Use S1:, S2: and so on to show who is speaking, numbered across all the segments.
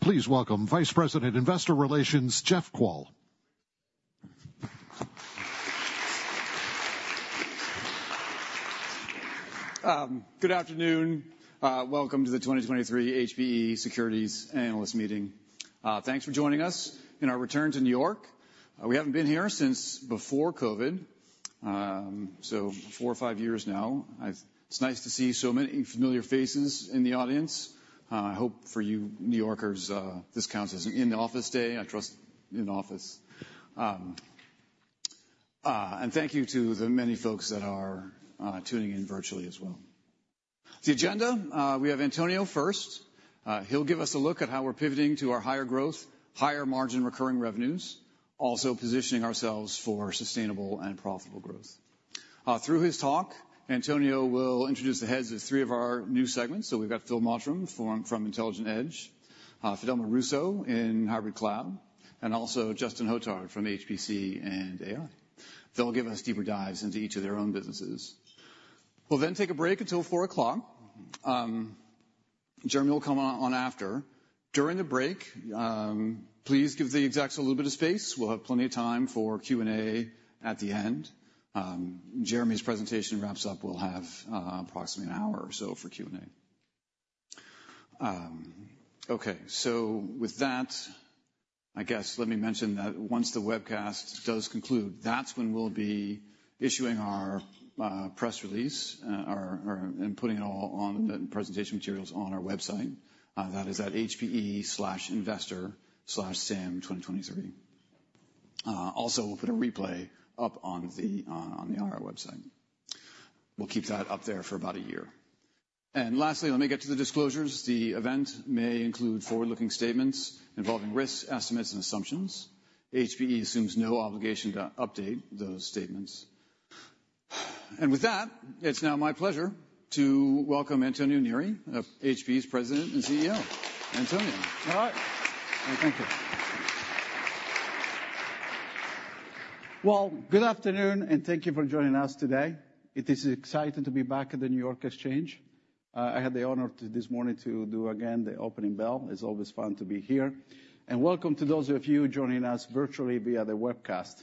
S1: Please welcome Vice President, Investor Relations, Jeff Kvaal.
S2: Good afternoon. Welcome to the 2023 HPE Securities Analyst Meeting. Thanks for joining us in our return to New York. We haven't been here since before COVID, so four or five years now. It's nice to see so many familiar faces in the audience. I hope for you New Yorkers, this counts as an in-the-office day, I trust. And thank you to the many folks that are tuning in virtually as well. The agenda, we have Antonio first. He'll give us a look at how we're pivoting to our higher growth, higher margin recurring revenues, also positioning ourselves for sustainable and profitable growth. Through his talk, Antonio will introduce the heads of three of our new segments. So we've got Phil Mottram from Intelligent Edge, Fidelma Russo in Hybrid Cloud, and also Justin Hotard from HPC and AI. They'll give us deeper dives into each of their own businesses. We'll then take a break until 4:00. Jeremy will come on after. During the break, please give the execs a little bit of space. We'll have plenty of time for Q&A at the end. Jeremy's presentation wraps up, we'll have approximately an hour or so for Q&A. Okay. So with that, I guess, let me mention that once the webcast does conclude, that's when we'll be issuing our press release and putting it all on the presentation materials on our website. That is at hpe/investor/sam2023. Also, we'll put a replay up on the IR website. We'll keep that up there for about a year. And lastly, let me get to the disclosures. The event may include forward-looking statements involving risks, estimates, and assumptions. HPE assumes no obligation to update those statements. And with that, it's now my pleasure to welcome Antonio Neri, HPE's President and CEO. Antonio.
S3: All right. Thank you. Well, good afternoon, and thank you for joining us today. It is exciting to be back at the New York Stock Exchange. I had the honor to, this morning, to do again, the opening bell. It's always fun to be here. And welcome to those of you joining us virtually via the webcast.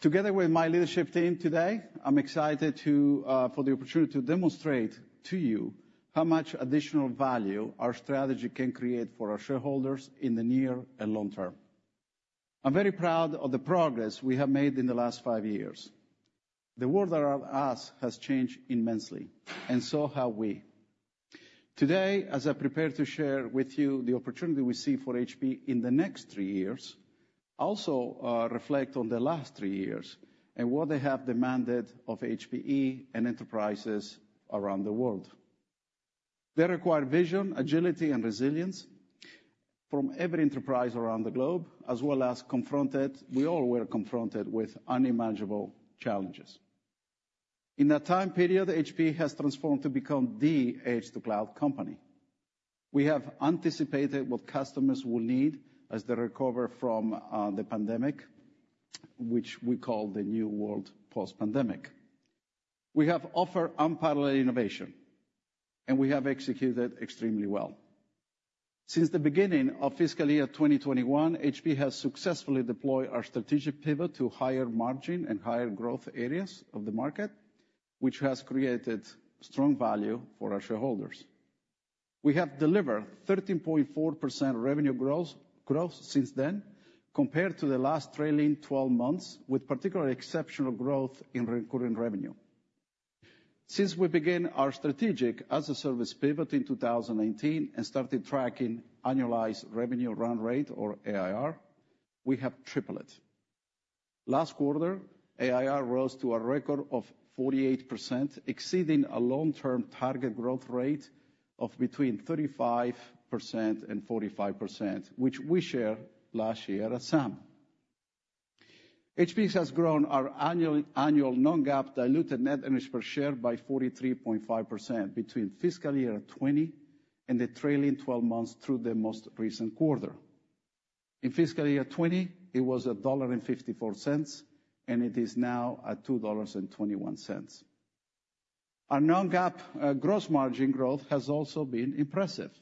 S3: Together with my leadership team today, I'm excited to, for the opportunity to demonstrate to you how much additional value our strategy can create for our shareholders in the near and long term. I'm very proud of the progress we have made in the last five years. The world around us has changed immensely, and so have we. Today, as I prepare to share with you the opportunity we see for HPE in the next three years, also, reflect on the last three years and what they have demanded of HPE and enterprises around the world. They require vision, agility, and resilience from every enterprise around the globe. We all were confronted with unimaginable challenges. In that time period, HPE has transformed to become the edge-to-cloud company. We have anticipated what customers will need as they recover from, the pandemic, which we call the new world post-pandemic. We have offered unparalleled innovation, and we have executed extremely well. Since the beginning of fiscal year 2021, HPE has successfully deployed our strategic pivot to higher margin and higher growth areas of the market, which has created strong value for our shareholders. We have delivered 13.4% revenue gross growth since then, compared to the last trailing twelve months, with particularly exceptional growth in recurring revenue. Since we began our strategic as-a-service pivot in 2018, and started tracking annualized revenue run rate, or ARR, we have tripled it. Last quarter, ARR rose to a record of 48%, exceeding a long-term target growth rate of between 35% and 45%, which we shared last year at SAM. HPE has grown our annual, annual non-GAAP diluted net earnings per share by 43.5% between fiscal year 2020 and the trailing twelve months through the most recent quarter. In fiscal year 2020, it was $1.54, and it is now at $2.21. Our non-GAAP gross margin growth has also been impressive.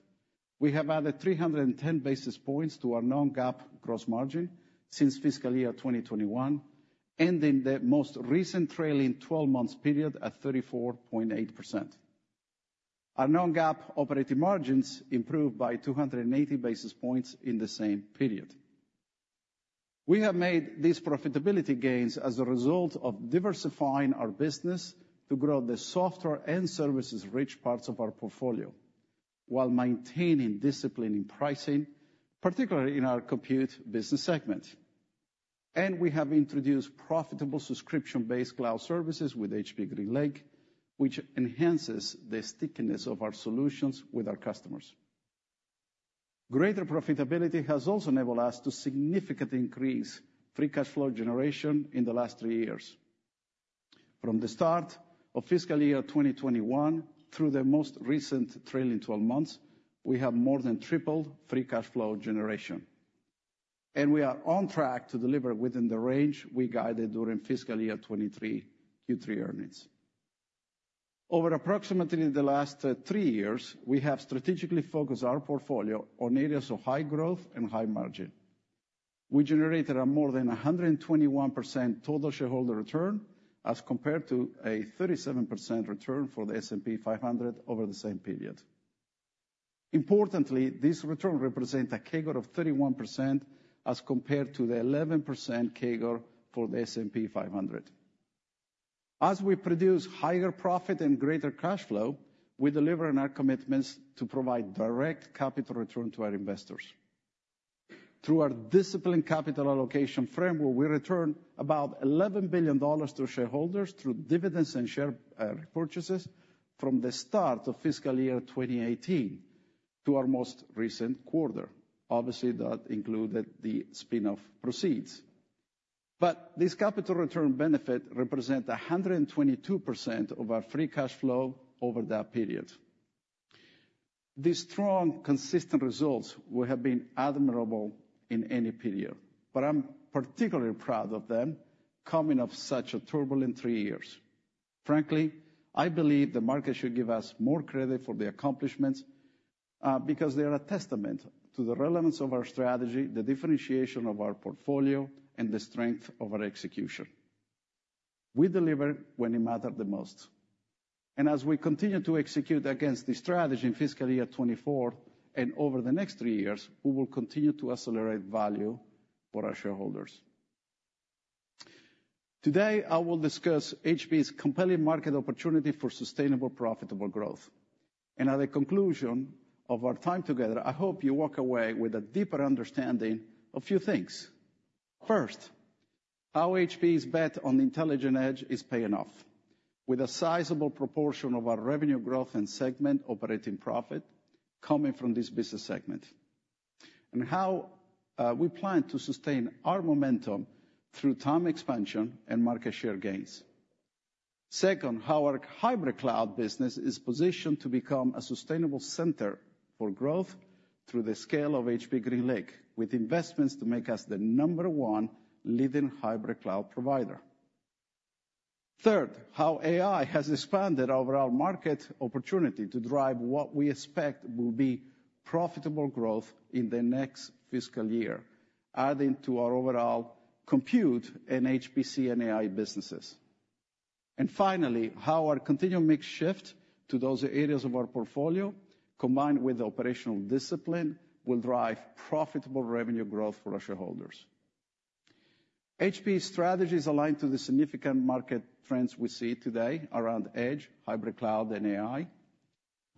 S3: We have added 310 basis points to our non-GAAP gross margin since fiscal year 2021, ending the most recent trailing twelve months period at 34.8%. Our non-GAAP operating margins improved by 280 basis points in the same period. We have made these profitability gains as a result of diversifying our business to grow the software and services-rich parts of our portfolio, while maintaining discipline in pricing, particularly in our compute business segment. We have introduced profitable subscription-based cloud services with HPE GreenLake, which enhances the stickiness of our solutions with our customers. Greater profitability has also enabled us to significantly increase free cash flow generation in the last three years. From the start of fiscal year 2021 through the most recent trailing twelve months, we have more than tripled free cash flow generation. We are on track to deliver within the range we guided during fiscal year 2023 Q3 earnings. Over approximately the last three years, we have strategically focused our portfolio on areas of high growth and high margin. We generated a more than 121% total shareholder return, as compared to a 37% return for the S&P 500 over the same period. Importantly, this return represent a CAGR of 31%, as compared to the 11% CAGR for the S&P 500. As we produce higher profit and greater cash flow, we deliver on our commitments to provide direct capital return to our investors. Through our disciplined capital allocation framework, we returned about $11 billion to shareholders through dividends and share purchases from the start of fiscal year 2018 to our most recent quarter. Obviously, that included the spin-off proceeds. But this capital return benefit represent 122% of our free cash flow over that period. These strong, consistent results would have been admirable in any period, but I'm particularly proud of them coming off such a turbulent three years. Frankly, I believe the market should give us more credit for the accomplishments, because they are a testament to the relevance of our strategy, the differentiation of our portfolio, and the strength of our execution. We deliver when it matter the most, and as we continue to execute against this strategy in fiscal year 2024, and over the next three years, we will continue to accelerate value for our shareholders. Today, I will discuss HPE's compelling market opportunity for sustainable, profitable growth. At the conclusion of our time together, I hope you walk away with a deeper understanding of a few things. First, how HPE's bet on intelligent edge is paying off, with a sizable proportion of our revenue growth and segment operating profit coming from this business segment, and how we plan to sustain our momentum through TAM expansion and market share gains. Second, how our Hybrid Cloud business is positioned to become a sustainable center for growth through the scale of HPE GreenLake, with investments to make us the number one leading Hybrid Cloud provider. Third, how AI has expanded our overall market opportunity to drive what we expect will be profitable growth in the next fiscal year, adding to our overall compute in HPC and AI businesses. And finally, how our continued mix shift to those areas of our portfolio, combined with operational discipline, will drive profitable revenue growth for our shareholders. HPE's strategy is aligned to the significant market trends we see today around Edge, Hybrid Cloud, and AI,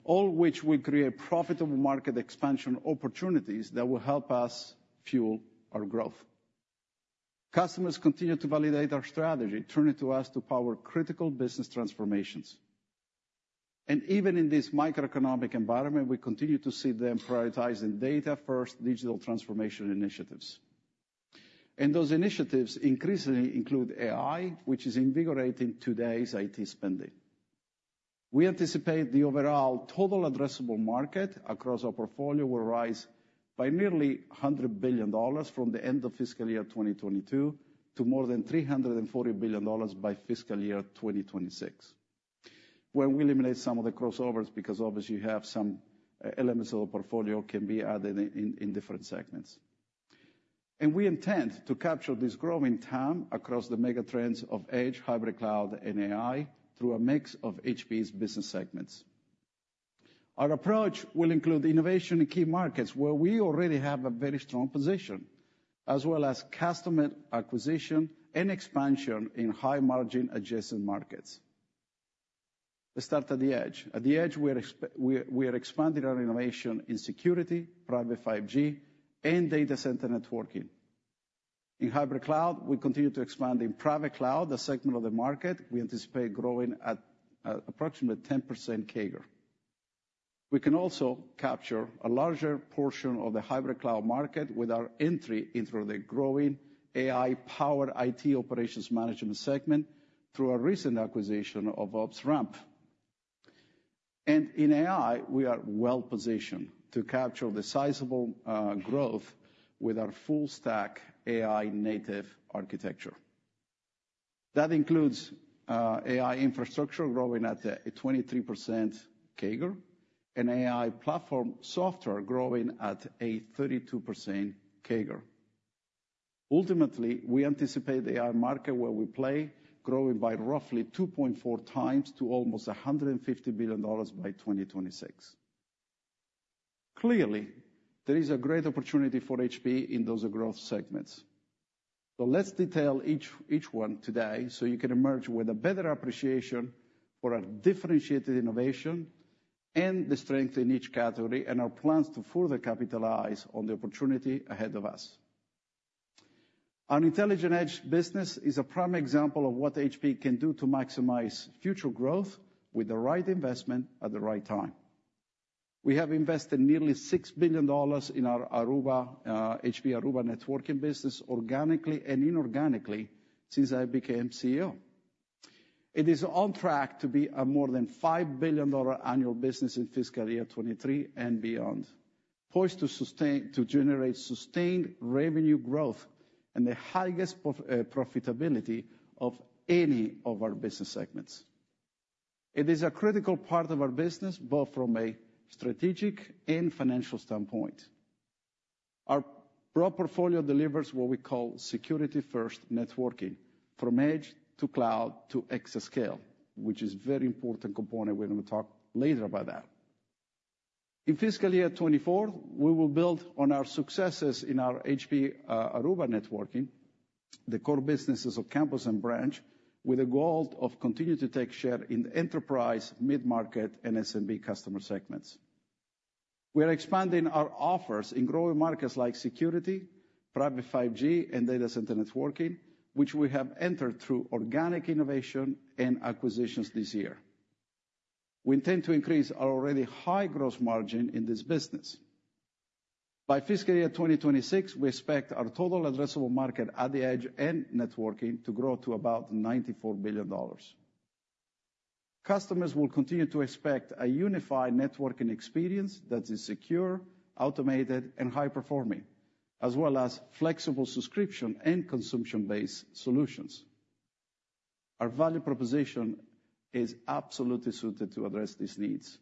S3: all which will create profitable market expansion opportunities that will help us fuel our growth. Customers continue to validate our strategy, turning to us to power critical business transformations. Even in this macroeconomic environment, we continue to see them prioritizing data-first digital transformation initiatives. Those initiatives increasingly include AI, which is invigorating today's IT spending. We anticipate the overall total addressable market across our portfolio will rise by nearly $100 billion from the end of fiscal year 2022, to more than $340 billion by fiscal year 2026, when we eliminate some of the crossovers, because obviously you have some elements of the portfolio can be added in, in different segments. We intend to capture this growing TAM across the mega trends of edge, Hybrid Cloud, and AI through a mix of HPE's business segments. Our approach will include innovation in key markets, where we already have a very strong position, as well as customer acquisition and expansion in high-margin adjacent markets. Let's start at the edge. At the edge, we are expanding our innovation in security, private 5G, and data center networking. In Hybrid Cloud, we continue to expand in private cloud, the segment of the market we anticipate growing at approximately 10% CAGR. We can also capture a larger portion of the Hybrid Cloud market with our entry into the growing AI-powered IT operations management segment through our recent acquisition of OpsRamp. In AI, we are well positioned to capture the sizable growth with our full stack AI native architecture. That includes AI infrastructure growing at a 23% CAGR, and AI platform software growing at a 32% CAGR. Ultimately, we anticipate the AI market, where we play, growing by roughly 2.4 times to almost $150 billion by 2026. Clearly, there is a great opportunity for HPE in those growth segments. So let's detail each, each one today, so you can emerge with a better appreciation for our differentiated innovation and the strength in each category, and our plans to further capitalize on the opportunity ahead of us. Our intelligent edge business is a prime example of what HPE can do to maximize future growth with the right investment at the right time. We have invested nearly $6 billion in our Aruba, HPE Aruba Networking business, organically and inorganically, since I became CEO. It is on track to be a more than $5 billion annual business in fiscal year 2023 and beyond, poised to sustain, to generate sustained revenue growth and the highest profitability of any of our business segments. It is a critical part of our business, both from a strategic and financial standpoint. Our broad portfolio delivers what we call security-first networking, from edge to cloud to exascale, which is very important component. We're gonna talk later about that. In fiscal year 2024, we will build on our successes in our HPE Aruba Networking, the core businesses of campus and branch, with a goal of continuing to take share in the enterprise, mid-market, and SMB customer segments. We are expanding our offers in growing markets like security, private 5G, and data center networking, which we have entered through organic innovation and acquisitions this year. We intend to increase our already high gross margin in this business. By fiscal year 2026, we expect our total addressable market at the edge and networking to grow to about $94 billion. Customers will continue to expect a unified networking experience that is secure, automated, and high performing, as well as flexible subscription and consumption-based solutions. Our value proposition is absolutely suited to address these needs.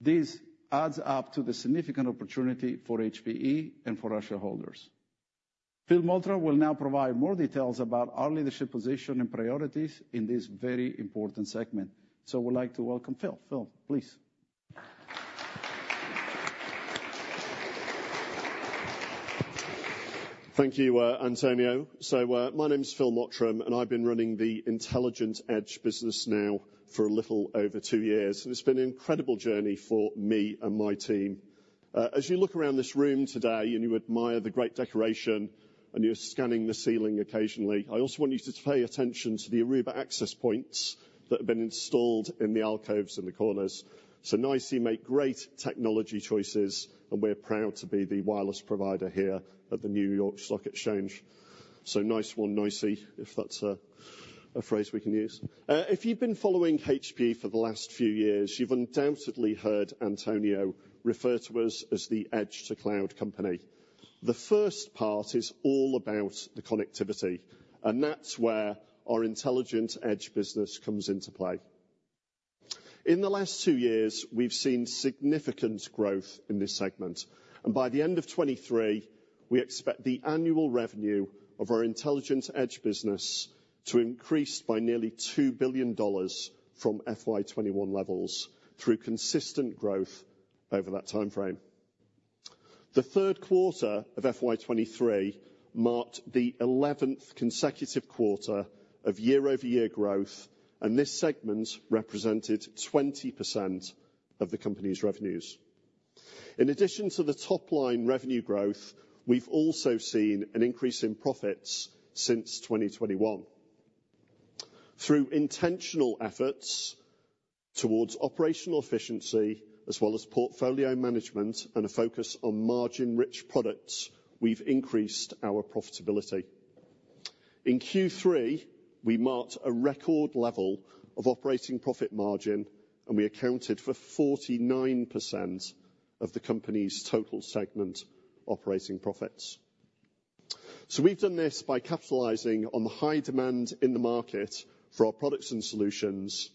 S3: This adds up to the significant opportunity for HPE and for our shareholders. Phil Mottram will now provide more details about our leadership position and priorities in this very important segment. So I would like to welcome Phil. Phil, please.
S4: Thank you, Antonio. So, my name is Phil Mottram, and I've been running the Intelligent Edge business now for a little over two years, and it's been an incredible journey for me and my team. As you look around this room today, and you admire the great decoration, and you're scanning the ceiling occasionally, I also want you to pay attention to the Aruba access points that have been installed in the alcoves and the corners. So NYSE make great technology choices, and we're proud to be the wireless provider here at the New York Stock Exchange. So nice one, NYSE, if that's a phrase we can use. If you've been following HPE for the last few years, you've undoubtedly heard Antonio refer to us as the edge-to-cloud company. The first part is all about the connectivity, and that's where our intelligent edge business comes into play. In the last 2 years, we've seen significant growth in this segment, and by the end of 2023, we expect the annual revenue of our intelligent edge business to increase by nearly $2 billion from FY 2021 levels through consistent growth over that timeframe. The third quarter of FY 2023 marked the 11th consecutive quarter of year-over-year growth, and this segment represented 20% of the company's revenues. In addition to the top line revenue growth, we've also seen an increase in profits since 2021. Through intentional efforts towards operational efficiency, as well as portfolio management and a focus on margin-rich products, we've increased our profitability. In Q3, we marked a record level of operating profit margin, and we accounted for 49% of the company's total segment operating profits. So we've done this by capitalizing on the high demand in the market for our products and solutions,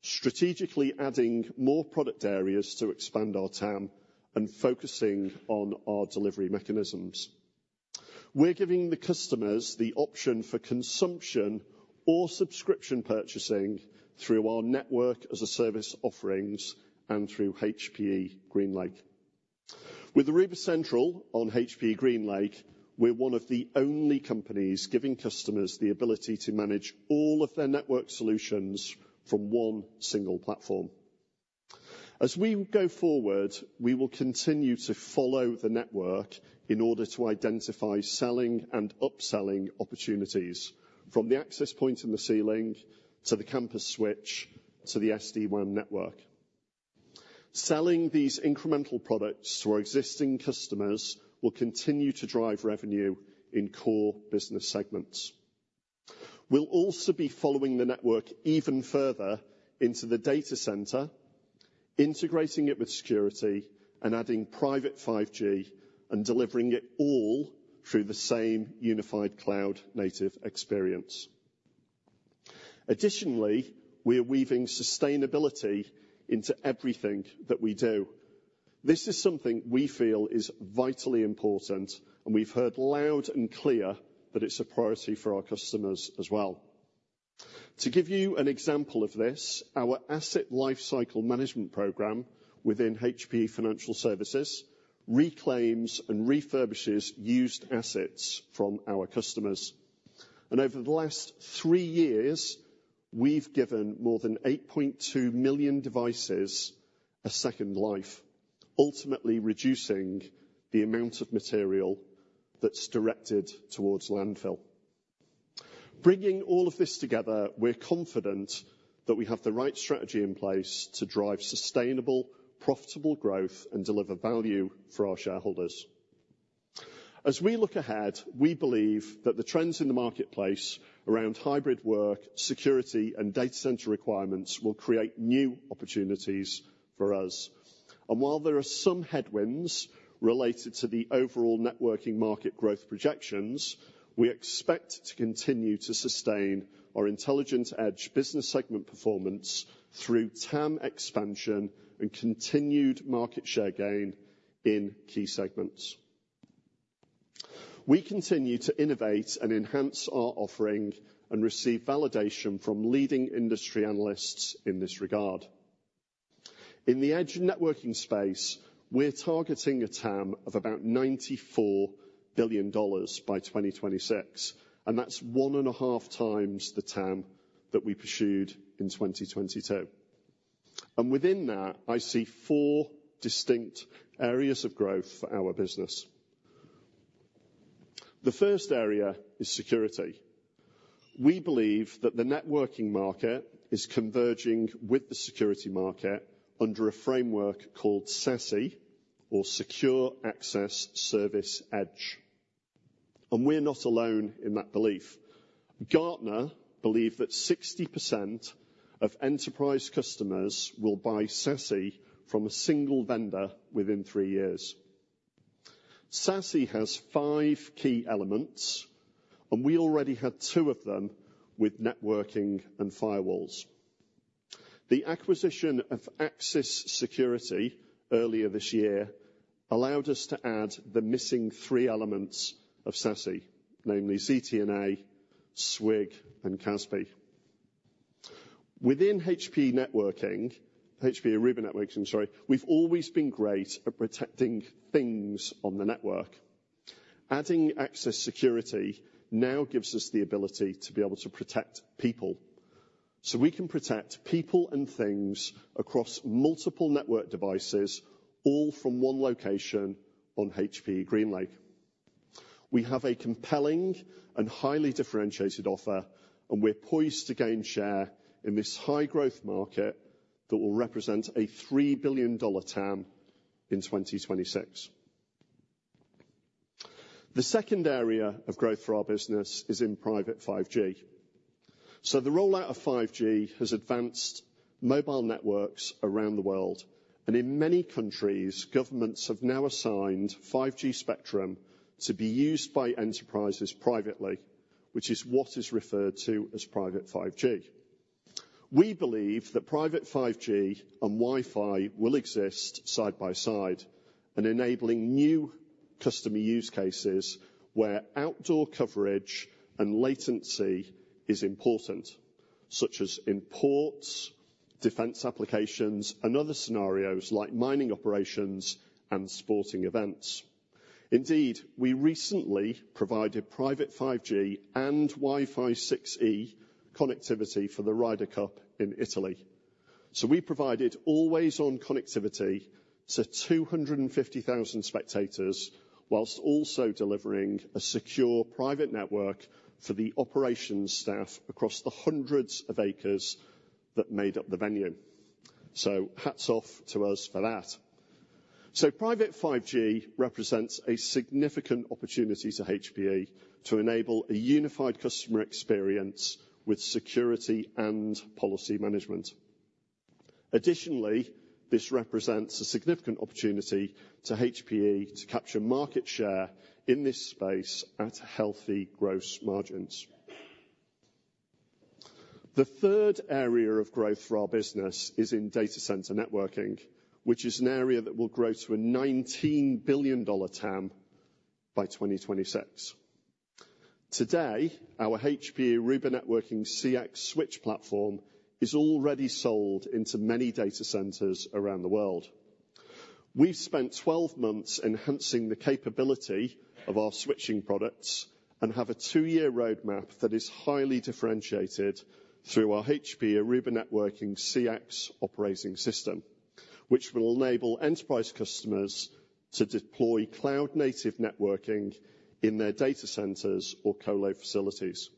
S4: strategically adding more product areas to expand our TAM, and focusing on our delivery mechanisms. We're giving the customers the option for consumption or subscription purchasing through our network as a service offerings and through HPE GreenLake. With Aruba Central on HPE GreenLake, we're one of the only companies giving customers the ability to manage all of their network solutions from one single platform. As we go forward, we will continue to follow the network in order to identify selling and upselling opportunities, from the access point in the ceiling, to the campus switch, to the SD-WAN network. Selling these incremental products to our existing customers will continue to drive revenue in core business segments. We'll also be following the network even further into the data center, integrating it with security and adding private 5G and delivering it all through the same unified cloud native experience. Additionally, we are weaving sustainability into everything that we do. This is something we feel is vitally important, and we've heard loud and clear that it's a priority for our customers as well. To give you an example of this, our asset lifecycle management program within HPE Financial Services reclaims and refurbishes used assets from our customers. Over the last three years, we've given more than 8.2 million devices a second life, ultimately reducing the amount of material that's directed towards landfill. Bringing all of this together, we're confident that we have the right strategy in place to drive sustainable, profitable growth and deliver value for our shareholders. As we look ahead, we believe that the trends in the marketplace around hybrid work, security, and data center requirements will create new opportunities for us. While there are some headwinds related to the overall networking market growth projections, we expect to continue to sustain our Intelligent Edge business segment performance through TAM expansion and continued market share gain in key segments. We continue to innovate and enhance our offering and receive validation from leading industry analysts in this regard. In the edge networking space, we're targeting a TAM of about $94 billion by 2026, and that's 1.5 times the TAM that we pursued in 2022. Within that, I see four distinct areas of growth for our business. The first area is security. We believe that the networking market is converging with the security market under a framework called SASE, or Secure Access Service Edge, and we're not alone in that belief. Gartner believe that 60% of enterprise customers will buy SASE from a single vendor within three years. SASE has five key elements, and we already had two of them with networking and firewalls. The acquisition of Axis Security earlier this year allowed us to add the missing three elements of SASE, namely ZTNA, SWG, and CASB. Within HPE Networking, HPE Aruba Networks, I'm sorry, we've always been great at protecting things on the network. Adding Axis Security now gives us the ability to be able to protect people. So we can protect people and things across multiple network devices, all from one location on HPE GreenLake. We have a compelling and highly differentiated offer, and we're poised to gain share in this high-growth market that will represent a $3 billion TAM in 2026. The second area of growth for our business is in private 5G. So the rollout of 5G has advanced mobile networks around the world, and in many countries, governments have now assigned 5G spectrum to be used by enterprises privately, which is what is referred to as private 5G. We believe that private 5G and Wi-Fi will exist side by side, and enabling new customer use cases where outdoor coverage and latency is important, such as in ports, defense applications, and other scenarios like mining operations and sporting events. Indeed, we recently provided private 5G and Wi-Fi 6E connectivity for the Ryder Cup in Italy. So we provided always-on connectivity to 250,000 spectators, while also delivering a secure private network for the operations staff across the hundreds of acres that made up the venue. So hats off to us for that. So private 5G represents a significant opportunity to HPE to enable a unified customer experience with security and policy management. Additionally, this represents a significant opportunity to HPE to capture market share in this space at healthy gross margins. The third area of growth for our business is in data center networking, which is an area that will grow to a $19 billion TAM by 2026. Today, our HPE Aruba Networking CX switch platform is already sold into many data centers around the world. We've spent 12 months enhancing the capability of our switching products and have a 2-year roadmap that is highly differentiated through our HPE Aruba Networking CX operating system, which will enable enterprise customers to deploy cloud-native networking in their data centers or colo facilities.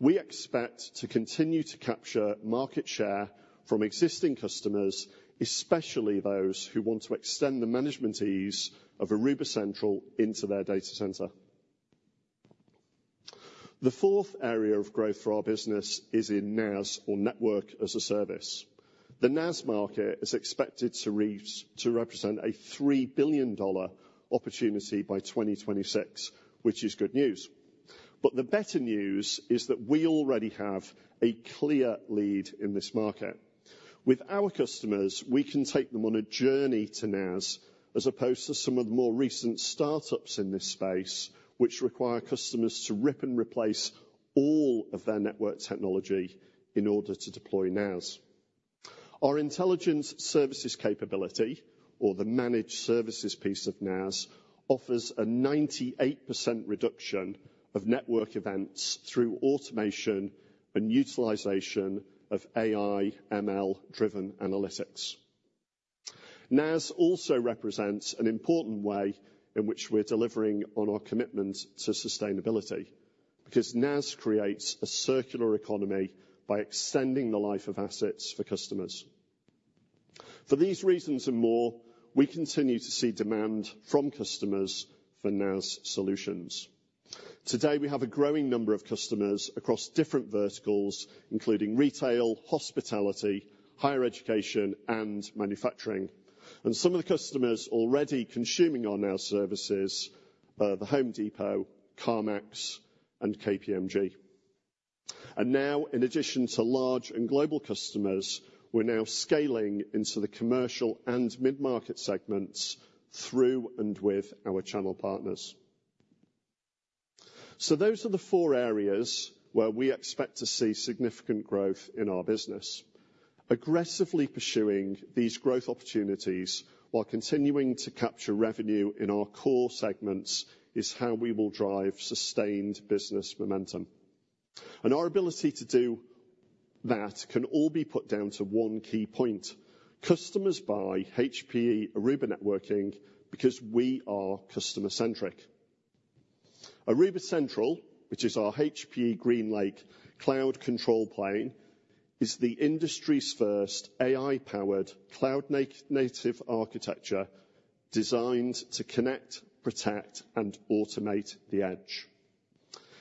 S4: We expect to continue to capture market share from existing customers, especially those who want to extend the management ease of Aruba Central into their data center. The fourth area of growth for our business is in NaaS or Network as a Service. The NaaS market is expected to reach, to represent a $3 billion opportunity by 2026, which is good news. But the better news is that we already have a clear lead in this market. With our customers, we can take them on a journey to NaaS, as opposed to some of the more recent startups in this space, which require customers to rip and replace all of their network technology in order to deploy NaaS. Our intelligence services capability, or the managed services piece of NaaS, offers a 98% reduction of network events through automation and utilization of AI, ML-driven analytics. NaaS also represents an important way in which we're delivering on our commitment to sustainability, because NaaS creates a circular economy by extending the life of assets for customers. For these reasons and more, we continue to see demand from customers for NaaS solutions. Today, we have a growing number of customers across different verticals, including retail, hospitality, higher education, and manufacturing. And some of the customers already consuming our NaaS services, The Home Depot, CarMax, and KPMG. And now, in addition to large and global customers, we're now scaling into the commercial and mid-market segments through and with our channel partners. So those are the four areas where we expect to see significant growth in our business. Aggressively pursuing these growth opportunities while continuing to capture revenue in our core segments, is how we will drive sustained business momentum. And our ability to do that can all be put down to one key point: customers buy HPE Aruba Networking, because we are customer-centric. Aruba Central, which is our HPE GreenLake cloud control plane, is the industry's first AI-powered, cloud-native architecture designed to connect, protect, and automate the edge.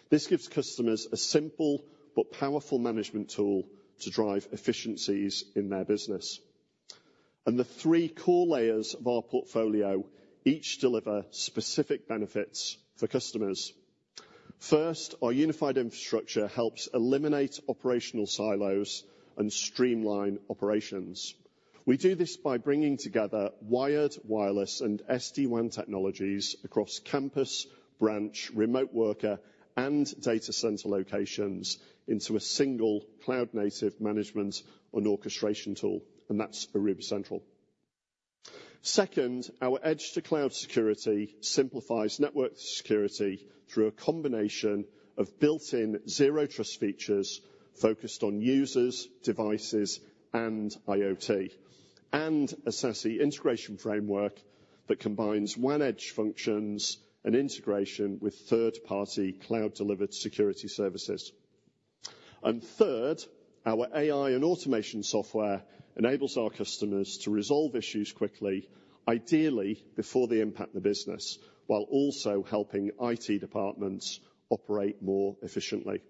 S4: This gives customers a simple but powerful management tool to drive efficiencies in their business. And the three core layers of our portfolio each deliver specific benefits for customers. First, our unified infrastructure helps eliminate operational silos and streamline operations. We do this by bringing together wired, wireless, and SD-WAN technologies across campus, branch, remote worker, and data center locations into a single cloud-native management and orchestration tool, and that's Aruba Central. Second, our edge to cloud security simplifies network security through a combination of built-in zero trust features focused on users, devices, and IoT, and a SASE integration framework that combines WAN edge functions and integration with third-party cloud-delivered security services. And third, our AI and automation software enables our customers to resolve issues quickly, ideally, before they impact the business, while also helping IT departments operate more efficiently.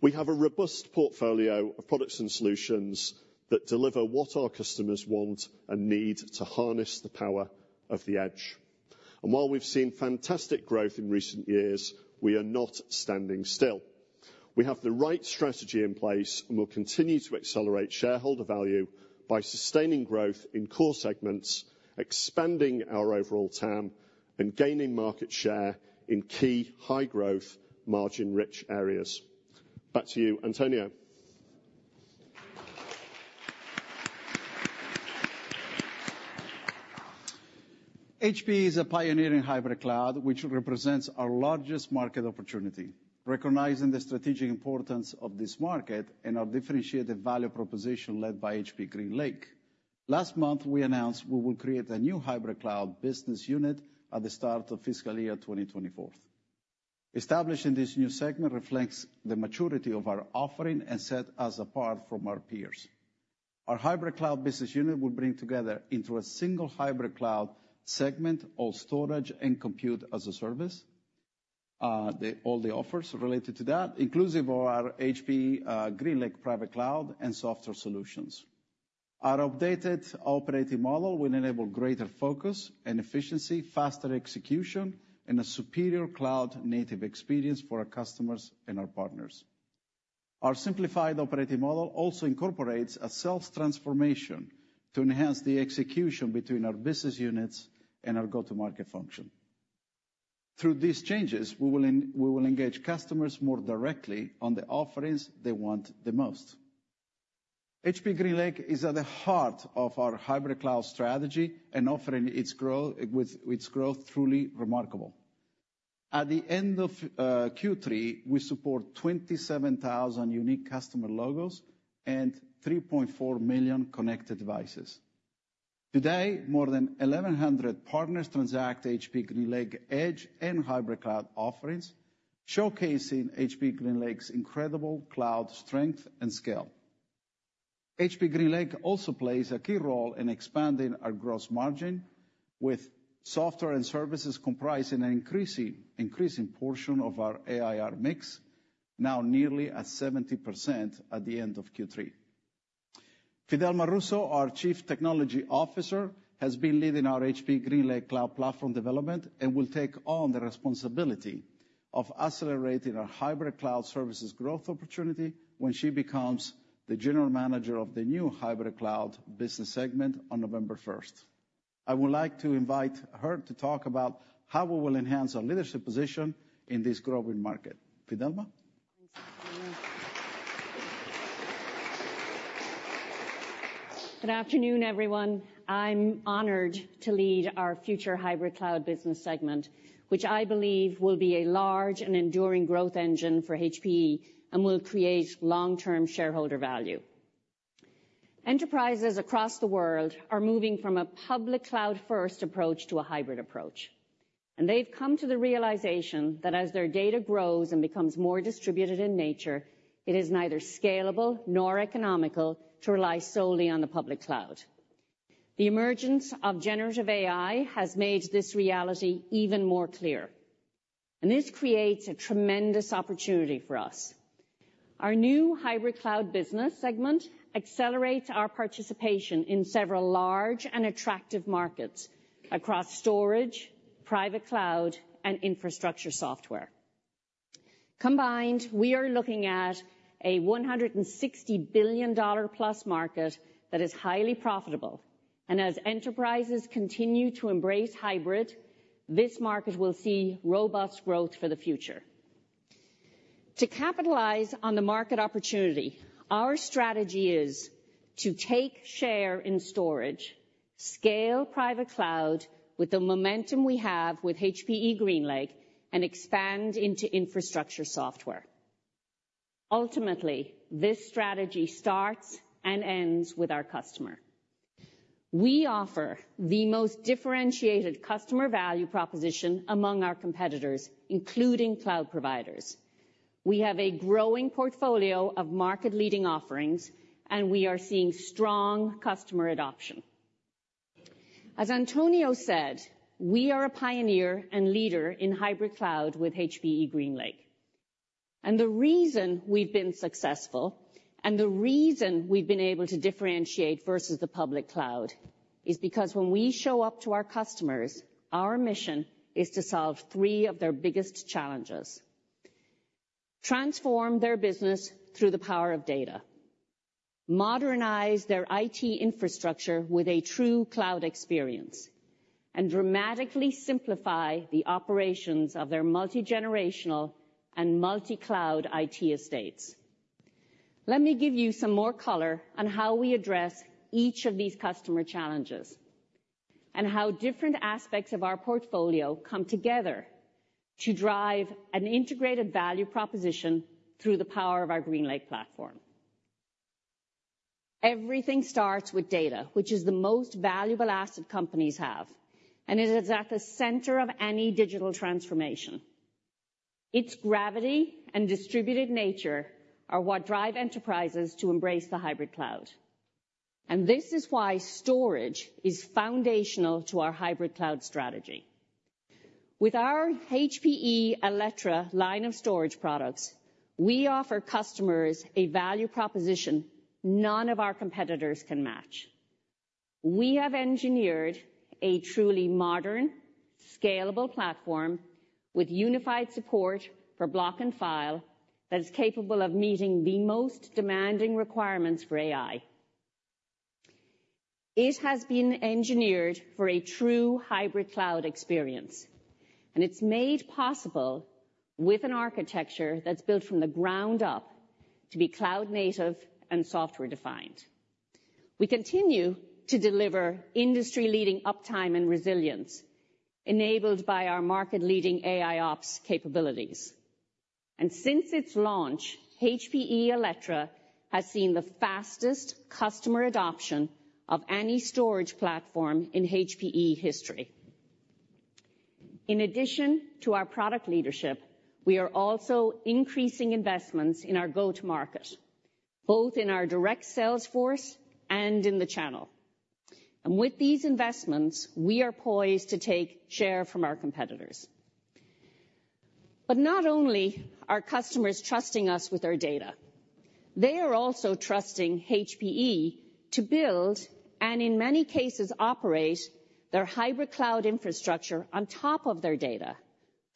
S4: We have a robust portfolio of products and solutions that deliver what our customers want and need to harness the power of the edge. And while we've seen fantastic growth in recent years, we are not standing still. We have the right strategy in place, and we'll continue to accelerate shareholder value by sustaining growth in core segments, expanding our overall TAM, and gaining market share in key high-growth, margin-rich areas. Back to you, Antonio.
S3: HPE is a pioneering Hybrid Cloud, which represents our largest market opportunity. Recognizing the strategic importance of this market and our differentiated value proposition led by HPE GreenLake, last month, we announced we will create a new Hybrid Cloud business unit at the start of fiscal year 2024. Establishing this new segment reflects the maturity of our offering and set us apart from our peers. Our Hybrid Cloud business unit will bring together into a single Hybrid Cloud segment, all storage and compute as a service, all the offers related to that, inclusive of our HPE GreenLake Private Cloud and software solutions. Our updated operating model will enable greater focus and efficiency, faster execution, and a superior cloud-native experience for our customers and our partners. Our simplified operating model also incorporates a sales transformation to enhance the execution between our business units and our go-to-market function. Through these changes, we will engage customers more directly on the offerings they want the most. HPE GreenLake is at the heart of our Hybrid Cloud strategy, and its growth is truly remarkable. At the end of Q3, we support 27,000 unique customer logos and 3.4 million connected devices. Today, more than 1,100 partners transact HPE GreenLake Edge and Hybrid Cloud offerings, showcasing HPE GreenLake's incredible cloud strength and scale. HPE GreenLake also plays a key role in expanding our gross margin with software and services, comprising an increasing portion of our ARR mix, now nearly at 70% at the end of Q3. Fidelma Russo, our Chief Technology Officer, has been leading our HPE GreenLake cloud platform development and will take on the responsibility of accelerating our Hybrid Cloud services growth opportunity when she becomes the General Manager of the new Hybrid Cloud business segment on November first. I would like to invite her to talk about how we will enhance our leadership position in this growing market. Fidelma?
S5: Good afternoon, everyone. I'm honored to lead our future Hybrid Cloud business segment, which I believe will be a large and enduring growth engine for HPE and will create long-term shareholder value. Enterprises across the world are moving from a public cloud first approach to a hybrid approach.... They've come to the realization that as their data grows and becomes more distributed in nature, it is neither scalable nor economical to rely solely on the public cloud. The emergence of generative AI has made this reality even more clear, and this creates a tremendous opportunity for us. Our new Hybrid Cloud business segment accelerates our participation in several large and attractive markets across storage, private cloud, and infrastructure software. Combined, we are looking at a $160 billion+ market that is highly profitable, and as enterprises continue to embrace hybrid, this market will see robust growth for the future. To capitalize on the market opportunity, our strategy is to take share in storage, scale private cloud with the momentum we have with HPE GreenLake, and expand into infrastructure software. Ultimately, this strategy starts and ends with our customer. We offer the most differentiated customer value proposition among our competitors, including cloud providers. We have a growing portfolio of market-leading offerings, and we are seeing strong customer adoption. As Antonio said, we are a pioneer and leader in Hybrid Cloud with HPE GreenLake. The reason we've been successful, and the reason we've been able to differentiate versus the public cloud, is because when we show up to our customers, our mission is to solve three of their biggest challenges: transform their business through the power of data, modernize their IT infrastructure with a true cloud experience, and dramatically simplify the operations of their multigenerational and multicloud IT estates. Let me give you some more color on how we address each of these customer challenges, and how different aspects of our portfolio come together to drive an integrated value proposition through the power of our GreenLake platform. Everything starts with data, which is the most valuable asset companies have, and it is at the center of any digital transformation. Its gravity and distributed nature are what drive enterprises to embrace the Hybrid Cloud, and this is why storage is foundational to our Hybrid Cloud strategy. With our HPE Alletra line of storage products, we offer customers a value proposition none of our competitors can match. We have engineered a truly modern, scalable platform with unified support for block and file that is capable of meeting the most demanding requirements for AI. It has been engineered for a true Hybrid Cloud experience, and it's made possible with an architecture that's built from the ground up to be cloud native and software-defined. We continue to deliver industry-leading uptime and resilience, enabled by our market-leading AIOps capabilities. And since its launch, HPE Alletra has seen the fastest customer adoption of any storage platform in HPE history. In addition to our product leadership, we are also increasing investments in our go-to-market, both in our direct sales force and in the channel. And with these investments, we are poised to take share from our competitors. But not only are customers trusting us with our data, they are also trusting HPE to build, and in many cases, operate their Hybrid Cloud infrastructure on top of their data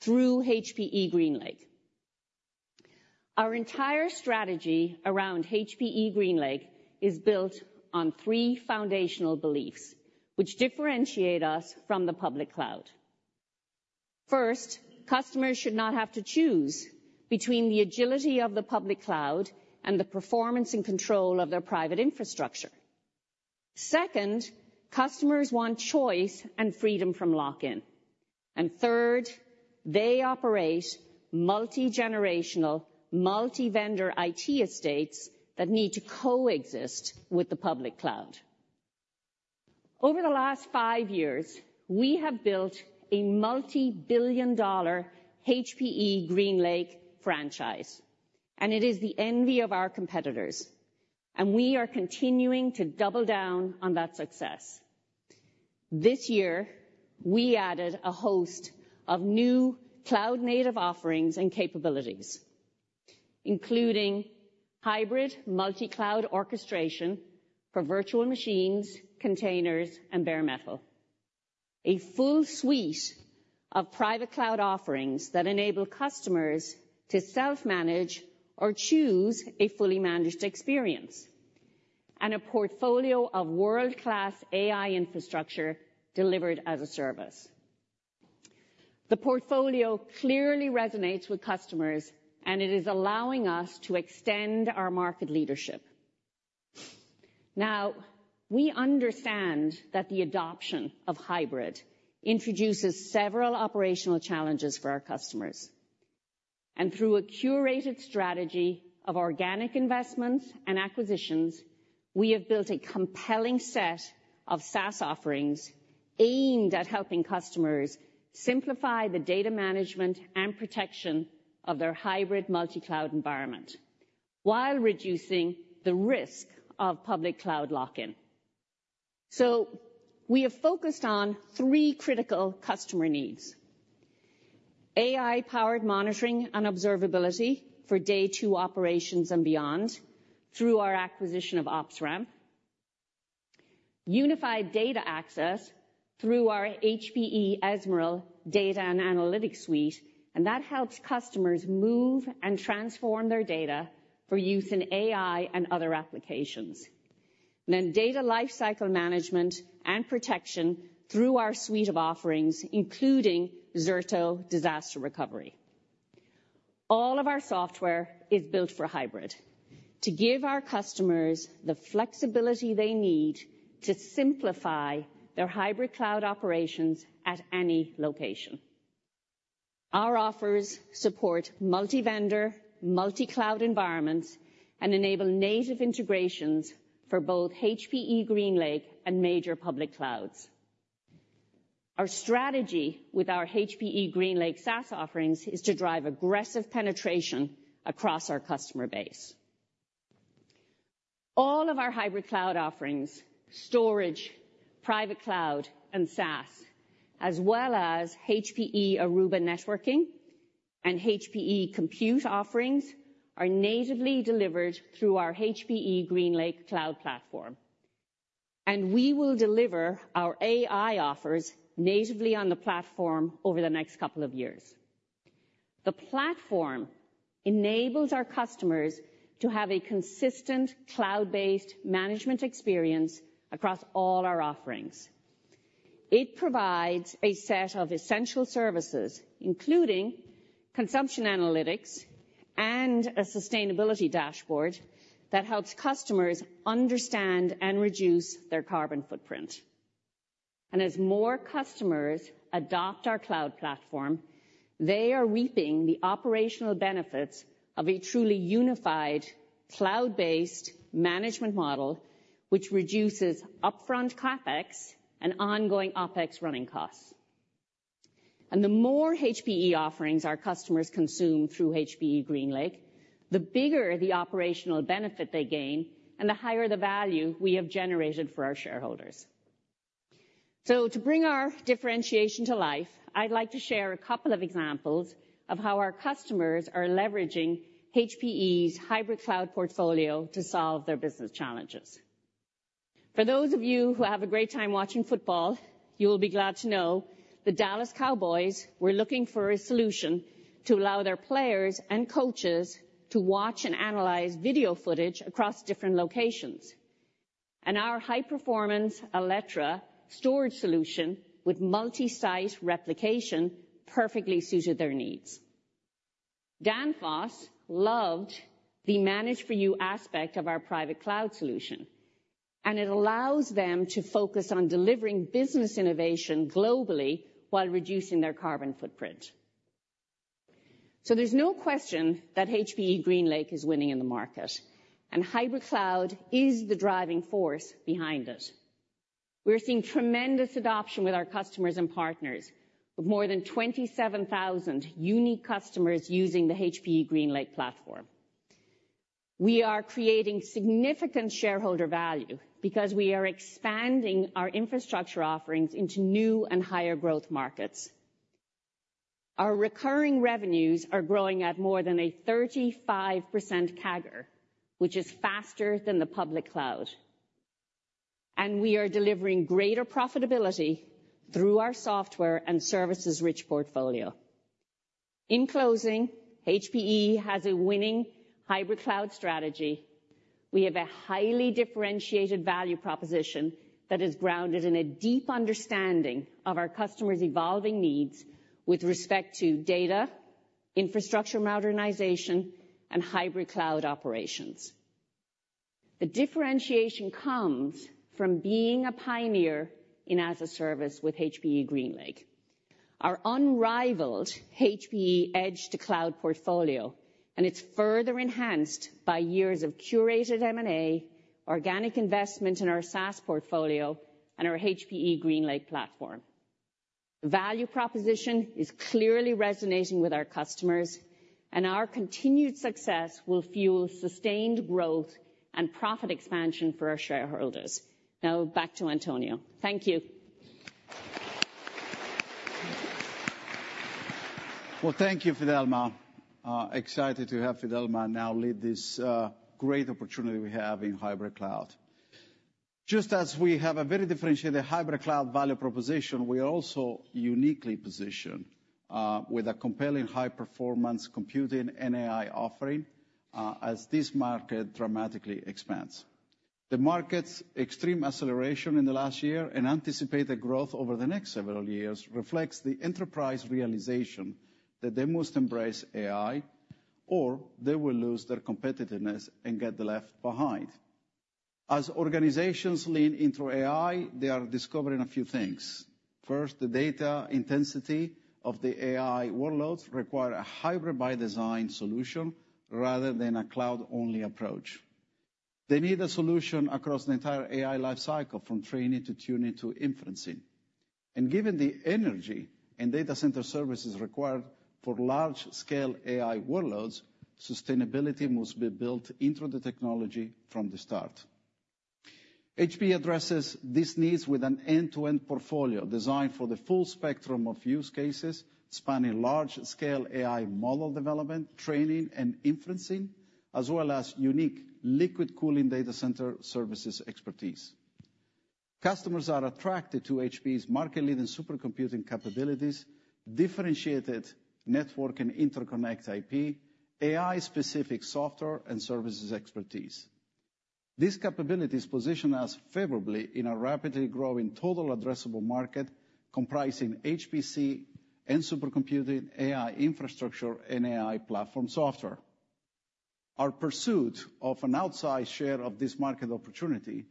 S5: through HPE GreenLake. Our entire strategy around HPE GreenLake is built on three foundational beliefs which differentiate us from the public cloud. First, customers should not have to choose between the agility of the public cloud and the performance and control of their private infrastructure. Second, customers want choice and freedom from lock-in. And third, they operate multigenerational, multi-vendor IT estates that need to coexist with the public cloud. Over the last five years, we have built a multi-billion-dollar HPE GreenLake franchise, and it is the envy of our competitors, and we are continuing to double down on that success. This year, we added a host of new cloud-native offerings and capabilities, including hybrid multicloud orchestration for virtual machines, containers, and bare metal, a full suite of private cloud offerings that enable customers to self-manage or choose a fully managed experience, and a portfolio of world-class AI infrastructure delivered as a service. The portfolio clearly resonates with customers, and it is allowing us to extend our market leadership. Now, we understand that the adoption of hybrid introduces several operational challenges for our customers... Through a curated strategy of organic investments and acquisitions, we have built a compelling set of SaaS offerings aimed at helping customers simplify the data management and protection of their hybrid multi-cloud environment, while reducing the risk of public cloud lock-in. We have focused on three critical customer needs: AI-powered monitoring and observability for day two operations and beyond, through our acquisition of OpsRamp. Unified data access through our HPE Ezmeral Data and Analytics Suite, and that helps customers move and transform their data for use in AI and other applications. Data lifecycle management and protection through our suite of offerings, including Zerto Disaster Recovery. All of our software is built for hybrid, to give our customers the flexibility they need to simplify their Hybrid Cloud operations at any location. Our offers support multi-vendor, multi-cloud environments and enable native integrations for both HPE GreenLake and major public clouds. Our strategy with our HPE GreenLake SaaS offerings is to drive aggressive penetration across our customer base. All of our Hybrid Cloud offerings, storage, private cloud, and SaaS, as well as HPE Aruba Networking and HPE Compute offerings, are natively delivered through our HPE GreenLake cloud platform, and we will deliver our AI offers natively on the platform over the next couple of years. The platform enables our customers to have a consistent cloud-based management experience across all our offerings. It provides a set of essential services, including consumption analytics and a sustainability dashboard, that helps customers understand and reduce their carbon footprint. As more customers adopt our cloud platform, they are reaping the operational benefits of a truly unified, cloud-based management model, which reduces upfront CapEx and ongoing OpEx running costs. The more HPE offerings our customers consume through HPE GreenLake, the bigger the operational benefit they gain, and the higher the value we have generated for our shareholders. To bring our differentiation to life, I'd like to share a couple of examples of how our customers are leveraging HPE's Hybrid Cloud portfolio to solve their business challenges. For those of you who have a great time watching football, you will be glad to know the Dallas Cowboys were looking for a solution to allow their players and coaches to watch and analyze video footage across different locations, and our high-performance Alletra storage solution with multi-site replication perfectly suited their needs. Danfoss loved the managed for you aspect of our private cloud solution, and it allows them to focus on delivering business innovation globally while reducing their carbon footprint. So there's no question that HPE GreenLake is winning in the market, and Hybrid Cloud is the driving force behind it. We're seeing tremendous adoption with our customers and partners, with more than 27,000 unique customers using the HPE GreenLake platform. We are creating significant shareholder value because we are expanding our infrastructure offerings into new and higher growth markets. Our recurring revenues are growing at more than a 35% CAGR, which is faster than the public cloud, and we are delivering greater profitability through our software and services-rich portfolio. In closing, HPE has a winning Hybrid Cloud strategy. We have a highly differentiated value proposition that is grounded in a deep understanding of our customers' evolving needs with respect to data, infrastructure modernization, and Hybrid Cloud operations. The differentiation comes from being a pioneer in as-a-service with HPE GreenLake. Our unrivaled HPE edge-to-cloud portfolio, and it's further enhanced by years of curated M&A, organic investment in our SaaS portfolio, and our HPE GreenLake platform. The value proposition is clearly resonating with our customers, and our continued success will fuel sustained growth and profit expansion for our shareholders. Now back to Antonio. Thank you.
S3: Well, thank you, Fidelma. Excited to have Fidelma now lead this, great opportunity we have in Hybrid Cloud. Just as we have a very differentiated Hybrid Cloud value proposition, we are also uniquely positioned, with a compelling high-performance computing and AI offering, as this market dramatically expands. The market's extreme acceleration in the last year and anticipated growth over the next several years reflects the enterprise realization that they must embrace AI, or they will lose their competitiveness and get left behind.... As organizations lean into AI, they are discovering a few things. First, the data intensity of the AI workloads require a hybrid-by-design solution rather than a cloud-only approach. They need a solution across the entire AI life cycle, from training to tuning to inferencing. Given the energy and data center services required for large-scale AI workloads, sustainability must be built into the technology from the start. HPE addresses these needs with an end-to-end portfolio designed for the full spectrum of use cases, spanning large-scale AI model development, training, and inferencing, as well as unique liquid cooling data center services expertise. Customers are attracted to HPE's market-leading supercomputing capabilities, differentiated network and interconnect IP, AI-specific software and services expertise. These capabilities position us favorably in a rapidly growing total addressable market, comprising HPC and supercomputing, AI infrastructure, and AI platform software. Our pursuit of an outsized share of this market opportunity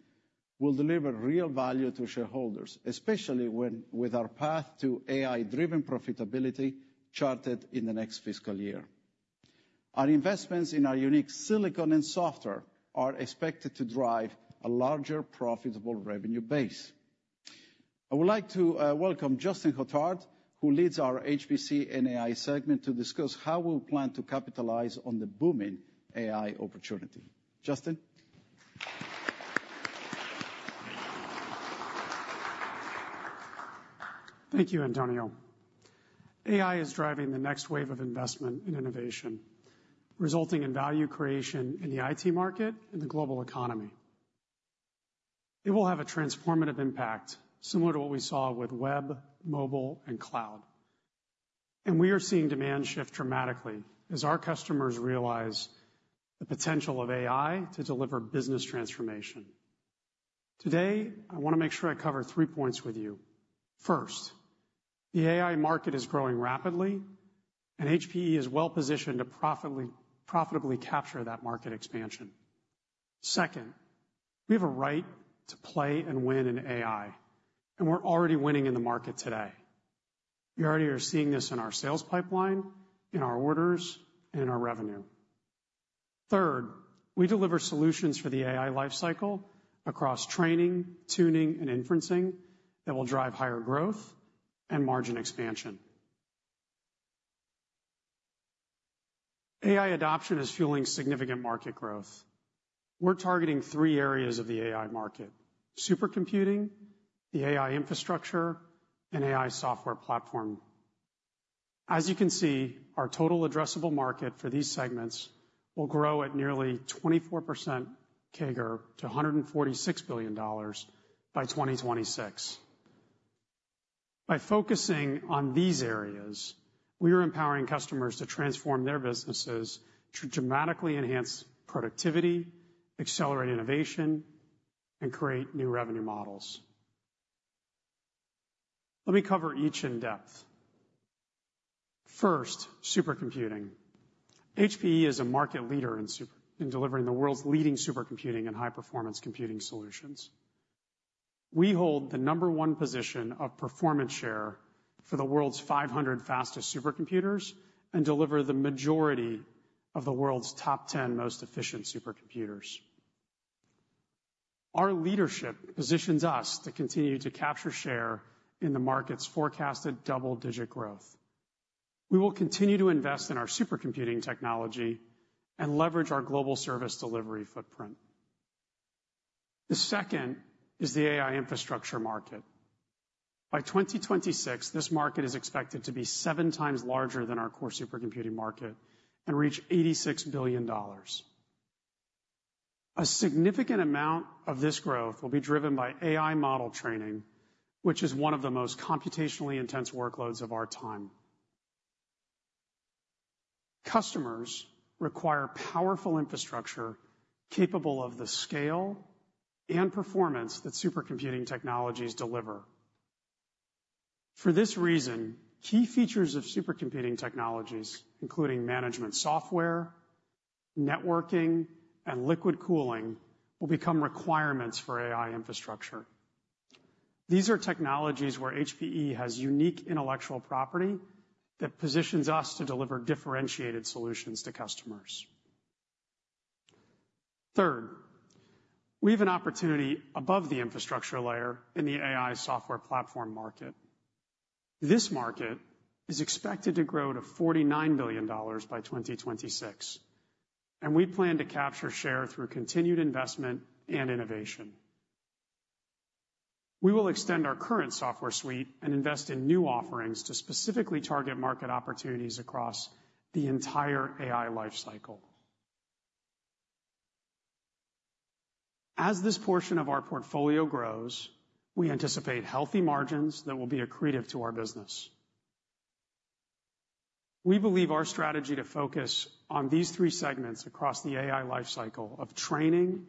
S3: will deliver real value to shareholders, especially when with our path to AI-driven profitability charted in the next fiscal year. Our investments in our unique silicon and software are expected to drive a larger, profitable revenue base. I would like to welcome Justin Hotard, who leads our HPC and AI segment, to discuss how we'll plan to capitalize on the booming AI opportunity. Justin?
S6: Thank you, Antonio. AI is driving the next wave of investment in innovation, resulting in value creation in the IT market and the global economy. It will have a transformative impact, similar to what we saw with web, mobile, and cloud. We are seeing demand shift dramatically as our customers realize the potential of AI to deliver business transformation. Today, I want to make sure I cover three points with you. First, the AI market is growing rapidly, and HPE is well positioned to profitably capture that market expansion. Second, we have a right to play and win in AI, and we're already winning in the market today. We already are seeing this in our sales pipeline, in our orders, and in our revenue. Third, we deliver solutions for the AI life cycle across training, tuning, and inferencing that will drive higher growth and margin expansion. AI adoption is fueling significant market growth. We're targeting three areas of the AI market: supercomputing, the AI infrastructure, and AI software platform. As you can see, our total addressable market for these segments will grow at nearly 24% CAGR to $146 billion by 2026. By focusing on these areas, we are empowering customers to transform their businesses to dramatically enhance productivity, accelerate innovation, and create new revenue models. Let me cover each in depth. First, supercomputing. HPE is a market leader in delivering the world's leading supercomputing and high-performance computing solutions. We hold the number one position of performance share for the world's 500 fastest supercomputers and deliver the majority of the world's top 10 most efficient supercomputers. Our leadership positions us to continue to capture share in the market's forecasted double-digit growth. We will continue to invest in our supercomputing technology and leverage our global service delivery footprint. The second is the AI infrastructure market. By 2026, this market is expected to be 7 times larger than our core supercomputing market and reach $86 billion. A significant amount of this growth will be driven by AI model training, which is one of the most computationally intense workloads of our time. Customers require powerful infrastructure capable of the scale and performance that supercomputing technologies deliver. For this reason, key features of supercomputing technologies, including management software, networking, and liquid cooling, will become requirements for AI infrastructure. These are technologies where HPE has unique intellectual property that positions us to deliver differentiated solutions to customers. Third, we have an opportunity above the infrastructure layer in the AI software platform market. This market is expected to grow to $49 billion by 2026, and we plan to capture share through continued investment and innovation. We will extend our current software suite and invest in new offerings to specifically target market opportunities across the entire AI life cycle. As this portion of our portfolio grows, we anticipate healthy margins that will be accretive to our business. We believe our strategy to focus on these three segments across the AI life cycle of training,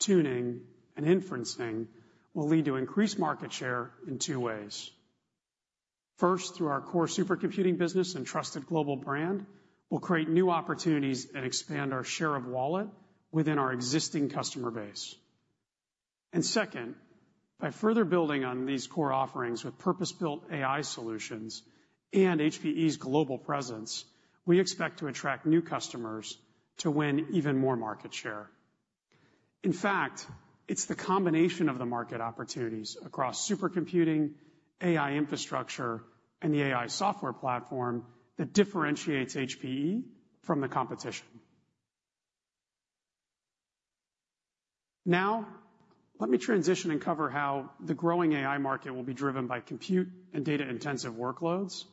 S6: tuning, and inferencing will lead to increased market share in two ways. First, through our core supercomputing business and trusted global brand, we'll create new opportunities and expand our share of wallet within our existing customer base. Second, by further building on these core offerings with purpose-built AI solutions and HPE's global presence, we expect to attract new customers to win even more market share. In fact, it's the combination of the market opportunities across supercomputing, AI infrastructure, and the AI software platform that differentiates HPE from the competition. Now, let me transition and cover how the growing AI market will be driven by compute and data-intensive workloads,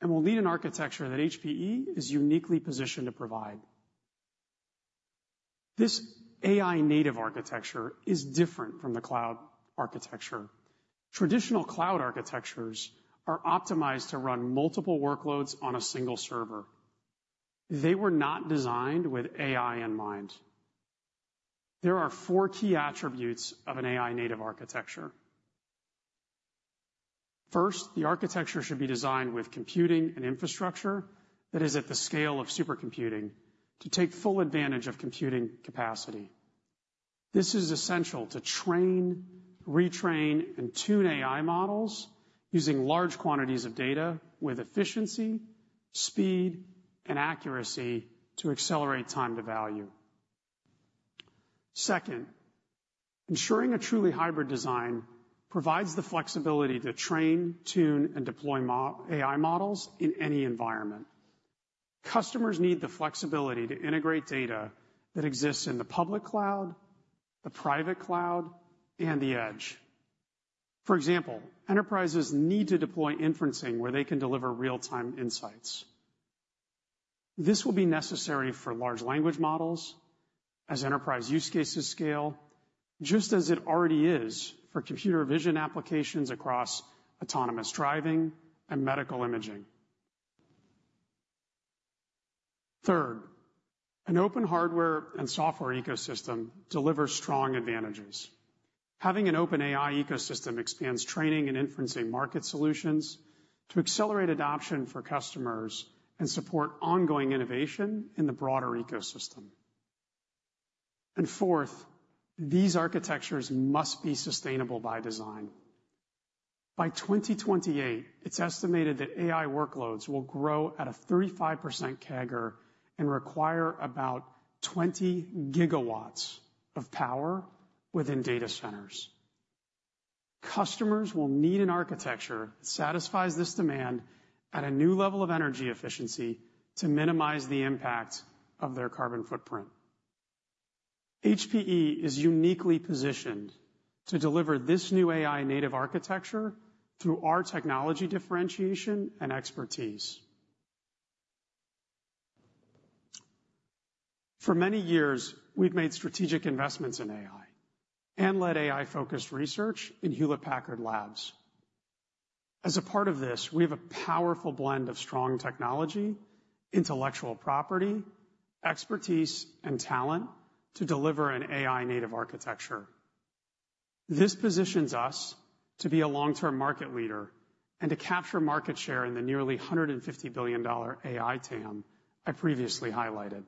S6: and will need an architecture that HPE is uniquely positioned to provide. This AI-native architecture is different from the cloud architecture. Traditional cloud architectures are optimized to run multiple workloads on a single server. They were not designed with AI in mind. There are four key attributes of an AI-native architecture. First, the architecture should be designed with computing and infrastructure that is at the scale of supercomputing to take full advantage of computing capacity. This is essential to train, retrain, and tune AI models using large quantities of data with efficiency, speed, and accuracy to accelerate time to value. Second, ensuring a truly hybrid design provides the flexibility to train, tune, and deploy AI models in any environment. Customers need the flexibility to integrate data that exists in the public cloud, the private cloud, and the edge. For example, enterprises need to deploy inferencing where they can deliver real-time insights. This will be necessary for large language models as enterprise use cases scale, just as it already is for computer vision applications across autonomous driving and medical imaging. Third, an open hardware and software ecosystem delivers strong advantages. Having an open AI ecosystem expands training and inferencing market solutions to accelerate adoption for customers and support ongoing innovation in the broader ecosystem. And fourth, these architectures must be sustainable by design. By 2028, it's estimated that AI workloads will grow at a 35% CAGR and require about 20 GW of power within data centers. Customers will need an architecture that satisfies this demand at a new level of energy efficiency to minimize the impact of their carbon footprint. HPE is uniquely positioned to deliver this new AI-native architecture through our technology differentiation and expertise. For many years, we've made strategic investments in AI and led AI-focused research in Hewlett Packard Labs. As a part of this, we have a powerful blend of strong technology, intellectual property, expertise, and talent to deliver an AI-native architecture. This positions us to be a long-term market leader and to capture market share in the nearly $150 billion AI TAM I previously highlighted.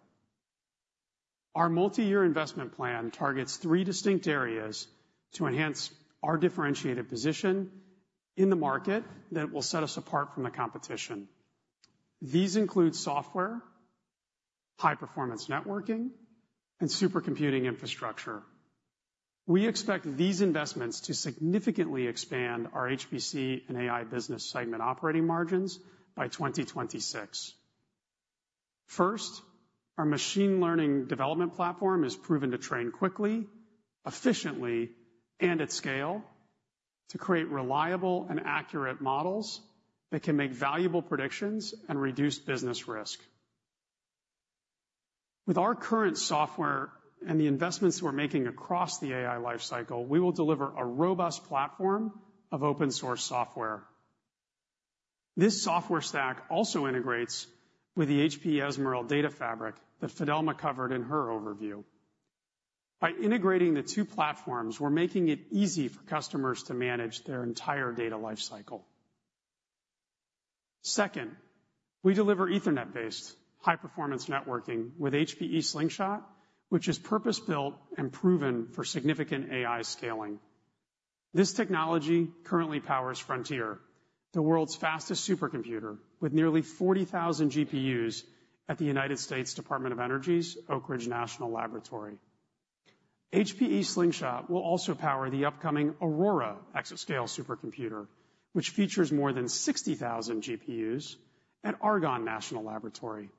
S6: Our multi-year investment plan targets three distinct areas to enhance our differentiated position in the market that will set us apart from the competition. These include software, high-performance networking, and supercomputing infrastructure. We expect these investments to significantly expand our HPC and AI business segment operating margins by 2026. First, our machine learning development platform is proven to train quickly, efficiently, and at scale to create reliable and accurate models that can make valuable predictions and reduce business risk. With our current software and the investments we're making across the AI life cycle, we will deliver a robust platform of open source software. This software stack also integrates with the HPE Ezmeral Data Fabric that Fidelma covered in her overview. By integrating the two platforms, we're making it easy for customers to manage their entire data life cycle. Second, we deliver Ethernet-based high-performance networking with HPE Slingshot, which is purpose-built and proven for significant AI scaling. This technology currently powers Frontier, the world's fastest supercomputer, with nearly 40,000 GPUs at the United States Department of Energy's Oak Ridge National Laboratory. HPE Slingshot will also power the upcoming Aurora exascale supercomputer, which features more than 60,000 GPUs at Argonne National Laboratory.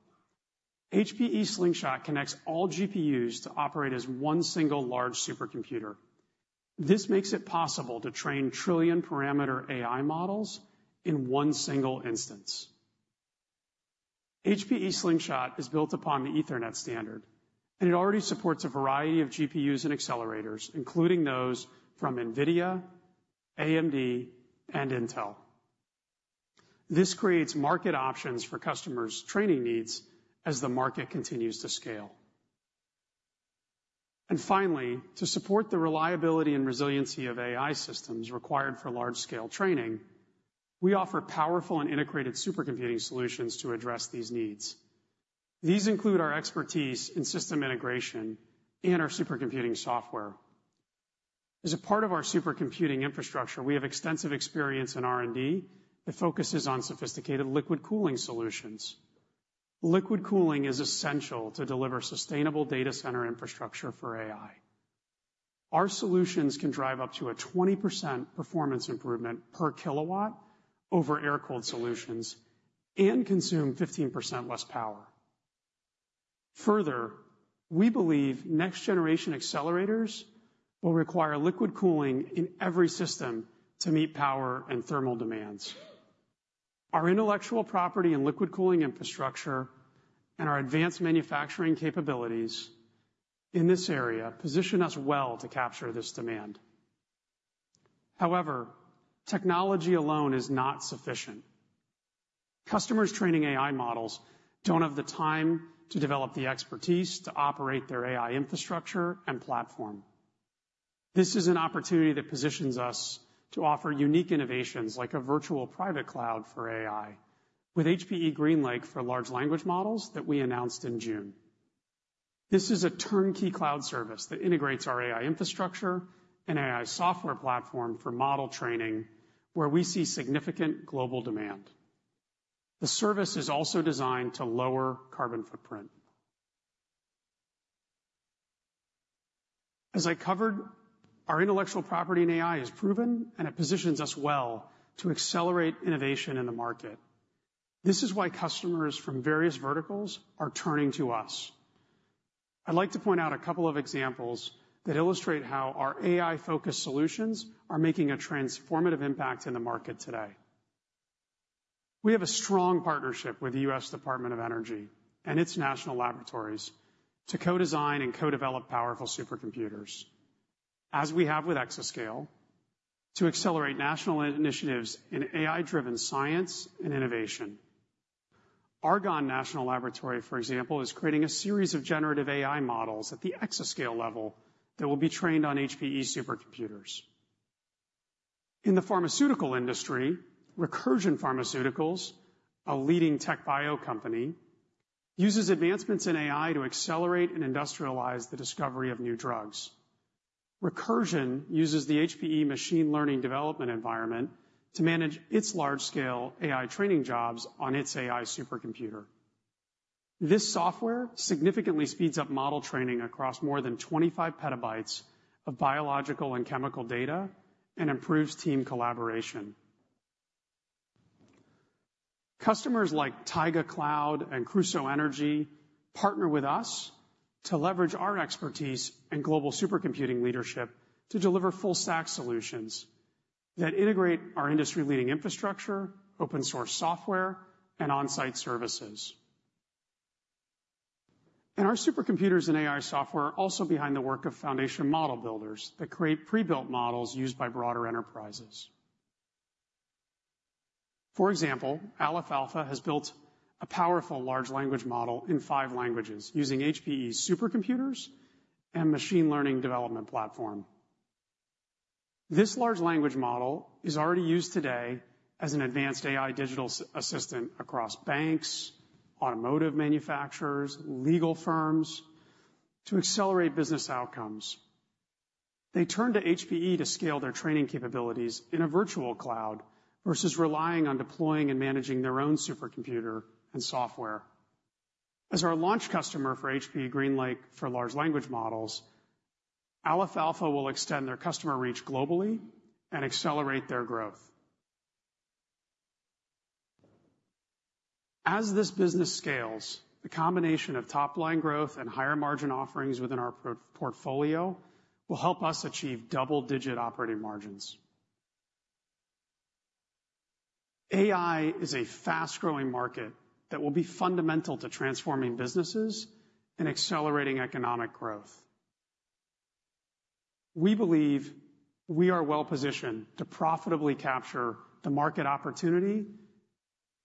S6: HPE Slingshot connects all GPUs to operate as one single large supercomputer. This makes it possible to train 1-trillion-parameter AI models in one single instance. HPE Slingshot is built upon the Ethernet standard, and it already supports a variety of GPUs and accelerators, including those from NVIDIA, AMD, and Intel. This creates market options for customers' training needs as the market continues to scale. Finally, to support the reliability and resiliency of AI systems required for large-scale training, we offer powerful and integrated supercomputing solutions to address these needs. These include our expertise in system integration and our supercomputing software. As a part of our supercomputing infrastructure, we have extensive experience in R&D that focuses on sophisticated liquid cooling solutions. Liquid cooling is essential to deliver sustainable data center infrastructure for AI. Our solutions can drive up to a 20% performance improvement per kilowatt over air-cooled solutions and consume 15% less power. Further, we believe next-generation accelerators will require liquid cooling in every system to meet power and thermal demands. Our intellectual property and liquid cooling infrastructure, and our advanced manufacturing capabilities in this area position us well to capture this demand. However, technology alone is not sufficient. Customers training AI models don't have the time to develop the expertise to operate their AI infrastructure and platform. This is an opportunity that positions us to offer unique innovations like a virtual private cloud for AI, with HPE GreenLake for Large Language Models that we announced in June. This is a turnkey cloud service that integrates our AI infrastructure and AI software platform for model training, where we see significant global demand. The service is also designed to lower carbon footprint. As I covered, our intellectual property in AI is proven, and it positions us well to accelerate innovation in the market. This is why customers from various verticals are turning to us. I'd like to point out a couple of examples that illustrate how our AI-focused solutions are making a transformative impact in the market today. We have a strong partnership with the U.S. Department of Energy and its national laboratories to co-design and co-develop powerful supercomputers, as we have with Exascale, to accelerate national initiatives in AI-driven science and innovation. Argonne National Laboratory, for example, is creating a series of generative AI models at the exascale level that will be trained on HPE supercomputers. In the pharmaceutical industry, Recursion Pharmaceuticals, a leading TechBio company, uses advancements in AI to accelerate and industrialize the discovery of new drugs. Recursion uses the HPE Machine Learning Development Environment to manage its large-scale AI training jobs on its AI supercomputer. This software significantly speeds up model training across more than 25 PB of biological and chemical data and improves team collaboration. Customers like Taiga Cloud and Crusoe Energy partner with us to leverage our expertise in global supercomputing leadership to deliver full stack solutions that integrate our industry-leading infrastructure, open source software, and on-site services. Our supercomputers and AI software are also behind the work of foundation model builders that create pre-built models used by broader enterprises. For example, Aleph Alpha has built a powerful large language model in five languages using HPE's supercomputers and machine learning development platform. This large language model is already used today as an advanced AI digital assistant across banks, automotive manufacturers, legal firms to accelerate business outcomes. They turn to HPE to scale their training capabilities in a virtual cloud versus relying on deploying and managing their own supercomputer and software. As our launch customer for HPE GreenLake for Large Language Models, Aleph Alpha will extend their customer reach globally and accelerate their growth. As this business scales, the combination of top-line growth and higher margin offerings within our portfolio will help us achieve double-digit operating margins. AI is a fast-growing market that will be fundamental to transforming businesses and accelerating economic growth. We believe we are well positioned to profitably capture the market opportunity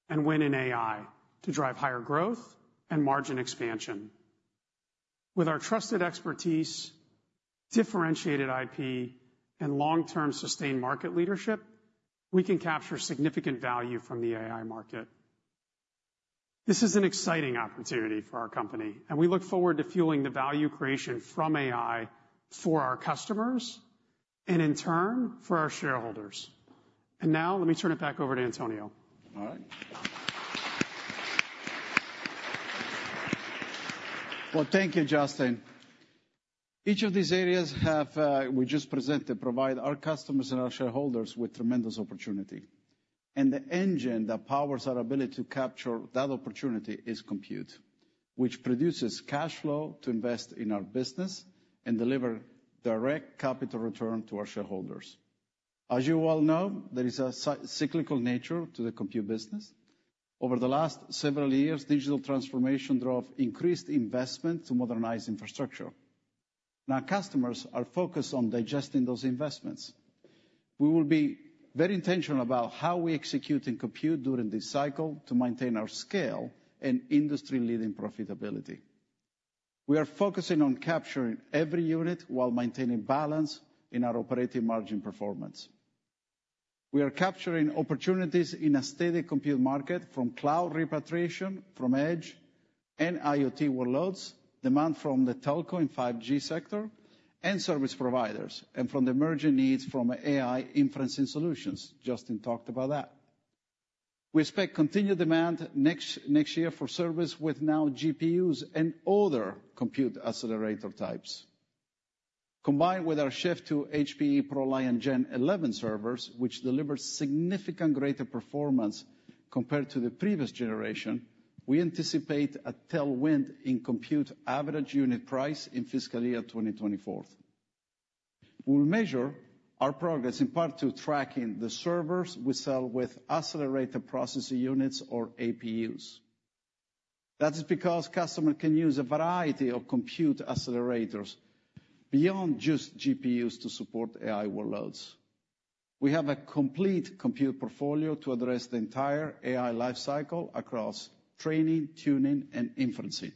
S6: and win in AI to drive higher growth and margin expansion. With our trusted expertise, differentiated IP, and long-term sustained market leadership, we can capture significant value from the AI market. This is an exciting opportunity for our company, and we look forward to fueling the value creation from AI for our customers and in turn, for our shareholders. And now let me turn it back over to Antonio.
S3: All right. Well, thank you, Justin. Each of these areas have, we just presented, provide our customers and our shareholders with tremendous opportunity, and the engine that powers our ability to capture that opportunity is compute, which produces cash flow to invest in our business and deliver direct capital return to our shareholders. As you all know, there is a cyclical nature to the compute business. Over the last several years, digital transformation drove increased investment to modernize infrastructure. Now, customers are focused on digesting those investments.... We will be very intentional about how we execute and compute during this cycle to maintain our scale and industry-leading profitability. We are focusing on capturing every unit while maintaining balance in our operating margin performance. We are capturing opportunities in a steady compute market from cloud repatriation, from edge, and IoT workloads, demand from the telco and 5G sector, and service providers, and from the emerging needs from AI inferencing solutions. Justin talked about that. We expect continued demand next year for servers with new GPUs and other compute accelerator types. Combined with our shift to HPE ProLiant Gen11 servers, which delivers significantly greater performance compared to the previous generation, we anticipate a tailwind in compute average unit price in fiscal year 2024. We'll measure our progress in part by tracking the servers we sell with accelerated processor units or AIs. That is because customers can use a variety of compute accelerators beyond just GPUs to support AI workloads. We have a complete compute portfolio to address the entire AI life cycle across training, tuning, and inferencing.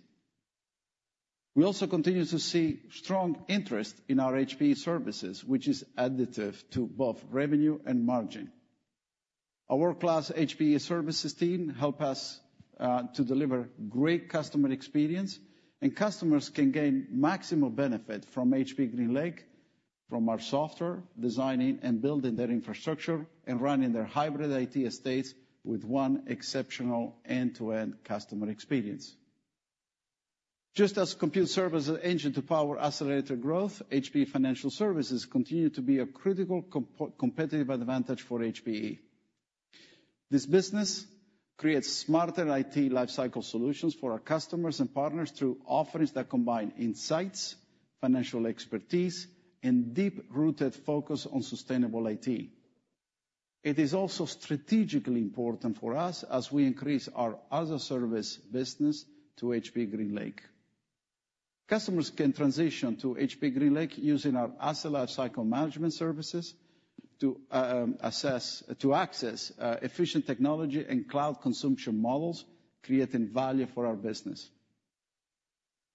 S3: We also continue to see strong interest in our HPE Services, which is additive to both revenue and margin. Our world-class HPE Services team help us to deliver great customer experience, and customers can gain maximum benefit from HPE GreenLake, from our software, designing and building their infrastructure, and running their hybrid IT estates with one exceptional end-to-end customer experience. Just as compute serve as an engine to power accelerated growth, HPE Financial Services continue to be a critical competitive advantage for HPE. This business creates smarter IT life cycle solutions for our customers and partners through offerings that combine insights, financial expertise, and deep-rooted focus on sustainable IT. It is also strategically important for us as we increase our other service business to HPE GreenLake. Customers can transition to HPE GreenLake using our asset life cycle management services to assess, to access efficient technology and cloud consumption models, creating value for our business.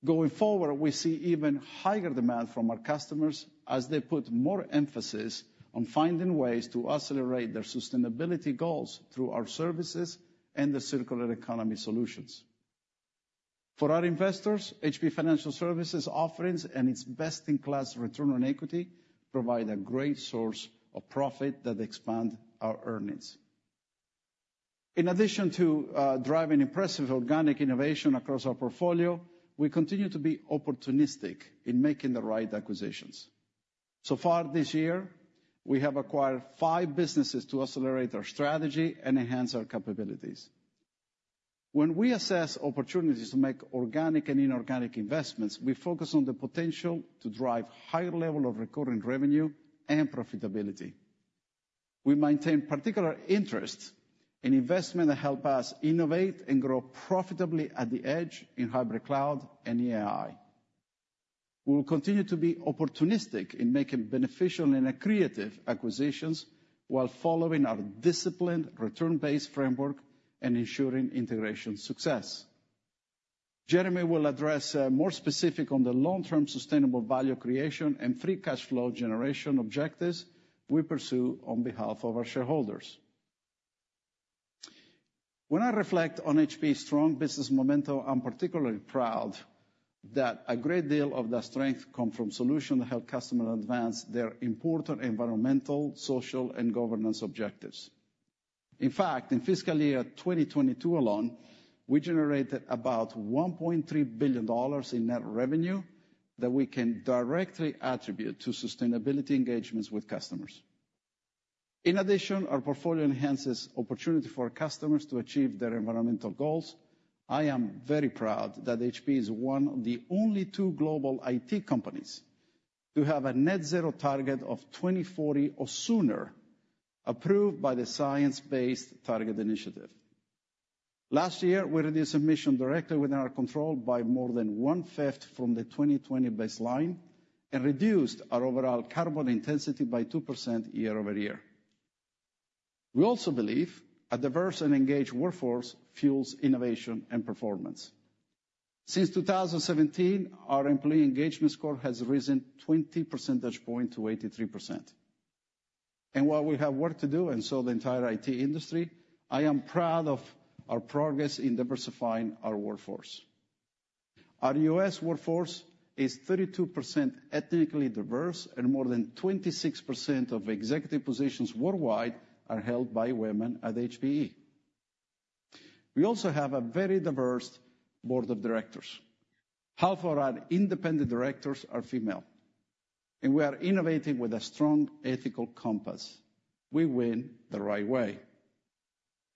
S3: Going forward, we see even higher demand from our customers as they put more emphasis on finding ways to accelerate their sustainability goals through our services and the circular economy solutions. For our investors, HPE Financial Services offerings and its best-in-class return on equity provide a great source of profit that expand our earnings. In addition to driving impressive organic innovation across our portfolio, we continue to be opportunistic in making the right acquisitions. So far this year, we have acquired five businesses to accelerate our strategy and enhance our capabilities. When we assess opportunities to make organic and inorganic investments, we focus on the potential to drive higher level of recurring revenue and profitability. We maintain particular interest in investment that help us innovate and grow profitably at the edge in Hybrid Cloud and AI. We will continue to be opportunistic in making beneficial and accretive acquisitions while following our disciplined, returns-based framework and ensuring integration success. Jeremy will address more specific on the long-term sustainable value creation and free cash flow generation objectives we pursue on behalf of our shareholders. When I reflect on HPE's strong business momentum, I'm particularly proud that a great deal of the strength come from solutions that help customers advance their important environmental, social, and governance objectives. In fact, in fiscal year 2022 alone, we generated about $1.3 billion in net revenue that we can directly attribute to sustainability engagements with customers. In addition, our portfolio enhances opportunity for our customers to achieve their environmental goals. I am very proud that HPE is one of the only 2 global IT companies to have a net zero target of 2040 or sooner, approved by the Science Based Targets initiative. Last year, we reduced emissions directly within our control by more than one-fifth from the 2020 baseline and reduced our overall carbon intensity by 2% year-over-year. We also believe a diverse and engaged workforce fuels innovation and performance. Since 2017, our employee engagement score has risen 20 percentage points to 83%. While we have work to do, and so the entire IT industry, I am proud of our progress in diversifying our workforce. Our US workforce is 32% ethnically diverse, and more than 26% of executive positions worldwide are held by women at HPE. We also have a very diverse board of directors. Half of our independent directors are female, and we are innovating with a strong ethical compass. We win the right way.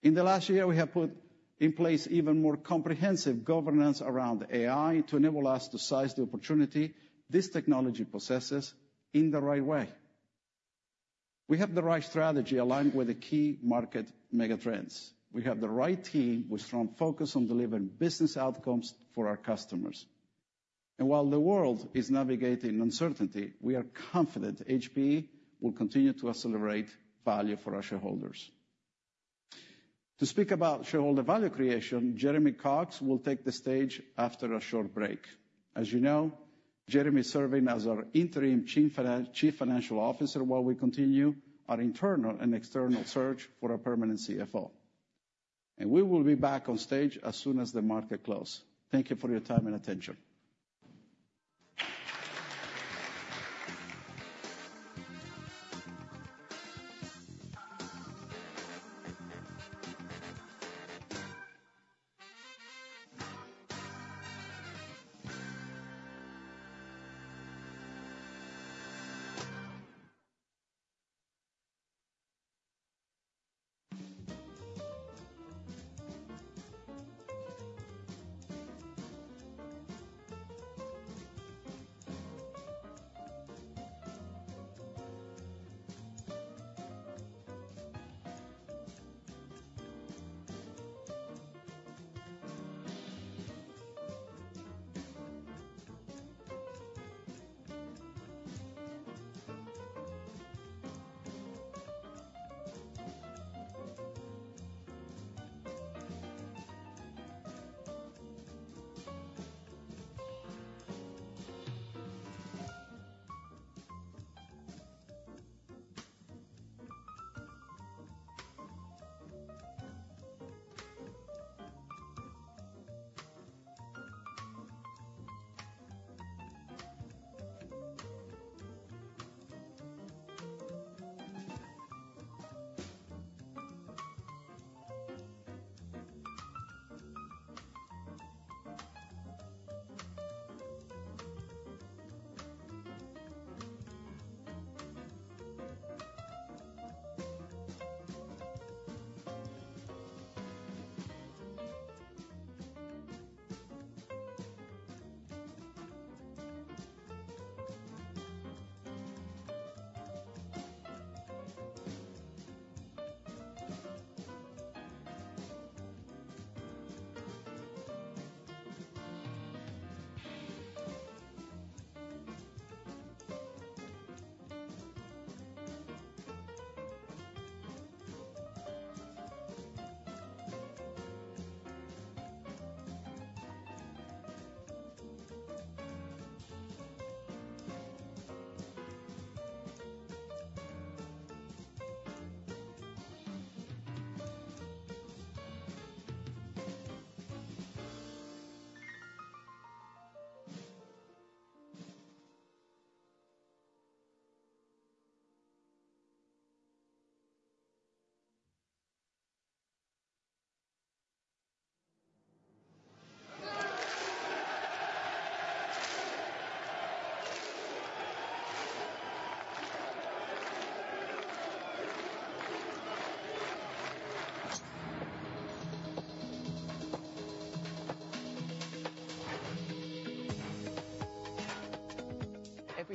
S3: In the last year, we have put in place even more comprehensive governance around AI to enable us to seize the opportunity this technology possesses in the right way. We have the right strategy aligned with the key market mega trends. We have the right team, with strong focus on delivering business outcomes for our customers. And while the world is navigating uncertainty, we are confident HPE will continue to accelerate value for our shareholders. To speak about shareholder value creation, Jeremy Cox will take the stage after a short break. As you know, Jeremy is serving as our interim Chief Financial Officer, while we continue our internal and external search for a permanent CFO. We will be back on stage as soon as the market close. Thank you for your time and attention.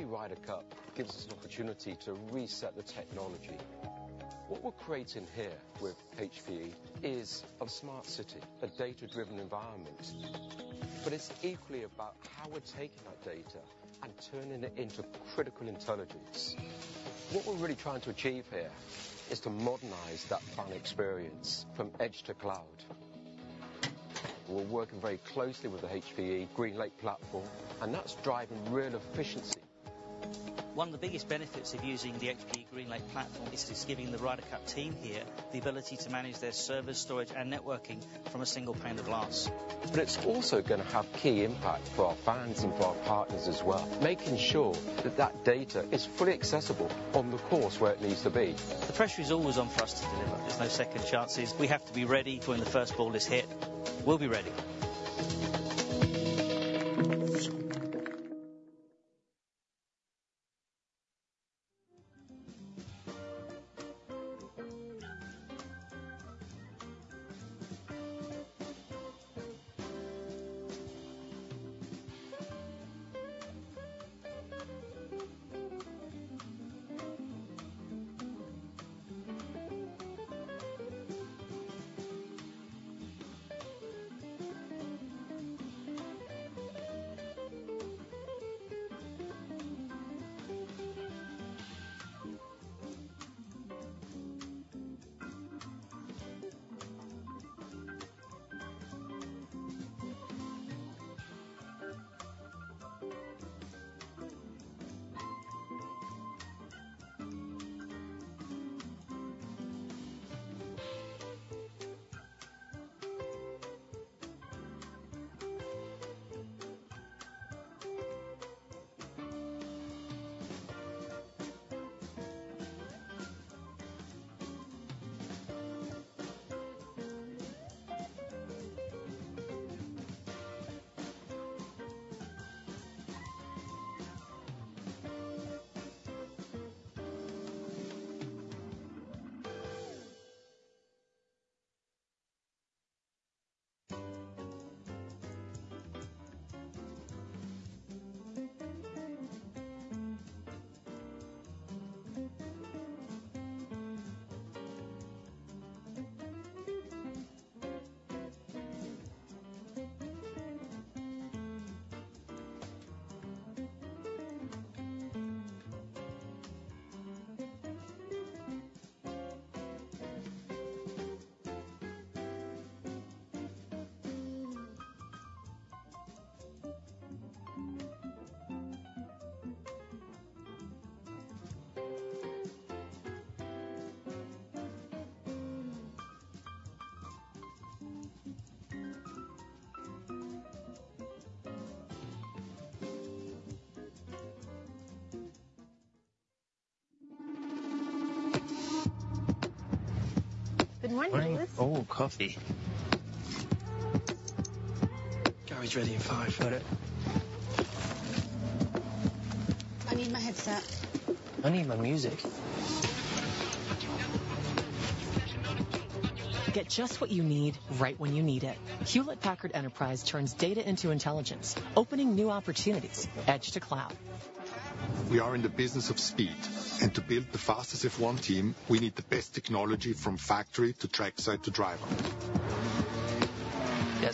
S7: Every Ryder Cup gives us an opportunity to reset the technology. What we're creating here with HPE is a smart city, a data-driven environment. But it's equally about how we're taking that data and turning it into critical intelligence. What we're really trying to achieve here is to modernize that fan experience from edge to cloud. We're working very closely with the HPE GreenLake platform, and that's driving real efficiency. One of the biggest benefits of using the HPE GreenLake platform is it's giving the Ryder Cup team here the ability to manage their service, storage, and networking from a single pane of glass. But it's also gonna have key impact for our fans and for our partners as well, making sure that that data is fully accessible on the course where it needs to be. The pressure is always on for us to deliver. There's no second chances. We have to be ready when the first ball is hit. We'll be ready. Good morning, Lewis. Oh, coffee! Car is ready in five. Got it. I need my headset. I need my music. Get just what you need, right when you need it. Hewlett Packard Enterprise turns data into intelligence, opening new opportunities, edge to cloud. We are in the business of speed, and to build the fastest F1 team, we need the best technology from factory to trackside to driver.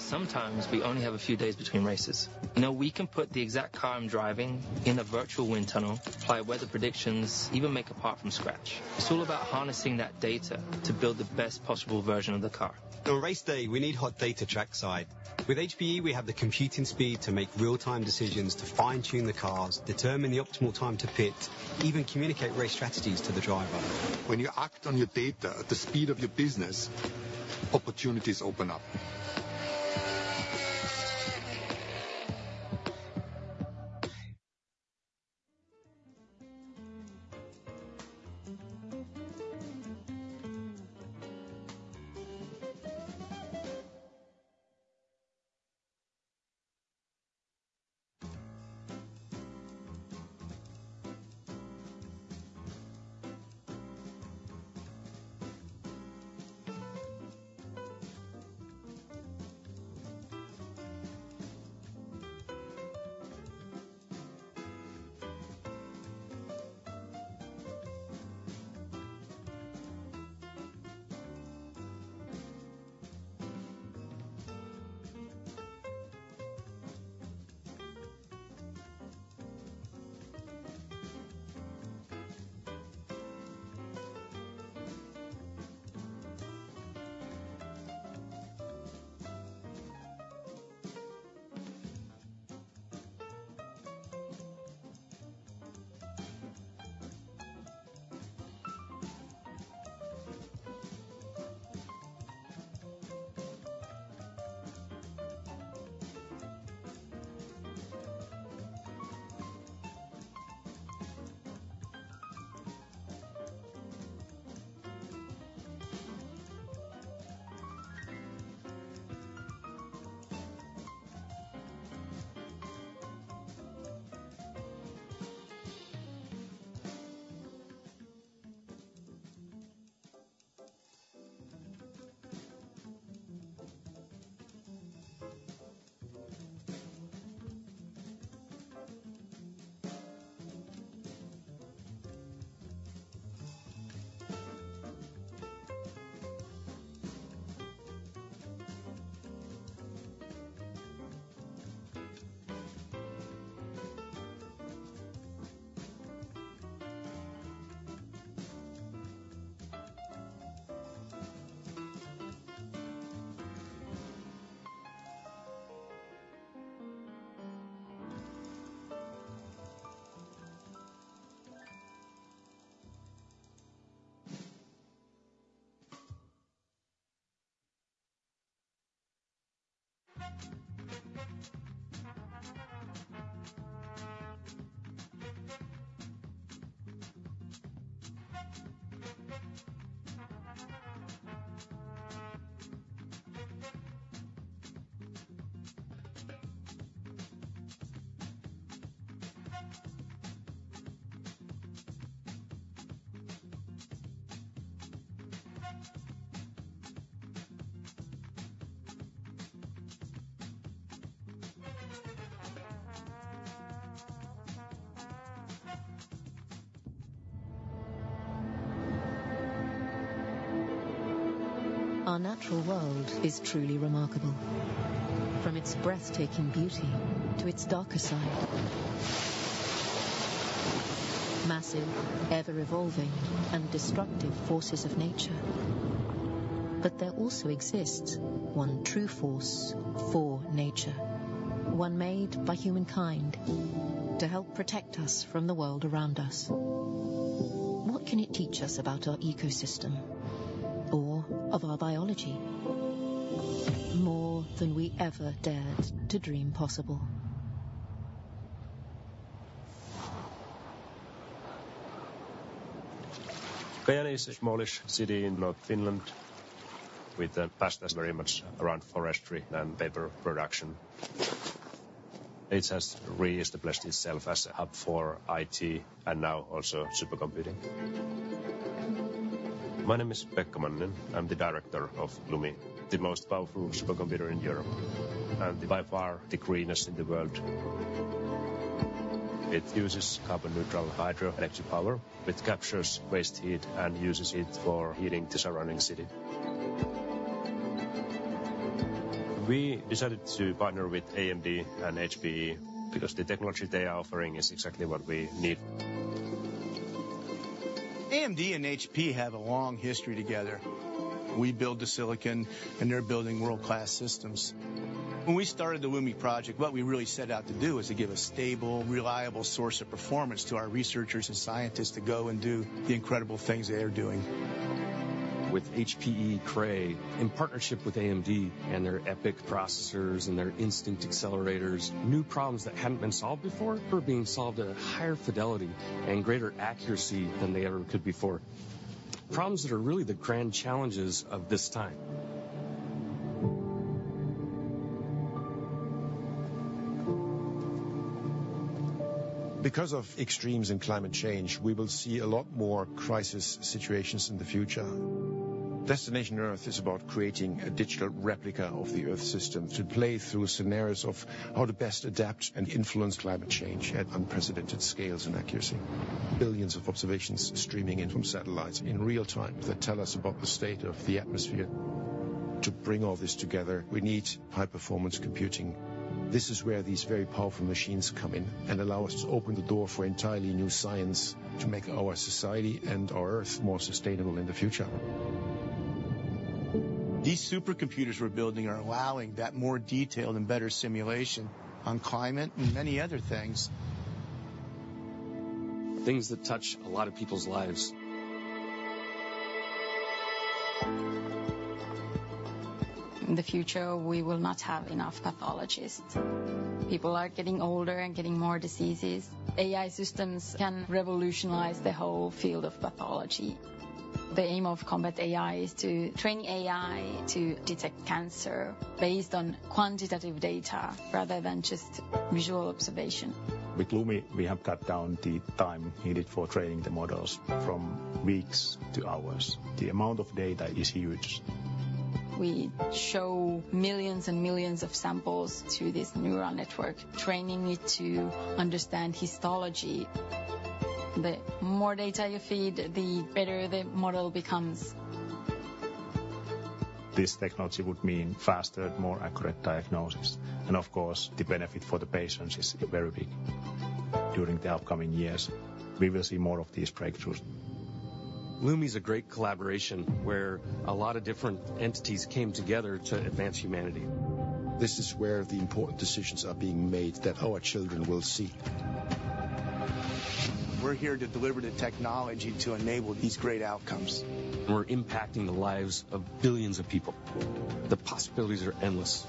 S7: Yeah, sometimes we only have a few days between races. Now, we can put the exact car I'm driving in a virtual wind tunnel, apply weather predictions, even make a part from scratch. It's all about harnessing that data to build the best possible version of the car. On race day, we need hot data trackside. With HPE, we have the computing speed to make real-time decisions, to fine-tune the cars, determine the optimal time to pit, even communicate race strategies to the driver. When you act on your data at the speed of your business, opportunities open up. Our natural world is truly remarkable, from its breathtaking beauty to its darker side. Massive, ever-evolving, and destructive forces of nature. But there also exists one true force for nature, one made by humankind to help protect us from the world around us. What can it teach us about our ecosystem or of our biology? More than we ever dared to dream possible.... Kajaani is a smallish city in North Finland, with a past that's very much around forestry and paper production. It has reestablished itself as a hub for IT and now also supercomputing. My name is Pekka Manninen. I'm the director of LUMI, the most powerful supercomputer in Europe... and by far the greenest in the world. It uses carbon neutral hydroelectric power, which captures waste heat and uses it for heating the surrounding city. We decided to partner with AMD and HPE because the technology they are offering is exactly what we need. AMD and HPE have a long history together. We build the silicon, and they're building world-class systems. When we started the LUMI project, what we really set out to do was to give a stable, reliable source of performance to our researchers and scientists to go and do the incredible things they are doing. With HPE Cray, in partnership with AMD and their EPYC processors and their Instinct accelerators, new problems that hadn't been solved before are being solved at a higher fidelity and greater accuracy than they ever could before. Problems that are really the grand challenges of this time. Because of extremes in climate change, we will see a lot more crisis situations in the future. Destination Earth is about creating a digital replica of the Earth system to play through scenarios of how to best adapt and influence climate change at unprecedented scales and accuracy. Billions of observations streaming in from satellites in real time that tell us about the state of the atmosphere. To bring all this together, we need high-performance computing. This is where these very powerful machines come in and allow us to open the door for entirely new science to make our society and our Earth more sustainable in the future. These supercomputers we're building are allowing that more detailed and better simulation on climate and many other things. Things that touch a lot of people's lives. In the future, we will not have enough pathologists. People are getting older and getting more diseases. AI systems can revolutionize the whole field of pathology. The aim of ComPatAI is to train AI to detect cancer based on quantitative data rather than just visual observation. With LUMI, we have cut down the time needed for training the models from weeks to hours. The amount of data is huge. We show millions and millions of samples to this neural network, training it to understand histology. The more data you feed, the better the model becomes. This technology would mean faster, more accurate diagnosis, and of course, the benefit for the patients is very big. During the upcoming years, we will see more of these breakthroughs. LUMI is a great collaboration where a lot of different entities came together to advance humanity. This is where the important decisions are being made that our children will see. We're here to deliver the technology to enable these great outcomes. We're impacting the lives of billions of people. The possibilities are endless.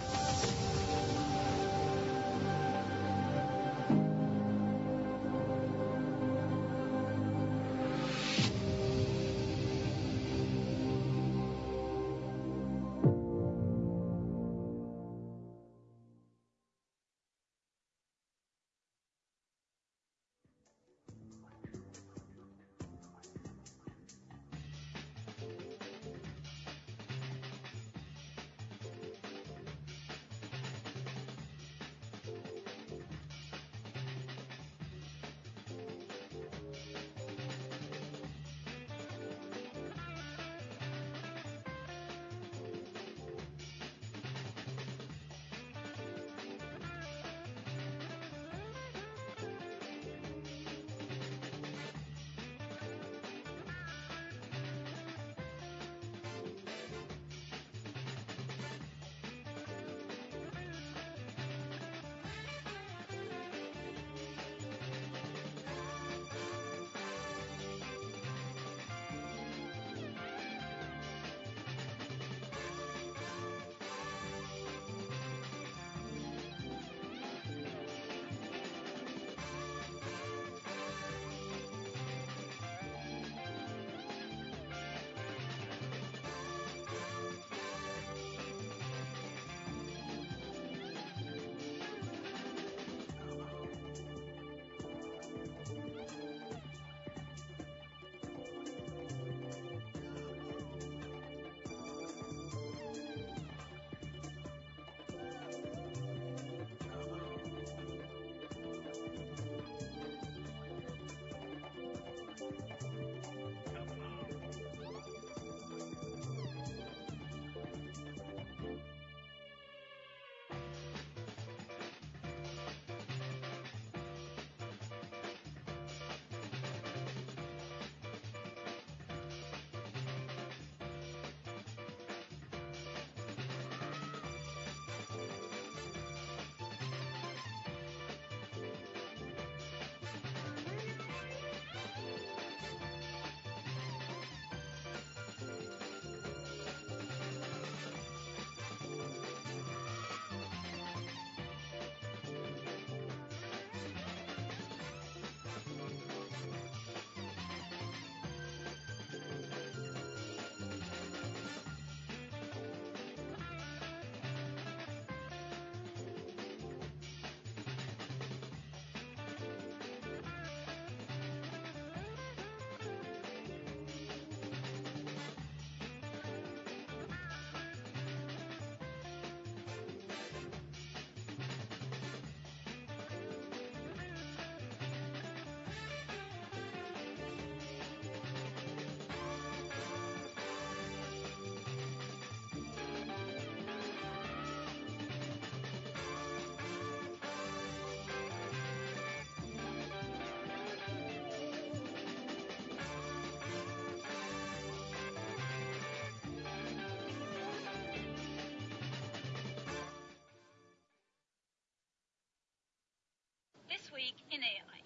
S7: This week in AI.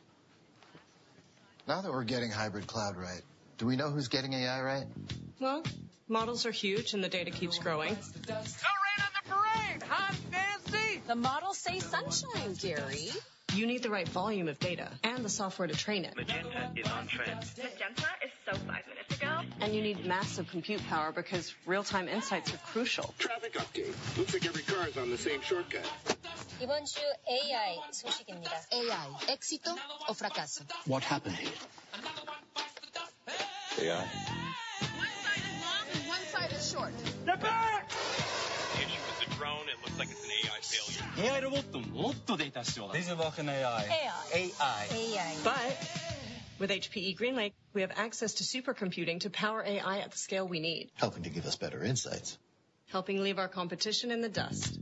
S7: Now that we're getting Hybrid Cloud right, do we know who's getting AI right? Well, models are huge, and the data keeps growing.... Still raining on the parade, huh, Fancy? The models say, sunshine, Gary. You need the right volume of data and the software to train it. Magenta is on trend. Magenta is so five minutes ago. You need massive compute power because real-time insights are crucial. Traffic update. Looks like every car is on the same shortcut. This week in AI. AI, éxito o fracaso? What happened here? Another one bites the dust. AI. One side is long, and one side is short. Step back! Maybe it's a drone. It looks like it's an AI failure. AI. AI. AI. AI. But with HPE GreenLake, we have access to supercomputing to power AI at the scale we need. Helping to give us better insights. Helping leave our competition in the dust.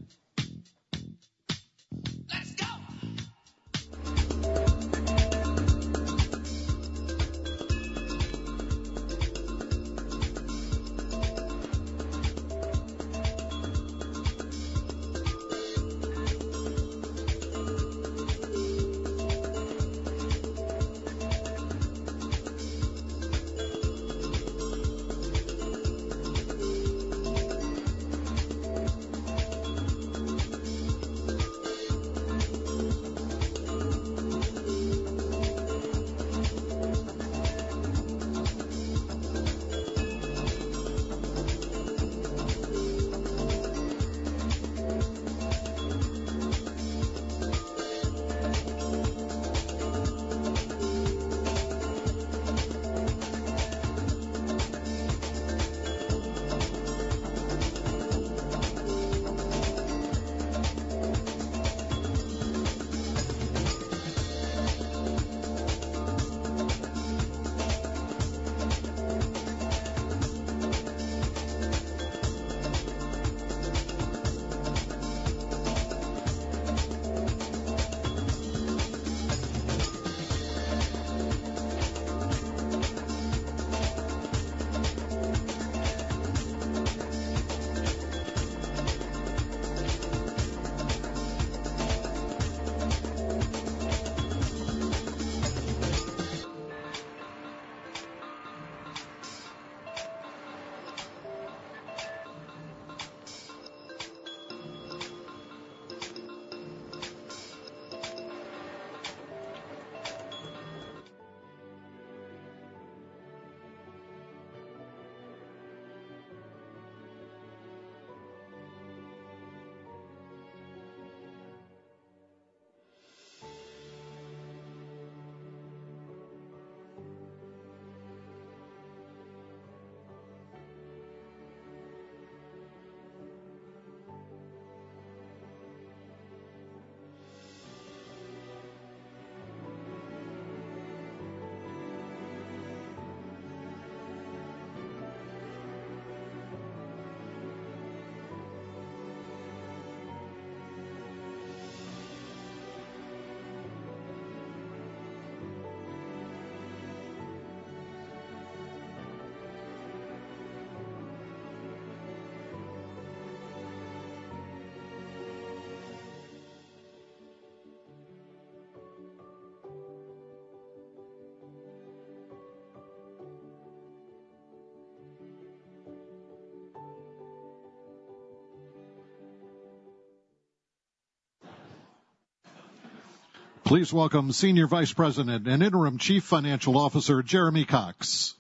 S7: Let's go!
S1: Please welcome Senior Vice President and Interim Chief Financial Officer, Jeremy Cox.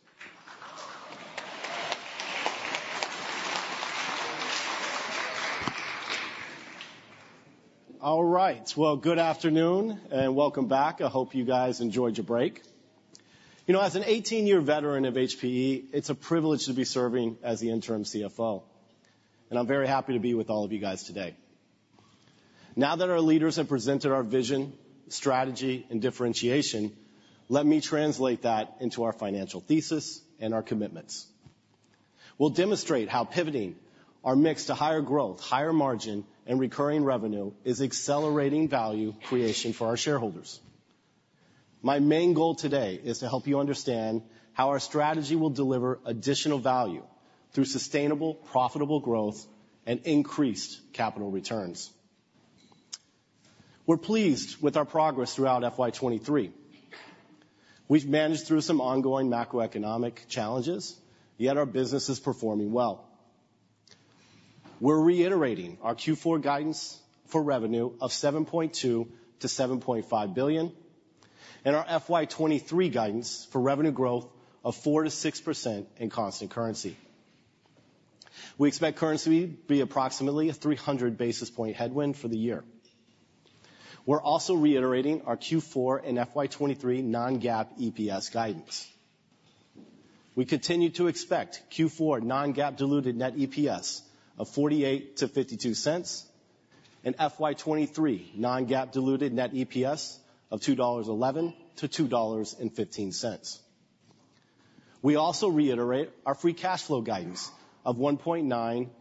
S8: All right. Well, good afternoon, and welcome back. I hope you guys enjoyed your break. You know, as an 18-year veteran of HPE, it's a privilege to be serving as the interim CFO, and I'm very happy to be with all of you guys today. Now that our leaders have presented our vision, strategy, and differentiation, let me translate that into our financial thesis and our commitments. We'll demonstrate how pivoting our mix to higher growth, higher margin, and recurring revenue is accelerating value creation for our shareholders. My main goal today is to help you understand how our strategy will deliver additional value through sustainable, profitable growth and increased capital returns. We're pleased with our progress throughout FY 2023. We've managed through some ongoing macroeconomic challenges, yet our business is performing well. We're reiterating our Q4 guidance for revenue of $7.2 billion-$7.5 billion, and our FY 2023 guidance for revenue growth of 4%-6% in constant currency. We expect currency to be approximately a 300 basis point headwind for the year.... We're also reiterating our Q4 and FY 2023 non-GAAP EPS guidance. We continue to expect Q4 non-GAAP diluted net EPS of $0.48-$0.52, and FY 2023 non-GAAP diluted net EPS of $2.11-$2.15. We also reiterate our free cash flow guidance of $1.9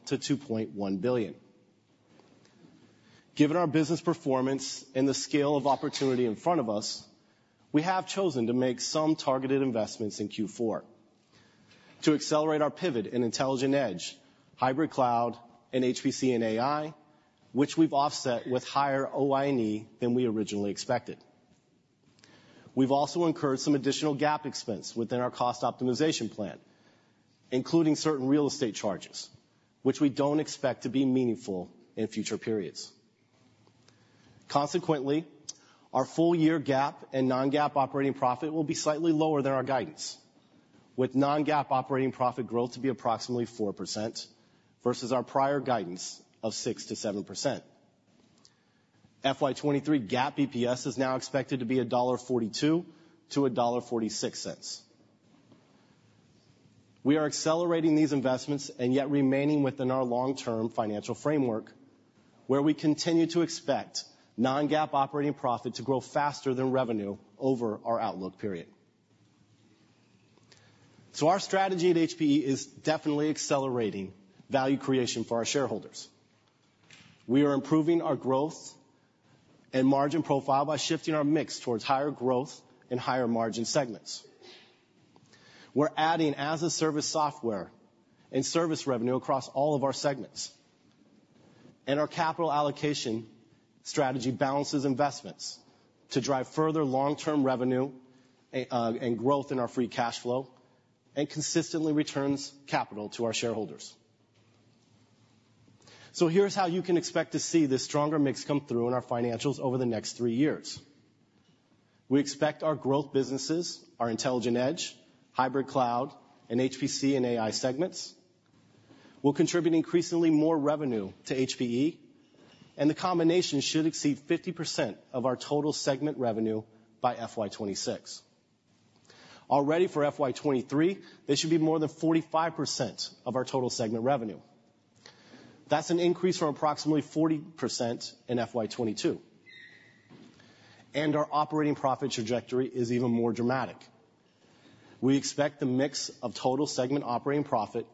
S8: billion-$2.1 billion. Given our business performance and the scale of opportunity in front of us, we have chosen to make some targeted investments in Q4 to accelerate our pivot in Intelligent Edge, Hybrid Cloud, and HPC and AI, which we've offset with higher OI&E than we originally expected. We've also incurred some additional GAAP expense within our cost optimization plan, including certain real estate charges, which we don't expect to be meaningful in future periods. Consequently, our full year GAAP and non-GAAP operating profit will be slightly lower than our guidance, with non-GAAP operating profit growth to be approximately 4% versus our prior guidance of 6%-7%. FY 2023 GAAP EPS is now expected to be $1.42-$1.46. We are accelerating these investments and yet remaining within our long-term financial framework, where we continue to expect non-GAAP operating profit to grow faster than revenue over our outlook period. Our strategy at HPE is definitely accelerating value creation for our shareholders. We are improving our growth and margin profile by shifting our mix towards higher growth and higher margin segments. We're adding as-a-service software and service revenue across all of our segments. Our capital allocation strategy balances investments to drive further long-term revenue, and growth in our free cash flow, and consistently returns capital to our shareholders. Here's how you can expect to see this stronger mix come through in our financials over the next three years. We expect our growth businesses, our Intelligent Edge, Hybrid Cloud, and HPC and AI segments, will contribute increasingly more revenue to HPE, and the combination should exceed 50% of our total segment revenue by FY 2026. Already for FY 2023, they should be more than 45% of our total segment revenue. That's an increase from approximately 40% in FY 2022, and our operating profit trajectory is even more dramatic. We expect the mix of total segment operating profit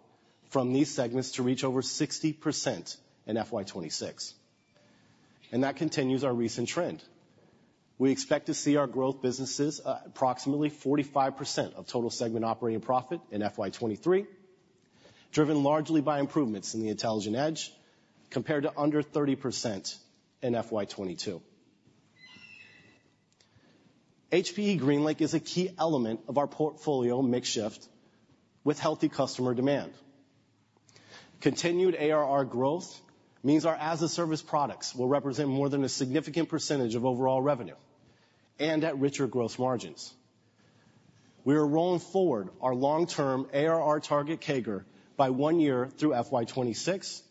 S8: from these segments to reach over 60% in FY 2026, and that continues our recent trend. We expect to see our growth businesses, approximately 45% of total segment operating profit in FY 2023, driven largely by improvements in the Intelligent Edge, compared to under 30% in FY 2022. HPE GreenLake is a key element of our portfolio mix shift with healthy customer demand. Continued ARR growth means our as-a-service products will represent more than a significant percentage of overall revenue and at richer growth margins. We are rolling forward our long-term ARR target CAGR by one year through FY 2026,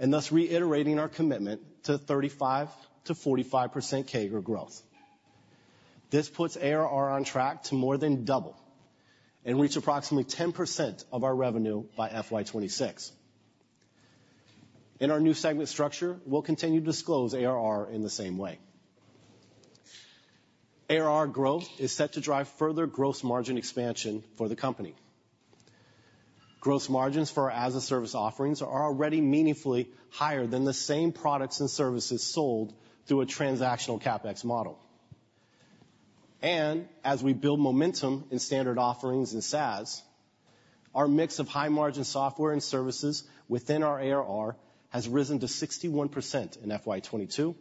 S8: and thus reiterating our commitment to 35%-45% CAGR growth. This puts ARR on track to more than double and reach approximately 10% of our revenue by FY 2026. In our new segment structure, we'll continue to disclose ARR in the same way. ARR growth is set to drive further gross margin expansion for the company. Gross margins for our as-a-service offerings are already meaningfully higher than the same products and services sold through a transactional CapEx model. As we build momentum in standard offerings and SaaS, our mix of high-margin software and services within our ARR has risen to 61% in FY 2022,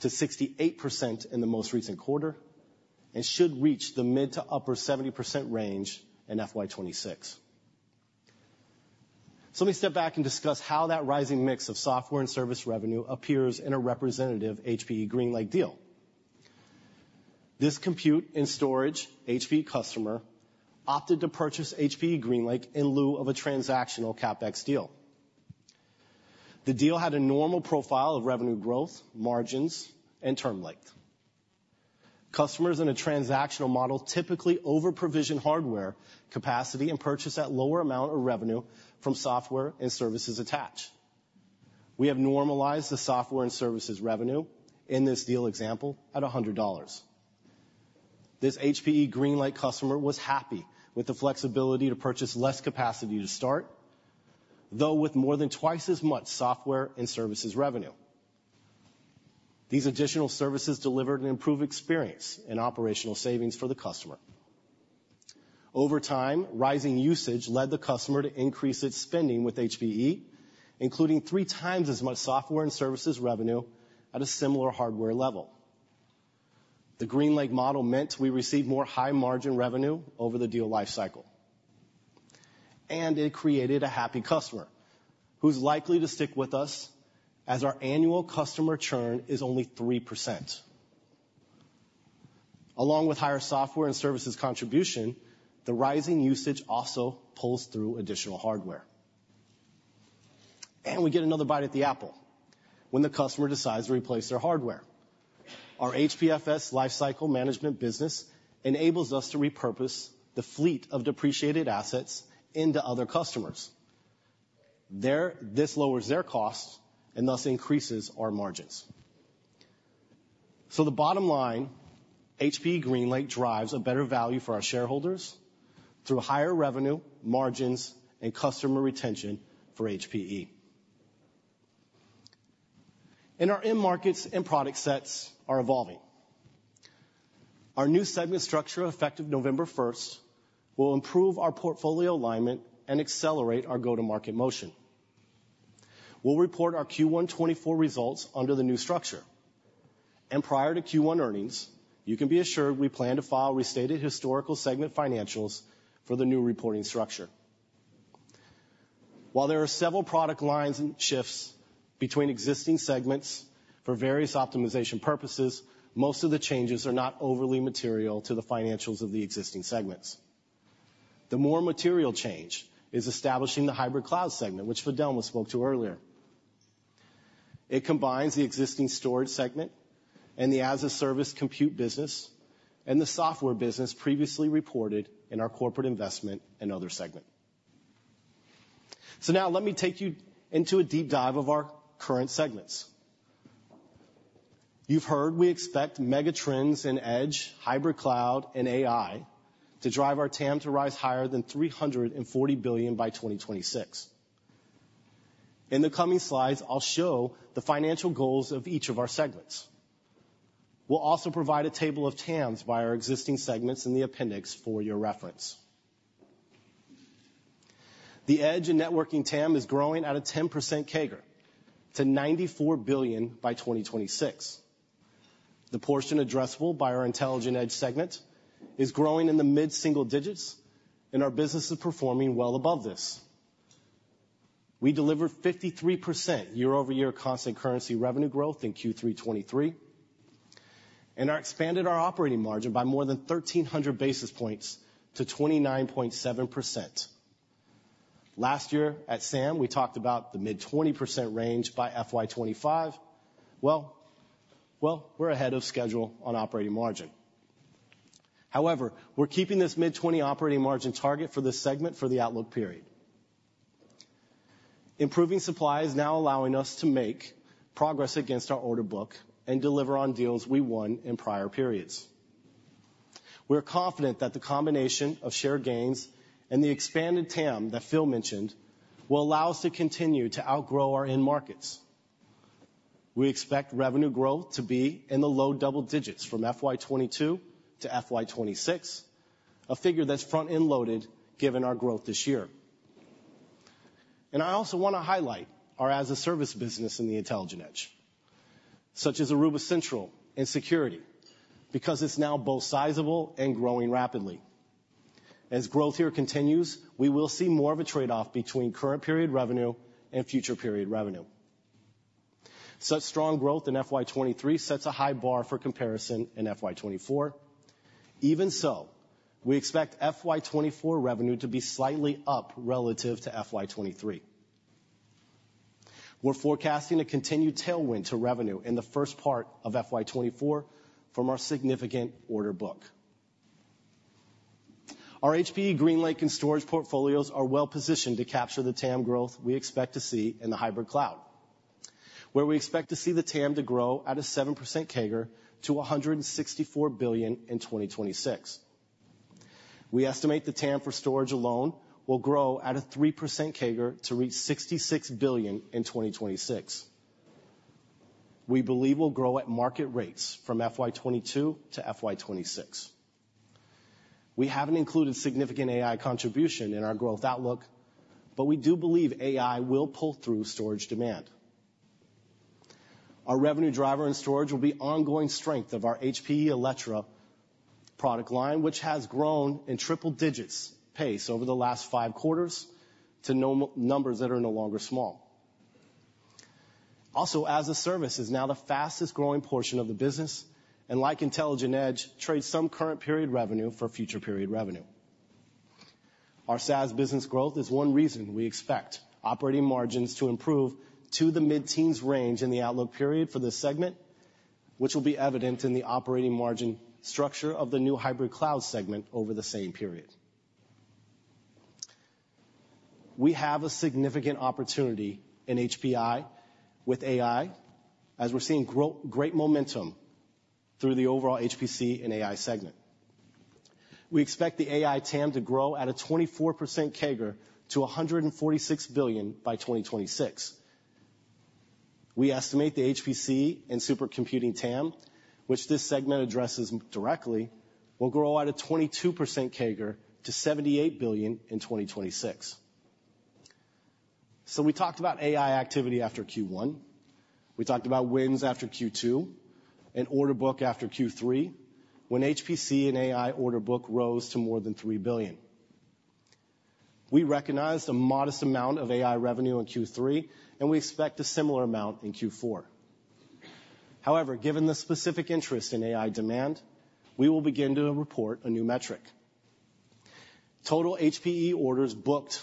S8: to 68% in the most recent quarter, and should reach the mid- to upper-70% range in FY 2026. So let me step back and discuss how that rising mix of software and service revenue appears in a representative HPE GreenLake deal. This compute and storage HPE customer opted to purchase HPE GreenLake in lieu of a transactional CapEx deal. The deal had a normal profile of revenue growth, margins, and term length. Customers in a transactional model typically overprovision hardware capacity and purchase that lower amount of revenue from software and services attached. We have normalized the software and services revenue in this deal example at $100. This HPE GreenLake customer was happy with the flexibility to purchase less capacity to start, though with more than twice as much software and services revenue. These additional services delivered an improved experience and operational savings for the customer. Over time, rising usage led the customer to increase its spending with HPE, including three times as much software and services revenue at a similar hardware level. The GreenLake model meant we received more high-margin revenue over the deal life cycle. And it created a happy customer, who's likely to stick with us as our annual customer churn is only 3%.... Along with higher software and services contribution, the rising usage also pulls through additional hardware. And we get another bite at the apple when the customer decides to replace their hardware. Our HPFS lifecycle management business enables us to repurpose the fleet of depreciated assets into other customers. This lowers their costs and thus increases our margins. So the bottom line, HPE GreenLake drives a better value for our shareholders through higher revenue, margins, and customer retention for HPE. Our end markets and product sets are evolving. Our new segment structure, effective November first, will improve our portfolio alignment and accelerate our go-to-market motion. We'll report our Q1 2024 results under the new structure, and prior to Q1 earnings, you can be assured we plan to file restated historical segment financials for the new reporting structure. While there are several product lines and shifts between existing segments for various optimization purposes, most of the changes are not overly material to the financials of the existing segments. The more material change is establishing the Hybrid Cloud segment, which Fidelma spoke to earlier. It combines the existing storage segment, and the as-a-service compute business, and the software business previously reported in our corporate investment and other segment. So now let me take you into a deep dive of our current segments. You've heard we expect mega trends in Edge, Hybrid Cloud, and AI to drive our TAM to rise higher than $340 billion by 2026. In the coming slides, I'll show the financial goals of each of our segments. We'll also provide a table of TAMs by our existing segments in the appendix for your reference. The Edge and networking TAM is growing at a 10% CAGR to $94 billion by 2026. The portion addressable by our Intelligent Edge segment is growing in the mid-single digits, and our business is performing well above this. We delivered 53% year-over-year constant currency revenue growth in Q3 2023, and we expanded our operating margin by more than 1,300 basis points to 29.7%. Last year at SAM, we talked about the mid-20% range by FY 2025. Well, well, we're ahead of schedule on operating margin. However, we're keeping this mid-20 operating margin target for this segment for the outlook period. Improving supply is now allowing us to make progress against our order book and deliver on deals we won in prior periods. We're confident that the combination of shared gains and the expanded TAM that Phil mentioned, will allow us to continue to outgrow our end markets. We expect revenue growth to be in the low double digits from FY 2022 to FY 2026, a figure that's front-end loaded, given our growth this year. I also wanna highlight our as-a-service business in the Intelligent Edge, such as Aruba Central and Security, because it's now both sizable and growing rapidly. As growth here continues, we will see more of a trade-off between current period revenue and future period revenue. Such strong growth in FY 2023 sets a high bar for comparison in FY 2024. Even so, we expect FY 2024 revenue to be slightly up relative to FY 2023. We're forecasting a continued tailwind to revenue in the first part of FY 2024 from our significant order book. Our HPE GreenLake and storage portfolios are well positioned to capture the TAM growth we expect to see in the Hybrid Cloud, where we expect to see the TAM to grow at a 7% CAGR to $164 billion in 2026. We estimate the TAM for storage alone will grow at a 3% CAGR to reach $66 billion in 2026. We believe we'll grow at market rates from FY 2022 to FY 2026. We haven't included significant AI contribution in our growth outlook, but we do believe AI will pull through storage demand. Our revenue driver and storage will be ongoing strength of our HPE Alletra product line, which has grown in triple digits pace over the last 5 quarters to now numbers that are no longer small. Also, as-a-service is now the fastest growing portion of the business, and like Intelligent Edge, trades some current period revenue for future period revenue. Our SaaS business growth is one reason we expect operating margins to improve to the mid-teens range in the outlook period for this segment, which will be evident in the operating margin structure of the new Hybrid Cloud segment over the same period. We have a significant opportunity in HPC with AI, as we're seeing great momentum through the overall HPC and AI segment. We expect the AI TAM to grow at a 24% CAGR to $146 billion by 2026. We estimate the HPC and supercomputing TAM, which this segment addresses directly, will grow at a 22% CAGR to $78 billion in 2026. So we talked about AI activity after Q1. We talked about wins after Q2 and order book after Q3, when HPC and AI order book rose to more than $3 billion. We recognized a modest amount of AI revenue in Q3, and we expect a similar amount in Q4. However, given the specific interest in AI demand, we will begin to report a new metric, total HPE orders booked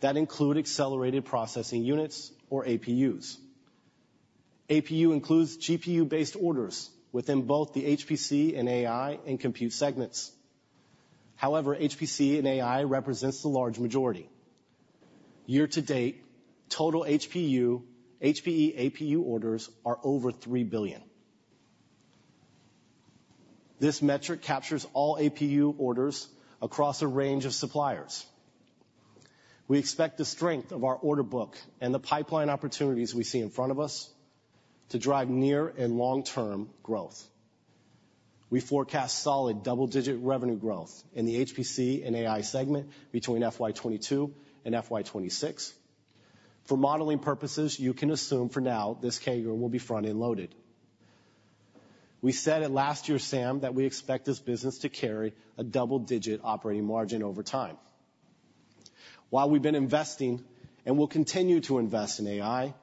S8: that include accelerated processing units, or AIs. AI includes GPU-based orders within both the HPC and AI, and compute segments. However, HPC and AI represents the large majority. Year-to-date, total HPE AI orders are over $3 billion. This metric captures all AI orders across a range of suppliers. We expect the strength of our order book and the pipeline opportunities we see in front of us to drive near and long-term growth. We forecast solid double-digit revenue growth in the HPC and AI segment between FY 2022 and FY 2026. For modeling purposes, you can assume for now this CAGR will be front-end loaded. We said at last year's SAM that we expect this business to carry a double-digit operating margin over time. While we've been investing and will continue to invest in AI,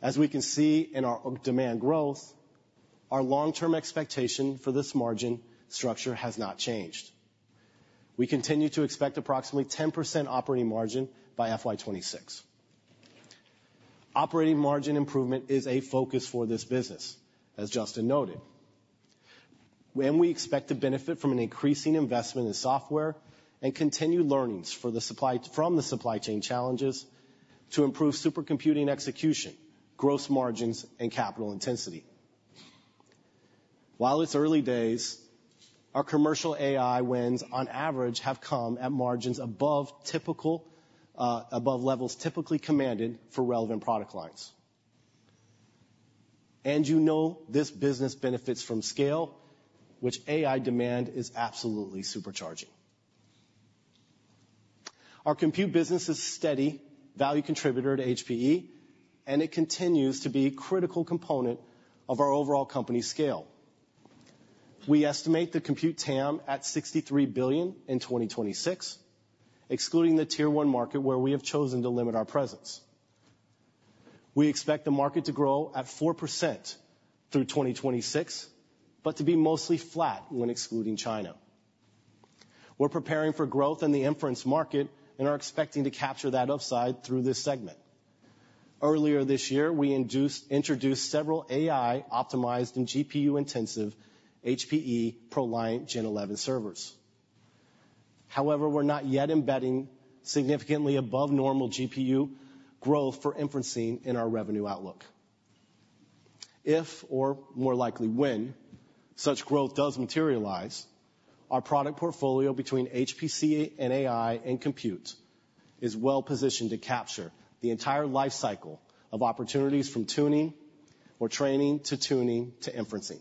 S8: as we can see in our demand growth, our long-term expectation for this margin structure has not changed. We continue to expect approximately 10% operating margin by FY 2026. Operating margin improvement is a focus for this business, as Justin noted. When we expect to benefit from an increasing investment in software and continued learnings from the supply chain challenges to improve supercomputing execution, gross margins, and capital intensity. While it's early days, our commercial AI wins on average have come at margins above typical, above levels typically commanded for relevant product lines. And you know, this business benefits from scale, which AI demand is absolutely supercharging. Our compute business is steady, value contributor to HPE, and it continues to be a critical component of our overall company scale. We estimate the compute TAM at $63 billion in 2026, excluding the Tier 1 market, where we have chosen to limit our presence. We expect the market to grow at 4% through 2026, but to be mostly flat when excluding China. We're preparing for growth in the inference market and are expecting to capture that upside through this segment. Earlier this year, we introduced several AI-optimized and GPU-intensive HPE ProLiant Gen11 servers. However, we're not yet embedding significantly above normal GPU growth for inferencing in our revenue outlook. If, or more likely when, such growth does materialize, our product portfolio between HPC and AI and Compute is well positioned to capture the entire life cycle of opportunities from tuning or training, to tuning, to inferencing.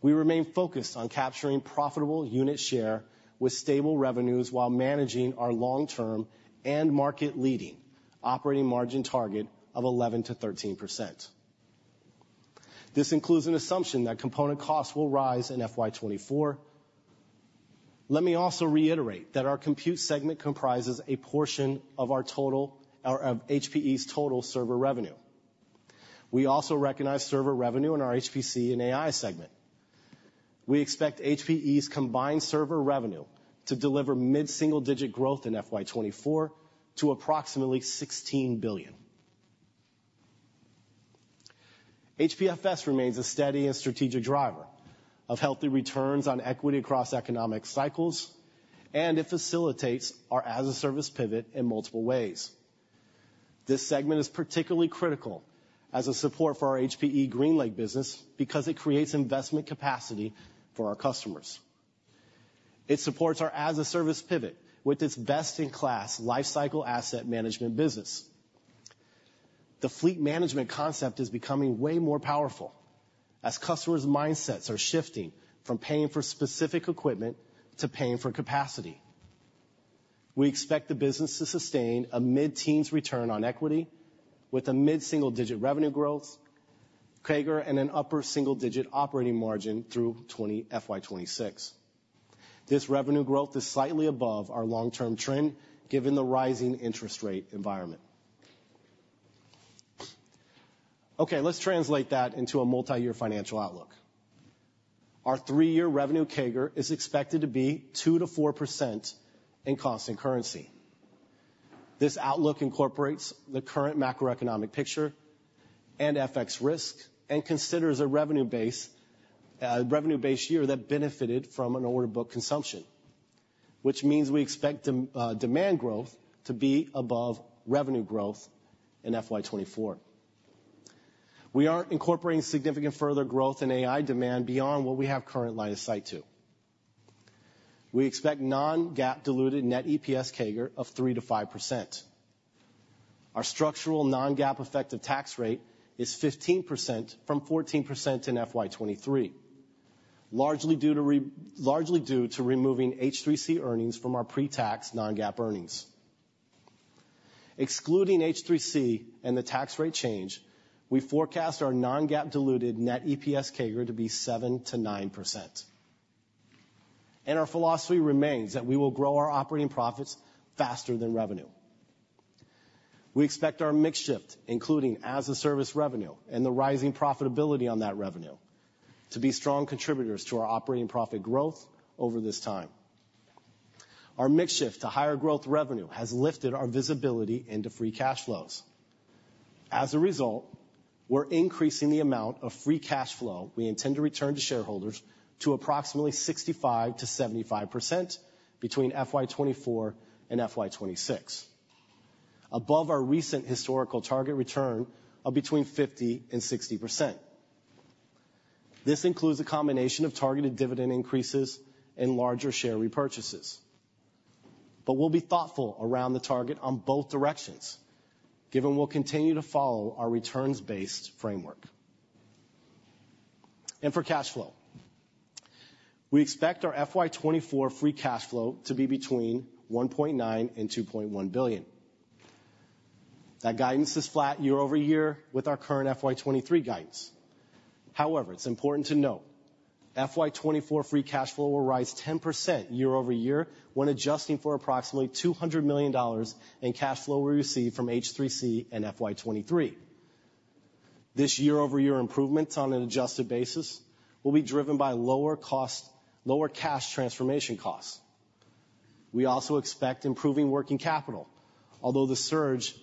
S8: We remain focused on capturing profitable unit share with stable revenues while managing our long-term and market-leading operating margin target of 11%-13%. This includes an assumption that component costs will rise in FY 2024. Let me also reiterate that our Compute segment comprises a portion of our total... of HPE's total server revenue. We also recognize server revenue in our HPC and AI segment. We expect HPE's combined server revenue to deliver mid-single-digit growth in FY 2024 to approximately $16 billion. HPFS remains a steady and strategic driver of healthy returns on equity across economic cycles, and it facilitates our as-a-service pivot in multiple ways. This segment is particularly critical as a support for our HPE GreenLake business because it creates investment capacity for our customers. It supports our as-a-service pivot with its best-in-class lifecycle asset management business. The fleet management concept is becoming way more powerful as customers' mindsets are shifting from paying for specific equipment to paying for capacity. We expect the business to sustain a mid-teens return on equity with a mid-single-digit revenue growth CAGR and an upper single-digit operating margin through FY 2026. This revenue growth is slightly above our long-term trend, given the rising interest rate environment. Okay, let's translate that into a multi-year financial outlook. Our three-year revenue CAGR is expected to be 2%-4% in constant currency. This outlook incorporates the current macroeconomic picture and FX risk, and considers a revenue base, revenue base year that benefited from an order book consumption, which means we expect demand growth to be above revenue growth in FY 2024. We aren't incorporating significant further growth in AI demand beyond what we have current line of sight to. We expect non-GAAP diluted net EPS CAGR of 3%-5%. Our structural non-GAAP effective tax rate is 15% from 14% in FY 2023, largely due to removing H3C earnings from our pre-tax non-GAAP earnings.... Excluding H3C and the tax rate change, we forecast our non-GAAP diluted net EPS CAGR to be 7%-9%. And our philosophy remains that we will grow our operating profits faster than revenue. We expect our mix shift, including as-a-service revenue and the rising profitability on that revenue, to be strong contributors to our operating profit growth over this time. Our mix shift to higher growth revenue has lifted our visibility into free cash flows. As a result, we're increasing the amount of free cash flow we intend to return to shareholders to approximately 65%-75% between FY 2024 and FY 2026, above our recent historical target return of between 50%-60%. This includes a combination of targeted dividend increases and larger share repurchases. But we'll be thoughtful around the target on both directions, given we'll continue to follow our returns-based framework. And for cash flow, we expect our FY 2024 free cash flow to be between $1.9 billion-$2.1 billion. That guidance is flat year-over-year with our current FY 2023 guidance. However, it's important to note, FY 2024 free cash flow will rise 10% year-over-year when adjusting for approximately $200 million in cash flow we receive from H3C and FY 2023. This year-over-year improvements on an adjusted basis will be driven by lower cost, lower cash transformation costs. We also expect improving working capital, although the surge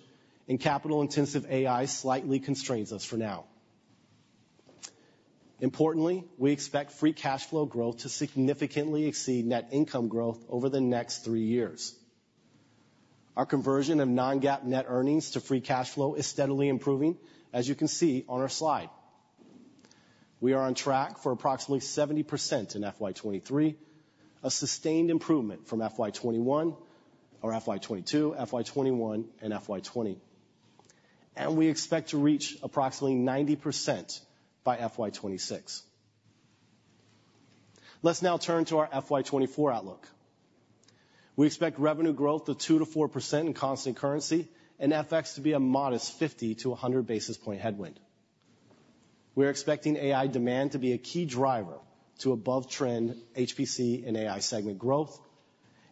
S8: in capital-intensive AI slightly constrains us for now. Importantly, we expect free cash flow growth to significantly exceed net income growth over the next three years. Our conversion of Non-GAAP net earnings to free cash flow is steadily improving, as you can see on our slide. We are on track for approximately 70% in FY 2023, a sustained improvement from FY 2021 or FY 2022, FY 2021 and FY 2020. We expect to reach approximately 90% by FY 2026. Let's now turn to our FY 2024 outlook. We expect revenue growth of 2%-4% in constant currency, and FX to be a modest 50-100 basis point headwind. We are expecting AI demand to be a key driver to above-trend HPC and AI segment growth,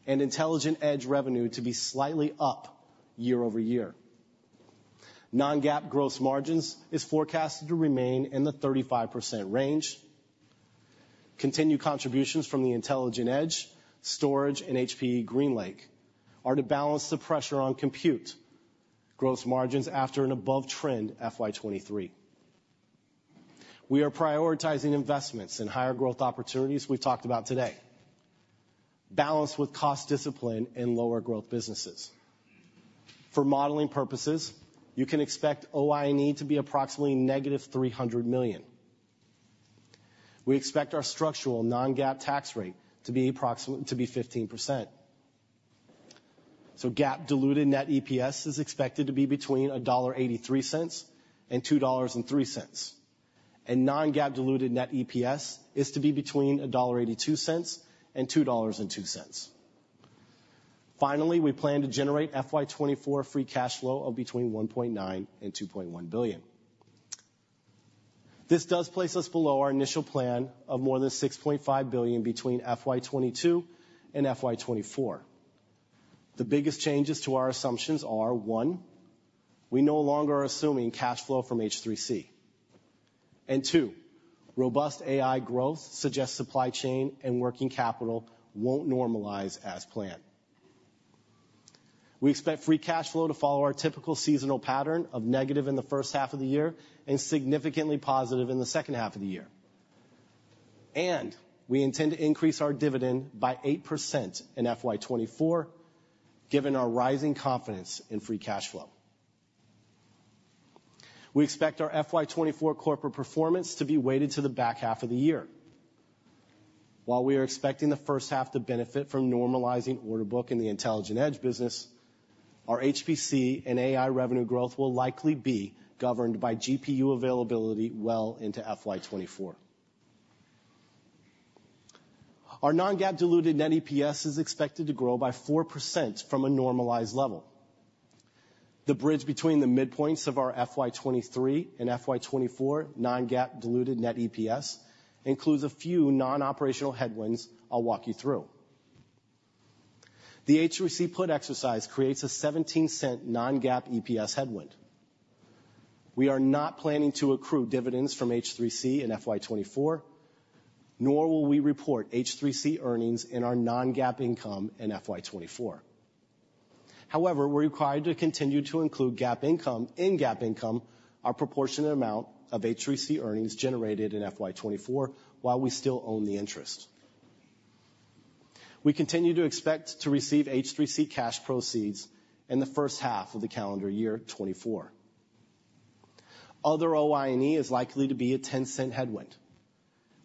S8: and Intelligent Edge revenue to be slightly up year-over-year. Non-GAAP gross margins is forecasted to remain in the 35% range. Continued contributions from the Intelligent Edge, storage, and HPE GreenLake are to balance the pressure on compute gross margins after an above-trend FY 2023. We are prioritizing investments in higher growth opportunities we've talked about today, balanced with cost discipline and lower growth businesses. For modeling purposes, you can expect OI&E to be approximately -$300 million. We expect our structural non-GAAP tax rate to be approximately 15%. So GAAP diluted net EPS is expected to be between $1.83 and $2.03. And non-GAAP diluted net EPS is to be between $1.82 and $2.02. Finally, we plan to generate FY 2024 free cash flow of between $1.9 billion and $2.1 billion. This does place us below our initial plan of more than $6.5 billion between FY 2022 and FY 2024. The biggest changes to our assumptions are, one, we no longer are assuming cash flow from H3C, and two, robust AI growth suggests supply chain and working capital won't normalize as planned. We expect free cash flow to follow our typical seasonal pattern of negative in the first half of the year and significantly positive in the second half of the year. We intend to increase our dividend by 8% in FY 2024, given our rising confidence in free cash flow. We expect our FY 2024 corporate performance to be weighted to the back half of the year. While we are expecting the first half to benefit from normalizing order book in the Intelligent Edge business, our HPC and AI revenue growth will likely be governed by GPU availability well into FY 2024. Our non-GAAP diluted net EPS is expected to grow by 4% from a normalized level. The bridge between the midpoints of our FY 2023 and FY 2024 non-GAAP diluted net EPS includes a few non-operational headwinds I'll walk you through. The H3C put exercise creates a $0.17 non-GAAP EPS headwind. We are not planning to accrue dividends from H3C in FY 2024, nor will we report H3C earnings in our non-GAAP income in FY 2024. However, we're required to continue to include, in GAAP income, our proportionate amount of H3C earnings generated in FY 2024, while we still own the interest. We continue to expect to receive H3C cash proceeds in the first half of the calendar year 2024. Other OI&E is likely to be a $0.10 headwind.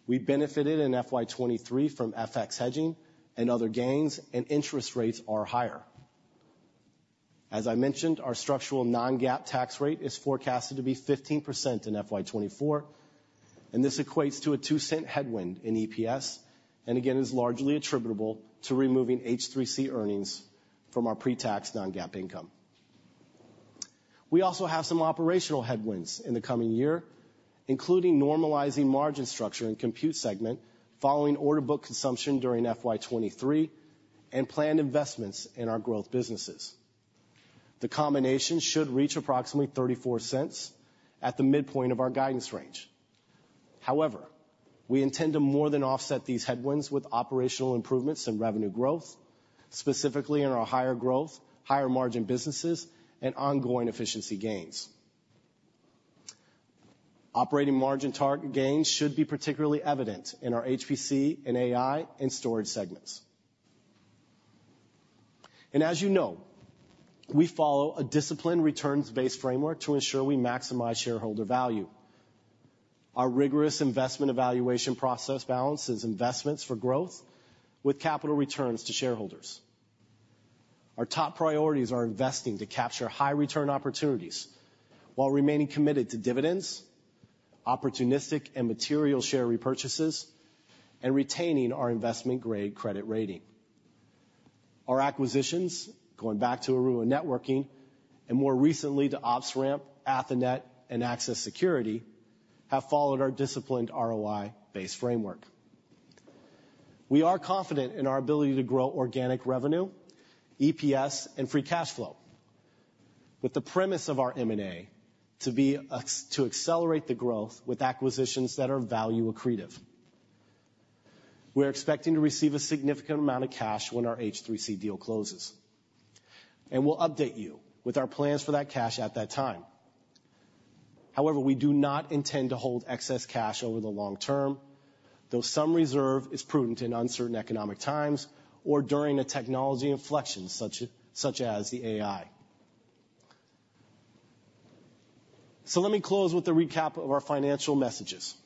S8: We benefited in FY 2023 from FX hedging and other gains, and interest rates are higher. As I mentioned, our structural non-GAAP tax rate is forecasted to be 15% in FY 2024, and this equates to a $0.02 headwind in EPS, and again, is largely attributable to removing H3C earnings from our pre-tax non-GAAP income. We also have some operational headwinds in the coming year, including normalizing margin structure in Compute segment, following order book consumption during FY 2023, and planned investments in our growth businesses. The combination should reach approximately $0.34 at the midpoint of our guidance range. However, we intend to more than offset these headwinds with operational improvements and revenue growth, specifically in our higher growth, higher margin businesses and ongoing efficiency gains. Operating margin target gains should be particularly evident in our HPC and AI and storage segments. As you know, we follow a disciplined returns-based framework to ensure we maximize shareholder value. Our rigorous investment evaluation process balances investments for growth with capital returns to shareholders. Our top priorities are investing to capture high return opportunities while remaining committed to dividends, opportunistic and material share repurchases, and retaining our investment-grade credit rating. Our acquisitions, going back to Aruba Networking, and more recently to OpsRamp, Athonet, and Axis Security, have followed our disciplined ROI-based framework. We are confident in our ability to grow organic revenue, EPS, and free cash flow, with the premise of our M&A to be to accelerate the growth with acquisitions that are value accretive. We're expecting to receive a significant amount of cash when our H3C deal closes, and we'll update you with our plans for that cash at that time. However, we do not intend to hold excess cash over the long term, though some reserve is prudent in uncertain economic times or during a technology inflection, such as the AI. So let me close with a recap of our financial messages.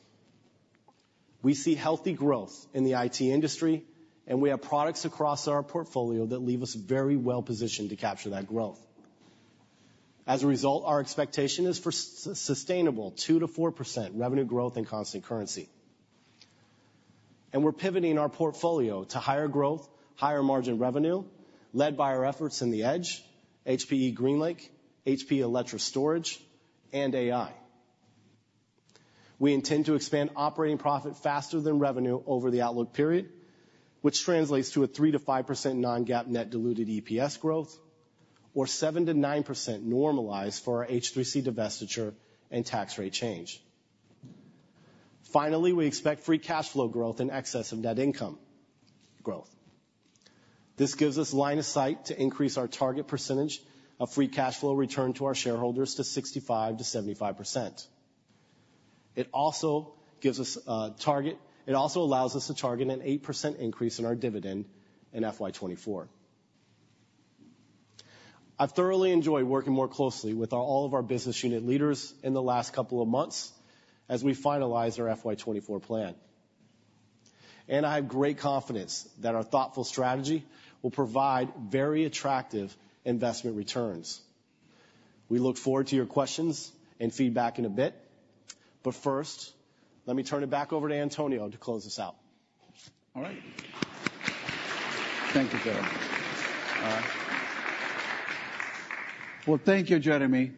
S8: We see healthy growth in the IT industry, and we have products across our portfolio that leave us very well positioned to capture that growth. As a result, our expectation is for sustainable 2%-4% revenue growth in constant currency. We're pivoting our portfolio to higher growth, higher margin revenue, led by our efforts in the Edge, HPE GreenLake, HPE Alletra Storage, and AI. We intend to expand operating profit faster than revenue over the outlook period, which translates to a 3%-5% non-GAAP net diluted EPS growth, or 7%-9% normalized for our H3C divestiture and tax rate change. Finally, we expect free cash flow growth in excess of net income growth. This gives us line of sight to increase our target percentage of free cash flow return to our shareholders to 65%-75%. It also allows us to target an 8% increase in our dividend in FY 2024. I've thoroughly enjoyed working more closely with all of our business unit leaders in the last couple of months as we finalize our FY 2024 plan. I have great confidence that our thoughtful strategy will provide very attractive investment returns. We look forward to your questions and feedback in a bit, but first, let me turn it back over to Antonio to close us out.
S3: All right. Thank you, Jeremy. Thank you, Jeremy.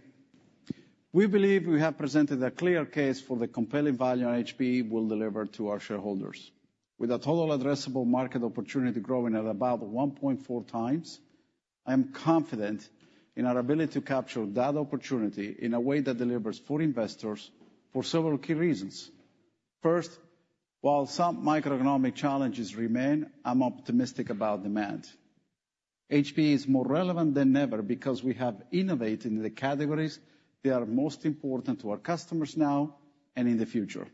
S3: We believe we have presented a clear case for the compelling value HPE will deliver to our shareholders. With a total addressable market opportunity growing at about 1.4 times, I am confident in our ability to capture that opportunity in a way that delivers for investors for several key reasons. First, while some microeconomic challenges remain, I'm optimistic about demand. HPE is more relevant than ever because we have innovated in the categories that are most important to our customers now and in the future.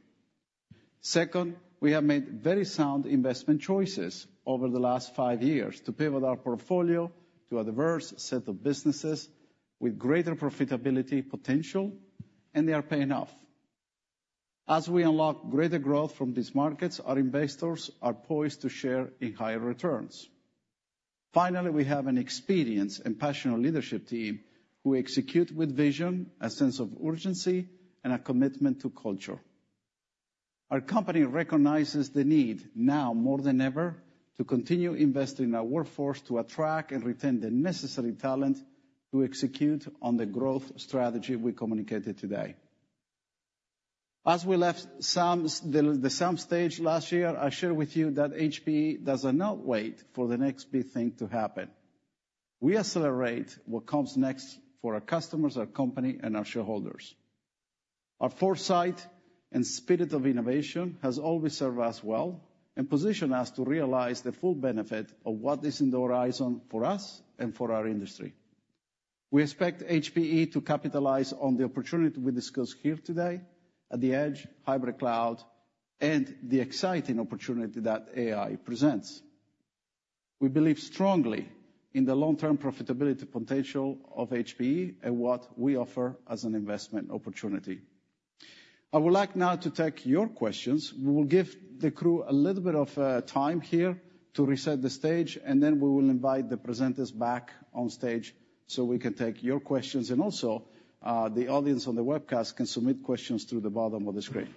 S3: Second, we have made very sound investment choices over the last 5 years to pivot our portfolio to a diverse set of businesses with greater profitability potential, and they are paying off. As we unlock greater growth from these markets, our investors are poised to share in higher returns. Finally, we have an experienced and passionate leadership team who execute with vision, a sense of urgency, and a commitment to culture. Our company recognizes the need, now more than ever, to continue investing in our workforce to attract and retain the necessary talent to execute on the growth strategy we communicated today. As we left the same stage last year, I shared with you that HPE does not wait for the next big thing to happen. We accelerate what comes next for our customers, our company, and our shareholders. Our foresight and spirit of innovation has always served us well and positioned us to realize the full benefit of what is in the horizon for us and for our industry. We expect HPE to capitalize on the opportunity we discussed here today at the edge, Hybrid Cloud, and the exciting opportunity that AI presents. We believe strongly in the long-term profitability potential of HPE and what we offer as an investment opportunity. I would like now to take your questions. We will give the crew a little bit of time here to reset the stage, and then we will invite the presenters back on stage so we can take your questions. And also, the audience on the webcast can submit questions through the bottom of the screen.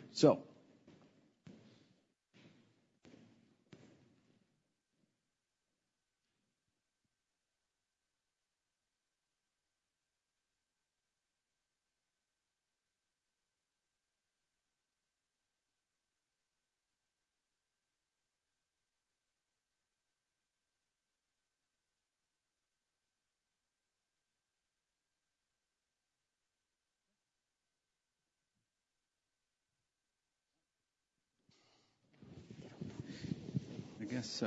S3: I guess,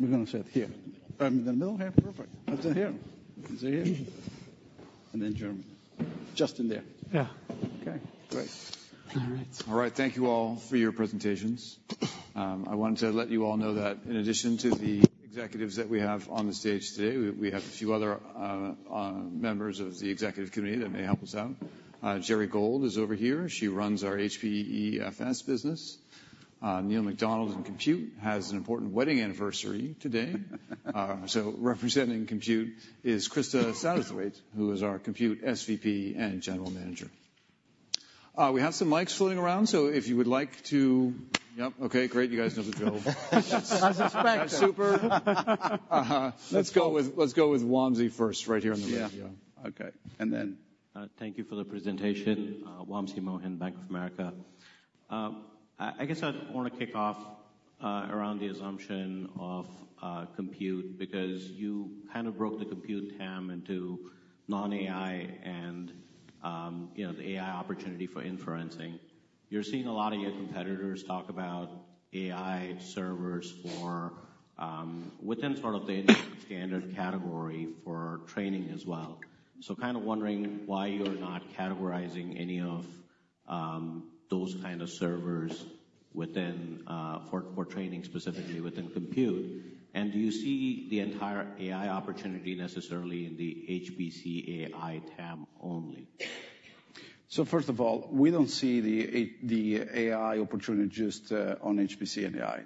S3: we're gonna sit here. The middle here, perfect. Sit here. You sit here, and then Jeremy, Justin there.
S8: Yeah.
S3: Okay, great.
S2: All right. All right, thank you all for your presentations. I wanted to let you all know that in addition to the executives that we have on the stage today, we have a few other members of the executive committee that may help us out. Gerri Gold is over here. She runs our HPE FS business. Neil MacDonald, in Compute, has an important wedding anniversary today. So representing Compute is Krista Satterthwaite, who is our Compute SVP and General Manager. We have some mics floating around, so if you would like to... Yep. Okay, great. You guys know the drill.
S8: As expected.
S2: Super. Let's go with, let's go with Wamsi first, right here in the front row.
S3: Yeah. Okay, and then-
S9: Thank you for the presentation. Wamsi Mohan, Bank of America. I guess I'd want to kick off around the assumption of Compute, because you kind of broke the Compute TAM into non-AI and, you know, the AI opportunity for inferencing. You're seeing a lot of your competitors talk about AI servers or, within sort of the standard category for training as well. So kind of wondering why you're not categorizing any of, those kind of servers within, for training, specifically within Compute. And do you see the entire AI opportunity necessarily in the HPC AI TAM only?
S3: So first of all, we don't see the AI opportunity just on HPC and AI.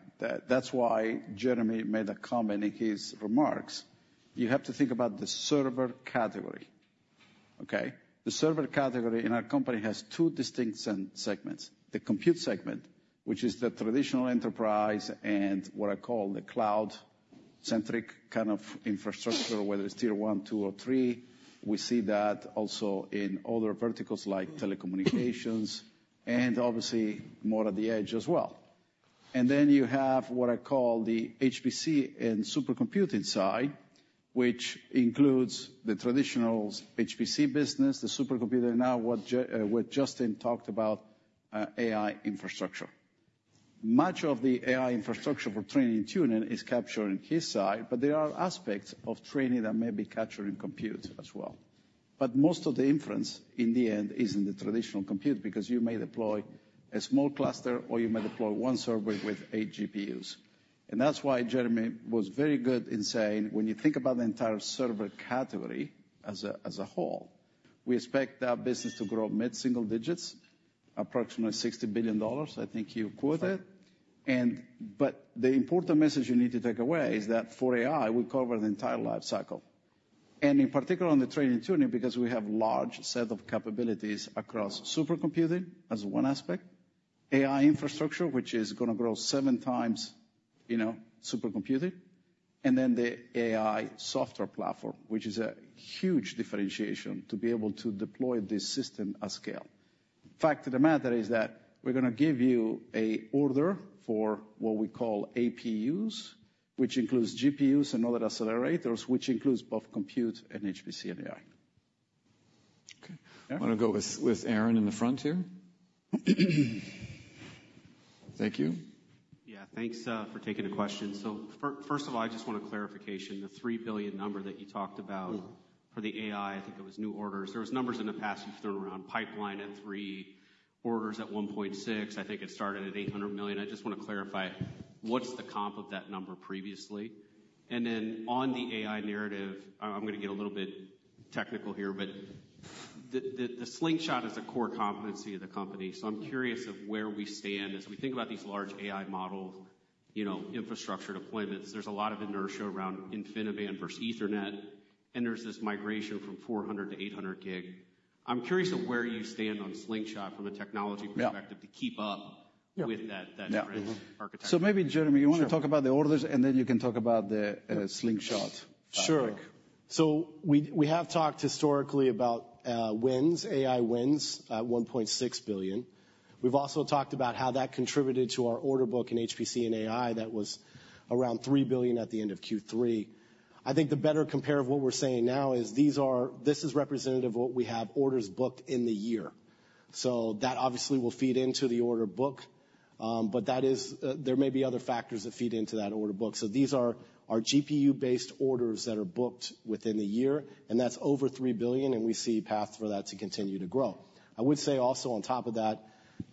S3: That's why Jeremy made a comment in his remarks. You have to think about the server category, okay? The server category in our company has two distinct segments: the Compute segment, which is the traditional enterprise, and what I call the cloud-centric kind of infrastructure, whether it's tier one, two, or three. We see that also in other verticals like telecommunications, and obviously more at the edge as well. And then you have what I call the HPC and supercomputing side, which includes the traditional HPC business, the supercomputing, now what Justin talked about, AI infrastructure. Much of the AI infrastructure for training and tuning is captured in his side, but there are aspects of training that may be captured in Compute as well. But most of the inference, in the end, is in the traditional compute, because you may deploy a small cluster, or you may deploy one server with 8 GPUs. And that's why Jeremy was very good in saying, when you think about the entire server category as a, as a whole, we expect that business to grow mid-single digits, approximately $60 billion, I think you quoted it. And, but the important message you need to take away is that for AI, we cover the entire life cycle, and in particular on the training and tuning, because we have large set of capabilities across supercomputing as one aspect, AI infrastructure, which is gonna grow 7 times, you know, supercomputing, and then the AI software platform, which is a huge differentiation, to be able to deploy this system at scale. Fact of the matter is that we're gonna give you an order for what we call AIs, which includes GPUs and other accelerators, which includes both Compute and HPC and AI.
S2: Okay.
S3: Yeah.
S2: I'm gonna go with Aaron in the front here. Thank you.
S10: Yeah. Thanks for taking the question. So first of all, I just want a clarification. The $3 billion number that you talked about-
S3: Mm-hmm.
S10: For the AI, I think it was new orders. There was numbers in the past you've thrown around, pipeline at $3, orders at $1.6. I think it started at $800 million. I just want to clarify, what's the comp of that number previously? And then on the AI narrative, I, I'm gonna get a little bit technical here, but the Slingshot is a core competency of the company, so I'm curious of where we stand. As we think about these large AI models, you know, infrastructure deployments, there's a lot of inertia around InfiniBand versus Ethernet, and there's this migration from 400-800 gig. I'm curious of where you stand on Slingshot from a technology perspective-
S3: Yeah.
S10: to keep up
S3: Yeah.
S10: with that, that different architecture.
S3: Yeah. So maybe, Jeremy-
S8: Sure.
S3: You want to talk about the orders, and then you can talk about the Slingshot.
S8: Sure. So we have talked historically about wins, AI wins, $1.6 billion. We've also talked about how that contributed to our order book in HPC and AI, that was around $3 billion at the end of Q3. I think the better compare of what we're saying now is these are, this is representative of what we have orders booked in the year. So that obviously will feed into the order book, but that is, there may be other factors that feed into that order book. So these are GPU-based orders that are booked within the year, and that's over $3 billion, and we see path for that to continue to grow. I would say also on top of that,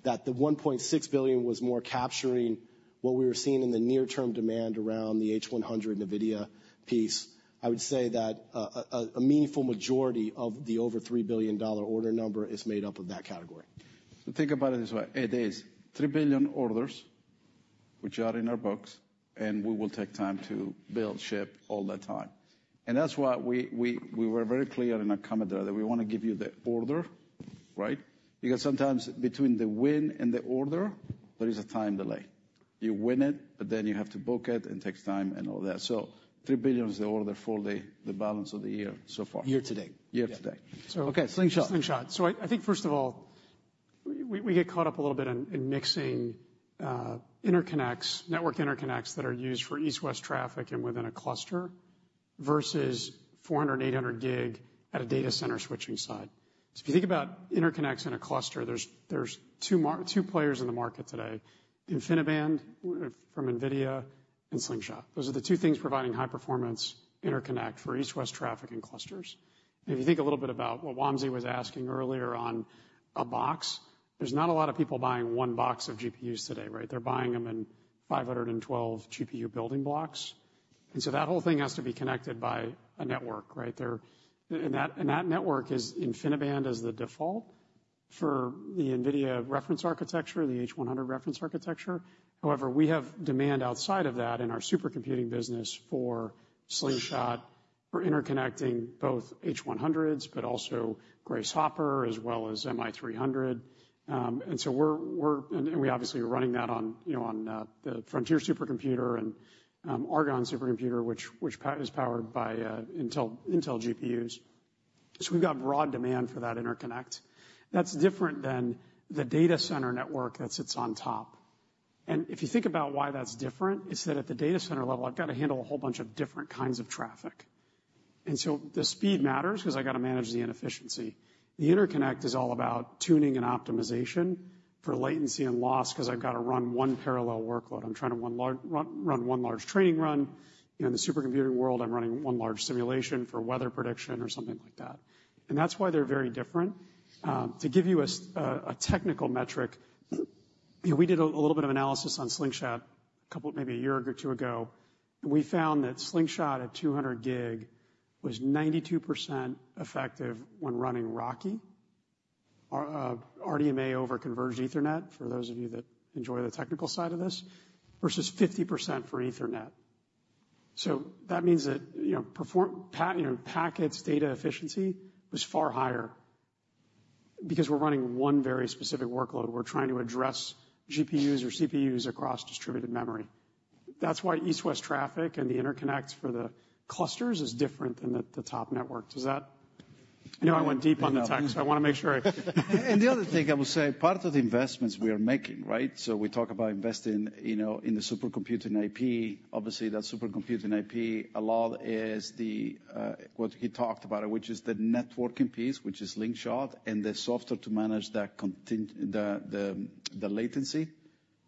S8: that the $1.6 billion was more capturing what we were seeing in the near-term demand around the H100 NVIDIA piece. I would say that a meaningful majority of the over $3 billion order number is made up of that category.
S3: So think about it this way: it is $3 billion orders, which are in our books, and we will take time to build, ship all that time. And that's why we were very clear in our comment there, that we want to give you the order... Right? Because sometimes between the win and the order, there is a time delay. You win it, but then you have to book it, and takes time and all that. So $3 billion is the order for the balance of the year so far.
S8: Year to date.
S3: Year-to-date.
S8: So, okay, Slingshot.
S6: Slingshot. So I, I think first of all, we, we get caught up a little bit in mixing interconnects, network interconnects that are used for east-west traffic and within a cluster, versus 400 and 800 gig at a data center switching side. So if you think about interconnects in a cluster, there's two players in the market today: InfiniBand from NVIDIA and Slingshot. Those are the two things providing high performance interconnect for east-west traffic and clusters. If you think a little bit about what Wamsi was asking earlier on a box, there's not a lot of people buying one box of GPUs today, right? They're buying them in 512 GPU building blocks, and so that whole thing has to be connected by a network, right? And that network is InfiniBand, the default for the NVIDIA reference architecture, the H100 reference architecture. However, we have demand outside of that in our supercomputing business for Slingshot, for interconnecting both H100s, but also Grace Hopper, as well as MI300. And so we obviously are running that on, you know, on the Frontier supercomputer and Argonne supercomputer, which is powered by Intel GPUs. So we've got broad demand for that interconnect. That's different than the data center network that sits on top. And if you think about why that's different, it's that at the data center level, I've got to handle a whole bunch of different kinds of traffic. And so the speed matters because I got to manage the inefficiency. The interconnect is all about tuning and optimization for latency and loss, 'cause I've got to run one parallel workload. I'm trying to run one large training run. In the supercomputing world, I'm running one large simulation for weather prediction or something like that. And that's why they're very different. To give you a technical metric, we did a little bit of analysis on Slingshot, maybe a year or two ago. We found that Slingshot at 200 gig was 92% effective when running RoCE, RDMA over Converged Ethernet, for those of you that enjoy the technical side of this, versus 50% for Ethernet. So that means that, you know, packets data efficiency was far higher because we're running one very specific workload. We're trying to address GPUs or CPUs across distributed memory. That's why east-west traffic and the interconnect for the clusters is different than the top network. Does that... I know I went deep on the tech, so I want to make sure I -
S3: The other thing I will say, part of the investments we are making, right? We talk about investing, you know, in the supercomputing IP. Obviously, that supercomputing IP, a lot is the what he talked about, which is the networking piece, which is Slingshot, and the software to manage that latency.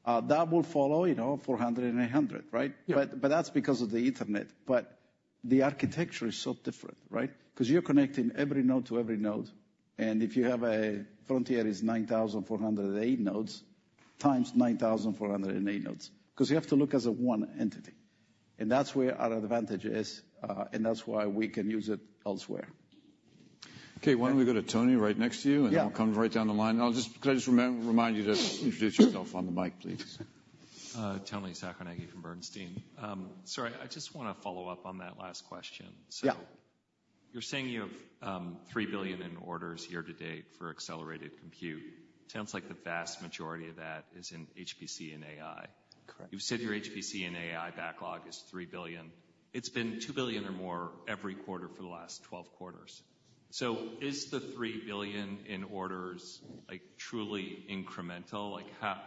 S3: That will follow, you know, 400 and 800, right?
S6: Yeah.
S3: But that's because of the internet. But the architecture is so different, right? Because you're connecting every node to every node, and if you have a Frontier, is 9,408 nodes, times 9,408 nodes. Because you have to look as a one entity, and that's where our advantage is, and that's why we can use it elsewhere.
S8: Okay, why don't we go to Toni, right next to you?
S3: Yeah.
S8: He'll come right down the line. Can I just remind you to introduce yourself on the mic, please.
S11: Toni Sacconaghi from Bernstein. So I just wanna follow up on that last question.
S3: Yeah.
S11: So you're saying you have $3 billion in orders year to date for accelerated compute. Sounds like the vast majority of that is in HPC and AI.
S8: Correct.
S11: You've said your HPC and AI backlog is $3 billion. It's been $2 billion or more every quarter for the last 12 quarters. So is the $3 billion in orders, like, how,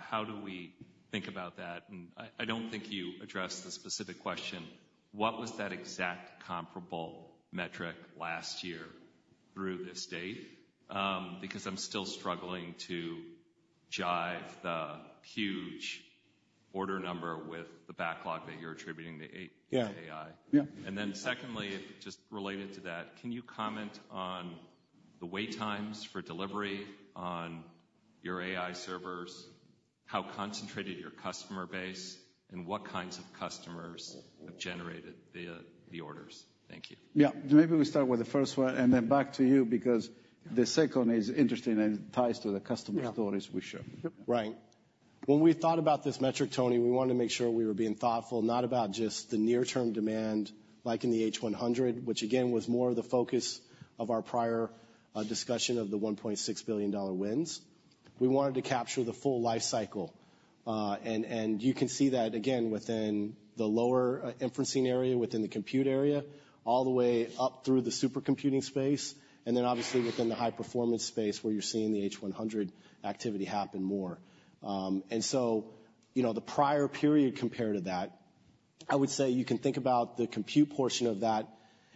S11: how do we think about that? And I, I don't think you addressed the specific question, what was that exact comparable metric last year through this date? Because I'm still struggling to jive the huge order number with the backlog that you're attributing to A-
S3: Yeah.
S11: AI.
S3: Yeah.
S11: Then secondly, just related to that, can you comment on the wait times for delivery on your AI servers? How concentrated your customer base, and what kinds of customers have generated the orders? Thank you.
S3: Yeah. Maybe we start with the first one and then back to you, because the second is interesting and ties to the customer-
S8: Yeah
S3: stories we share.
S8: Right. When we thought about this metric, Toni, we wanted to make sure we were being thoughtful, not about just the near-term demand, like in the H100, which again, was more of the focus of our prior discussion of the $1.6 billion wins. We wanted to capture the full life cycle, and you can see that again, within the lower inferencing area, within the compute area, all the way up through the supercomputing space, and then obviously within the high-performance space, where you're seeing the H100 activity happen more. And so, you know, the prior period compared to that, I would say you can think about the compute portion of that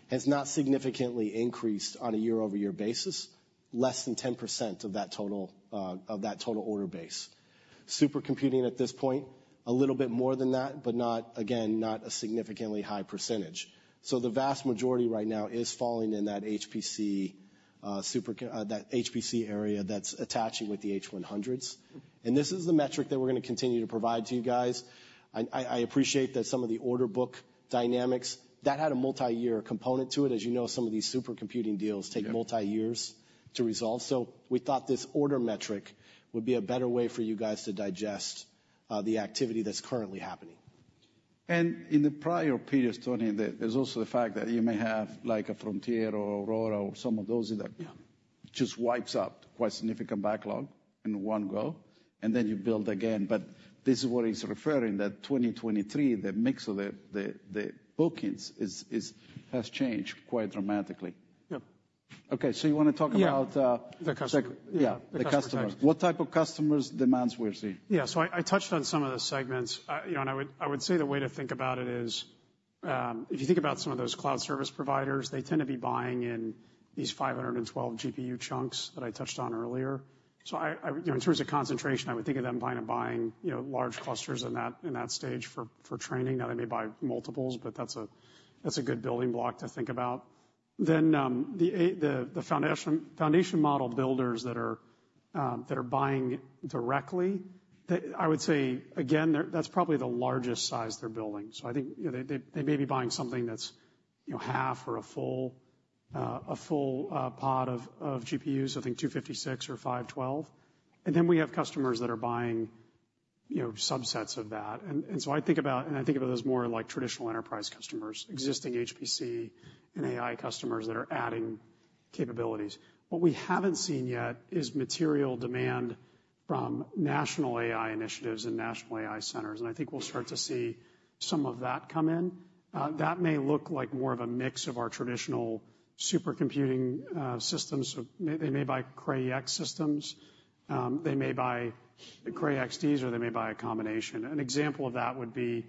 S8: has not significantly increased on a year-over-year basis, less than 10% of that total of that total order base. Supercomputing at this point, a little bit more than that, but not, again, not a significantly high percentage. So the vast majority right now is falling in that HPC, that HPC area that's attaching with the H100s. And this is the metric that we're going to continue to provide to you guys. I appreciate that some of the order book dynamics, that had a multi-year component to it. As you know, some of these supercomputing deals-
S3: Yeah
S8: take multi years to resolve. So we thought this order metric would be a better way for you guys to digest, the activity that's currently happening....
S3: in the prior periods, Toni, there, there's also the fact that you may have like a Frontier or Aurora or some of those that-
S6: Yeah.
S3: just wipes out quite significant backlog in one go, and then you build again. But this is what he's referring to, that 2023, the mix of the bookings has changed quite dramatically.
S6: Yeah.
S3: Okay, so you wanna talk about,
S6: Yeah, the customer.
S3: Yeah, the customers. What type of customers demands we're seeing?
S6: Yeah. So I touched on some of the segments. You know, and I would say the way to think about it is, if you think about some of those cloud service providers, they tend to be buying in these 512 GPU chunks that I touched on earlier. So you know, in terms of concentration, I would think of them buying and buying, you know, large clusters in that, in that stage for, for training. Now, they may buy multiples, but that's a, that's a good building block to think about. Then, the foundation model builders that are, that are buying directly, they... I would say again, they're, that's probably the largest size they're building. So I think, you know, they may be buying something that's, you know, half or a full pod of GPUs, I think 256 or 512. And then we have customers that are buying, you know, subsets of that. And so I think about those more like traditional enterprise customers, existing HPC and AI customers that are adding capabilities. What we haven't seen yet is material demand from national AI initiatives and national AI centers, and I think we'll start to see some of that come in. That may look like more of a mix of our traditional supercomputing systems. So they may buy Cray EX systems, they may buy Cray XDs, or they may buy a combination. An example of that would be,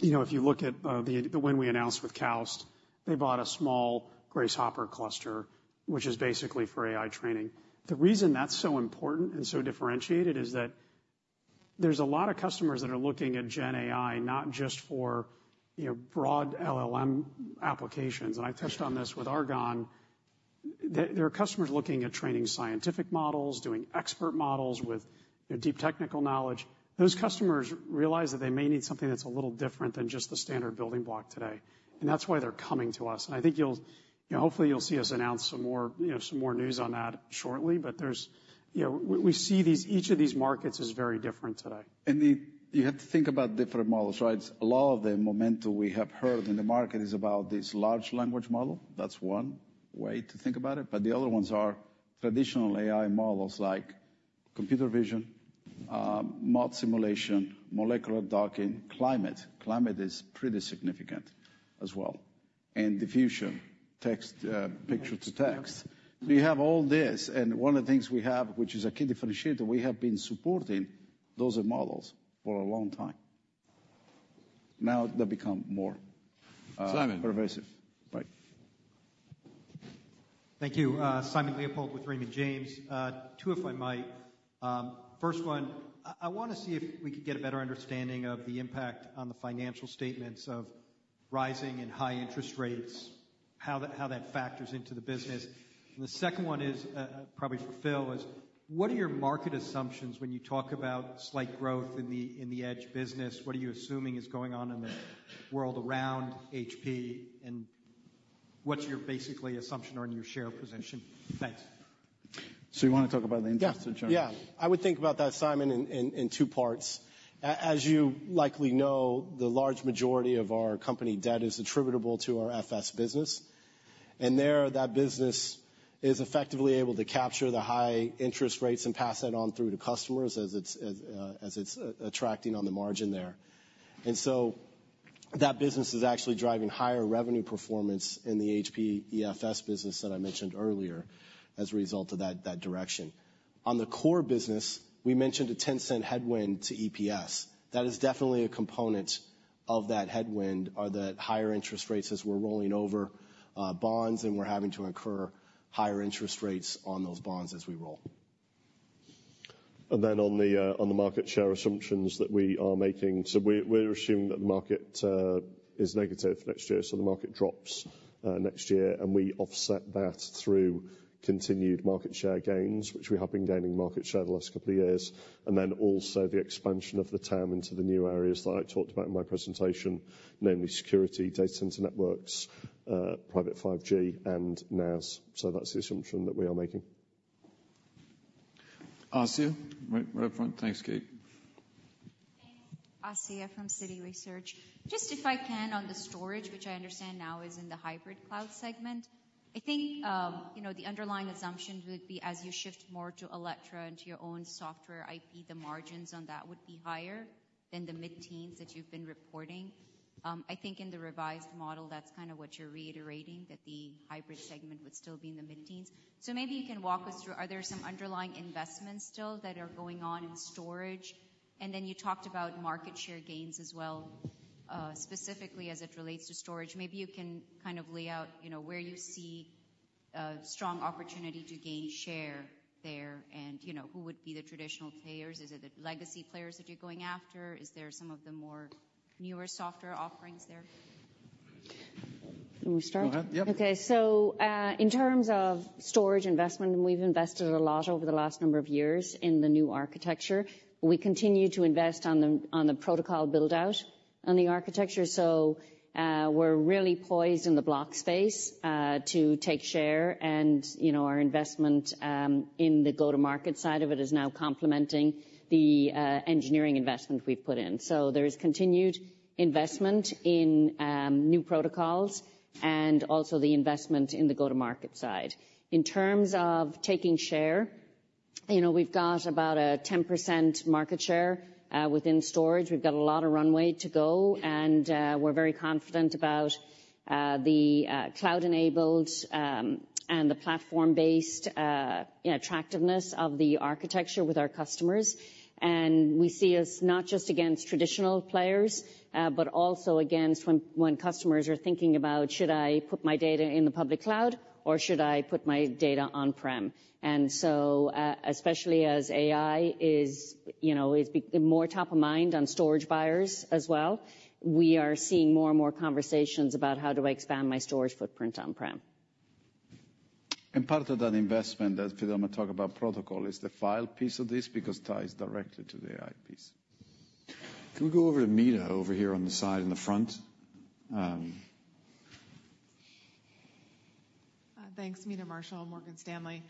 S6: you know, if you look at the win we announced with KAUST, they bought a small Grace Hopper cluster, which is basically for AI training. The reason that's so important and so differentiated is that there's a lot of customers that are looking at GenAI, not just for, you know, broad LLM applications, and I touched on this with Argonne. There are customers looking at training scientific models, doing expert models with, you know, deep technical knowledge. Those customers realize that they may need something that's a little different than just the standard building block today, and that's why they're coming to us. And I think you'll, you know, hopefully you'll see us announce some more, you know, some more news on that shortly. But there's, you know, we see these—each of these markets is very different today.
S3: You have to think about different models, right? A lot of the momentum we have heard in the market is about this large language model. That's one way to think about it, but the other ones are traditional AI models like computer vision, ModSim, molecular docking, climate. Climate is pretty significant as well, and diffusion, text, picture to text.
S6: Yes.
S3: We have all this, and one of the things we have, which is a key differentiator, we have been supporting those models for a long time. Now they become more,
S4: Simon.
S3: Pervasive. Right.
S12: Thank you. Simon Leopold with Raymond James. Two, if I might. First one, I wanna see if we could get a better understanding of the impact on the financial statements of rising and high interest rates, how that factors into the business. And the second one is, probably for Phil, what are your market assumptions when you talk about slight growth in the Edge business? What are you assuming is going on in the world around HPE, and what's your basically assumption on your share position? Thanks.
S3: So you wanna talk about the interest to start?
S8: Yeah. Yeah. I would think about that, Simon, in two parts. As you likely know, the large majority of our company debt is attributable to our FS business, and there, that business is effectively able to capture the high interest rates and pass that on through to customers as it's attracting on the margin there. And so that business is actually driving higher revenue performance in the HPE FS business that I mentioned earlier, as a result of that direction. On the core business, we mentioned a $0.10 headwind to EPS. That is definitely a component of that headwind, are the higher interest rates as we're rolling over bonds, and we're having to incur higher interest rates on those bonds as we roll.
S4: And then on the market share assumptions that we are making, so we're assuming that the market is negative next year, so the market drops next year, and we offset that through continued market share gains, which we have been gaining market share the last couple of years, and then also the expansion of the TAM into the new areas that I talked about in my presentation, namely security, data center networks, private 5G, and NaaS. So that's the assumption that we are making.
S3: Asiya, right, right up front. Thanks, Kate.
S13: Thanks. Asiya from Citi Research. Just if I can, on the storage, which I understand now is in the Hybrid Cloud segment, I think, you know, the underlying assumptions would be as you shift more to Alletra and to your own software IP, the margins on that would be higher than the mid-teens that you've been reporting. I think in the revised model, that's kind of what you're reiterating, that the hybrid segment would still be in the mid-teens. So maybe you can walk us through, are there some underlying investments still that are going on in storage? And then you talked about market share gains as well, specifically as it relates to storage. Maybe you can kind of lay out, you know, where you see a strong opportunity to gain share there and, you know, who would be the traditional players? Is it the legacy players that you're going after? Is there some of the more newer software offerings there?
S5: Can we start?
S3: Go ahead. Yep.
S5: Okay. So, in terms of storage investment, we've invested a lot over the last number of years in the new architecture. We continue to invest on the, on the protocol build-out on the architecture. So, we're really poised in the block space, to take share, and, you know, our investment, in the go-to-market side of it is now complementing the, engineering investment we've put in. So there is continued investment in, new protocols and also the investment in the go-to-market side. In terms of taking share, you know, we've got about a 10% market share, within storage. We've got a lot of runway to go, and, we're very confident about, the, cloud-enabled, and the platform-based, attractiveness of the architecture with our customers. We see us not just against traditional players, but also when customers are thinking about, "Should I put my data in the public cloud, or should I put my data on-prem?" And so, especially as AI is, you know, becoming more top of mind on storage buyers as well, we are seeing more and more conversations about how do I expand my storage footprint on-prem.
S3: Part of that investment, as Phil might talk about protocol, is the file piece of this, because it ties directly to the AI piece.
S2: Can we go over to Meta, over here on the side in the front?
S14: Thanks, Meta Marshall, Morgan Stanley.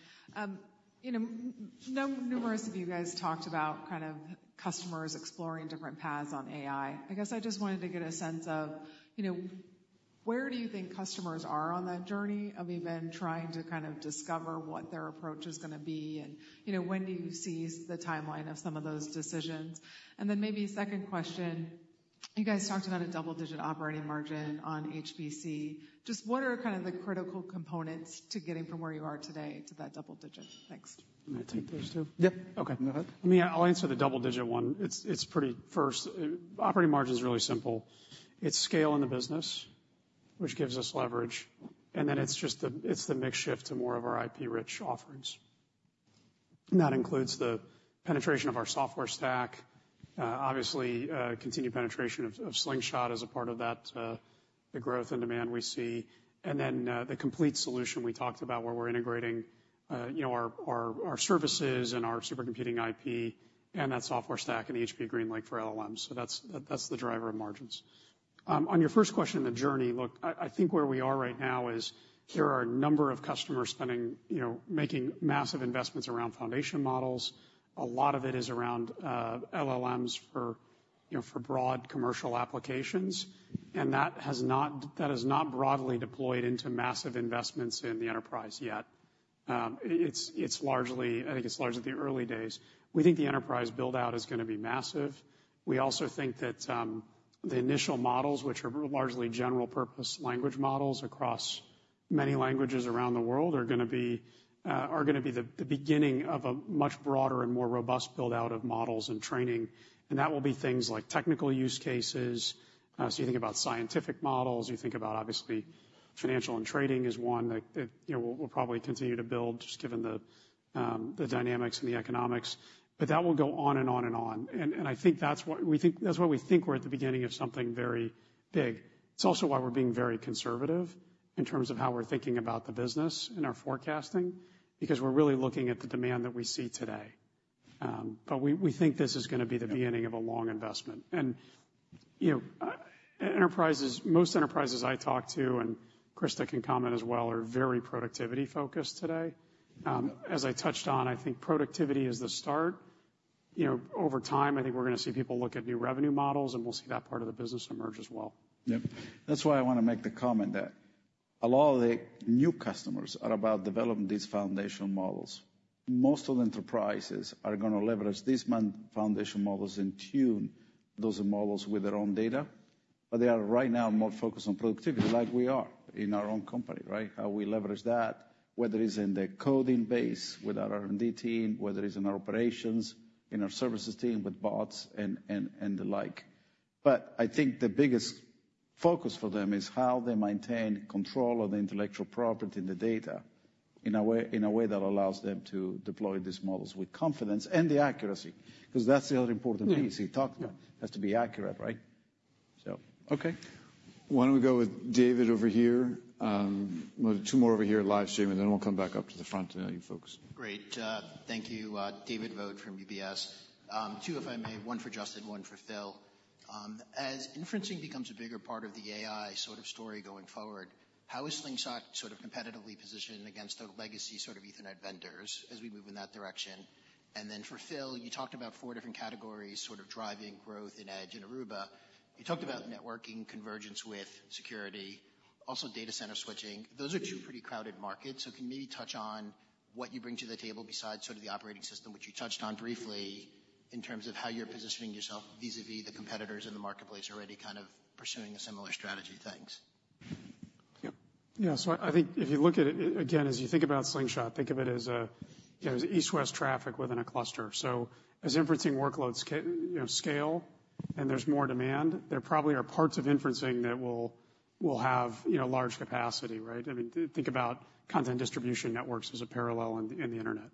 S14: You know, numerous of you guys talked about kind of customers exploring different paths on AI. I guess I just wanted to get a sense of, you know, where do you think customers are on that journey of even trying to kind of discover what their approach is gonna be? And, you know, when do you see the timeline of some of those decisions? And then maybe a second question, you guys talked about a double-digit operating margin on HPC. Just what are kind of the critical components to getting from where you are today to that double digit? Thanks.
S6: I'm gonna take those two.
S2: Yep, okay. Go ahead.
S6: Meta, I'll answer the double-digit one. It's pretty... First, operating margin is really simple. It's scale in the business, which gives us leverage, and then it's just the mix shift to more of our IP-rich offerings. And that includes the penetration of our software stack. Obviously, continued penetration of Slingshot as a part of that, the growth and demand we see. And then, the complete solution we talked about, where we're integrating, you know, our services and our supercomputing IP and that software stack in the HPE GreenLake for LLMs. So that's the driver of margins. On your first question, the journey, look, I think where we are right now is there are a number of customers spending, you know, making massive investments around foundation models. A lot of it is around, LLMs for, you know, for broad commercial applications, and that has not, that has not broadly deployed into massive investments in the enterprise yet. It's largely, I think it's largely the early days. We think the enterprise build-out is gonna be massive. We also think that, the initial models, which are largely general-purpose language models across many languages around the world, are gonna be, are gonna be the, the beginning of a much broader and more robust build-out of models and training. And that will be things like technical use cases. So you think about scientific models, you think about, obviously, financial and trading is one that, that, you know, we'll, we'll probably continue to build, just given the, the dynamics and the economics. But that will go on and on and on. I think that's what we think... That's why we think we're at the beginning of something very big. It's also why we're being very conservative in terms of how we're thinking about the business and our forecasting, because we're really looking at the demand that we see today. But we, we think this is gonna be the beginning of a long investment. And, you, enterprises, most enterprises I talk to, and Krista can comment as well, are very productivity focused today. As I touched on, I think productivity is the start. You know, over time, I think we're gonna see people look at new revenue models, and we'll see that part of the business emerge as well.
S3: Yep. That's why I want to make the comment that a lot of the new customers are about developing these foundational models. Most of the enterprises are gonna leverage these foundation models and tune those models with their own data. But they are right now more focused on productivity, like we are in our own company, right? How we leverage that, whether it's in the coding base with our R&D team, whether it's in our operations, in our services team, with bots and, and, and the like. But I think the biggest focus for them is how they maintain control of the intellectual property and the data in a way, in a way that allows them to deploy these models with confidence and the accuracy, because that's the other important piece-
S6: Mm-hmm.
S3: We talked about.
S6: Yeah.
S3: Has to be accurate, right? So...
S2: Okay. Why don't we go with David over here? Two more over here live streaming, and then we'll come back up to the front, you folks.
S15: Great. Thank you. David Vogt from UBS. Two, if I may, one for Justin, one for Phil. As inferencing becomes a bigger part of the AI sort of story going forward, how is Slingshot sort of competitively positioned against the legacy, sort of Ethernet vendors as we move in that direction? And then for Phil, you talked about four different categories, sort of driving growth in Edge and Aruba. You talked about networking, convergence with security, also data center switching. Those are two pretty crowded markets. So can you maybe touch on what you bring to the table besides sort of the operating system, which you touched on briefly, in terms of how you're positioning yourself vis-a-vis the competitors in the marketplace already kind of pursuing a similar strategy? Thanks.
S6: Yep. Yeah, so I think if you look at it, again, as you think about Slingshot, think of it as, you know, as east-west traffic within a cluster. So as inferencing workloads scale and there's more demand, there probably are parts of inferencing that will have, you know, large capacity, right? I mean, think about content distribution networks as a parallel in the internet.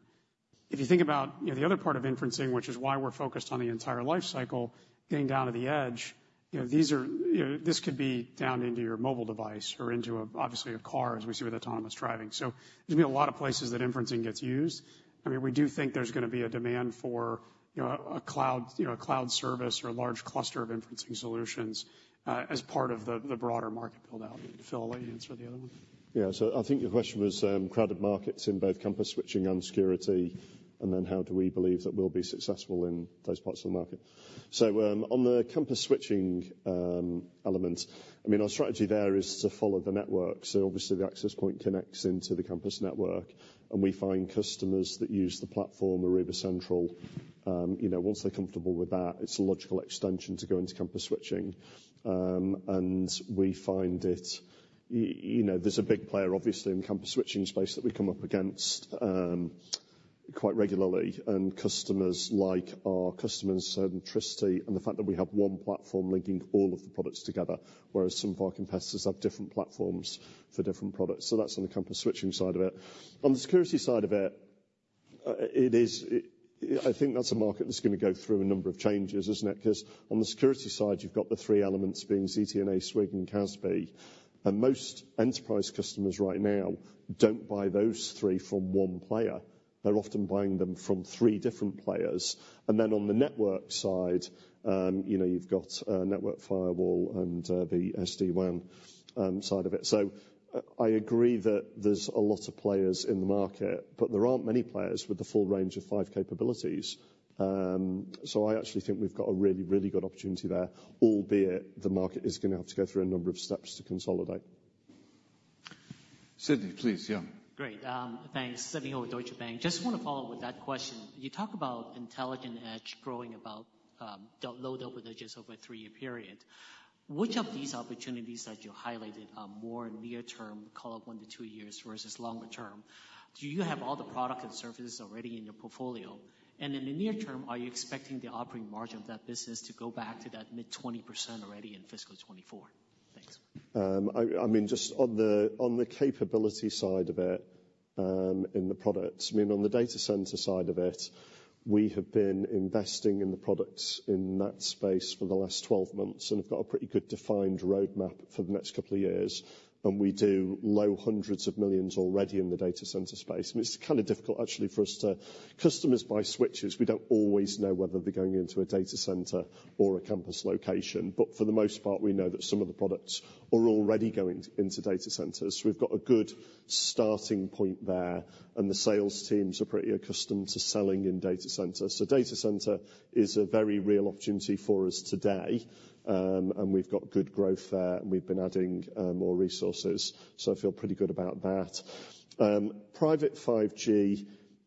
S6: If you think about, you know, the other part of inferencing, which is why we're focused on the entire life cycle, getting down to the edge, you know, these are, you know, this could be down into your mobile device or into, obviously, a car, as we see with autonomous driving. So there's gonna be a lot of places that inferencing gets used. I mean, we do think there's gonna be a demand for, you know, a cloud, you know, a cloud service or a large cluster of inferencing solutions, as part of the broader market build-out. Phil, I'll let you answer the other one.
S4: Yeah, so I think the question was, crowded markets in both campus switching and security, and then how do we believe that we'll be successful in those parts of the market? So, on the campus switching element, I mean, our strategy there is to follow the network. So obviously, the access point connects into the campus network, and we find customers that use the platform, Aruba Central. You know, once they're comfortable with that, it's a logical extension to go into campus switching. And we find it... you know, there's a big player, obviously, in the campus switching space that we come up against quite regularly, and customers like our customer centricity and the fact that we have one platform linking all of the products together, whereas some of our competitors have different platforms for different products. So that's on the campus switching side of it. On the security side of it, I think that's a market that's gonna go through a number of changes, isn't it? Because on the security side, you've got the three elements, being ZTNA, SWG, and CASB. And most enterprise customers right now don't buy those three from one player. They're often buying them from three different players. And then on the network side, you know, you've got network firewall and the SD-WAN side of it. So I agree that there's a lot of players in the market, but there aren't many players with the full range of five capabilities. So I actually think we've got a really, really good opportunity there, albeit the market is gonna have to go through a number of steps to consolidate.
S8: Sidney, please. Yeah.
S16: Great. Thanks. Sidney Ho with Deutsche Bank. Just wanna follow up with that question. You talk about intelligent edge growing about low double digits over a three-year period. Which of these opportunities that you highlighted are more near term, call it one to two years, versus longer term? Do you have all the product and services already in your portfolio? And in the near term, are you expecting the operating margin of that business to go back to that mid-20% already in fiscal 2024? Thanks.
S4: I mean, just on the, on the capability side of it, in the products, I mean, on the data center side of it, we have been investing in the products in that space for the last 12 months, and we've got a pretty good defined roadmap for the next couple of years. And we do $ low hundreds of millions already in the data center space. And it's kind of difficult, actually, for us to— customers buy switches. We don't always know whether they're going into a data center or a campus location. But for the most part, we know that some of the products are already going into data centers. We've got a good starting point there, and the sales teams are pretty accustomed to selling in data centers. So data center is a very real opportunity for us today, and we've got good growth there, and we've been adding more resources, so I feel pretty good about that. private 5G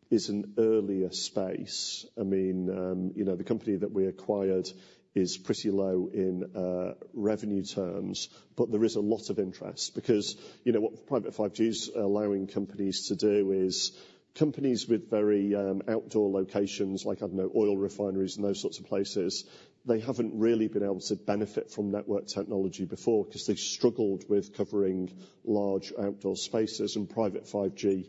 S4: is an earlier space. I mean, you know, the company that we acquired is pretty low in revenue terms, but there is a lot of interest, because, you know, what private 5G is allowing companies to do is, companies with very outdoor locations, like, I don't know, oil refineries and those sorts of places, they haven't really been able to benefit from network technology before because they've struggled with covering large outdoor spaces, and private 5G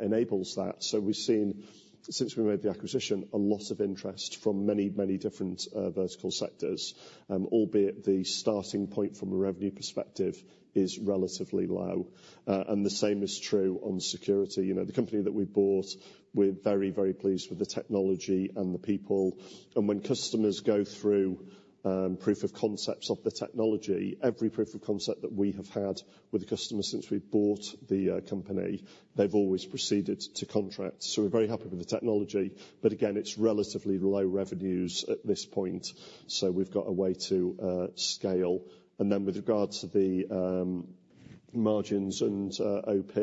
S4: enables that. So we've seen, since we made the acquisition, a lot of interest from many, many different vertical sectors, albeit the starting point from a revenue perspective is relatively low. And the same is true on security. You know, the company that we bought, we're very, very pleased with the technology and the people. And when customers go through proof of concepts of the technology, every proof of concept that we have had with the customer since we bought the company, they've always proceeded to contract. So we're very happy with the technology, but again, it's relatively low revenues at this point, so we've got a way to scale. And then with regards to the margins and OP,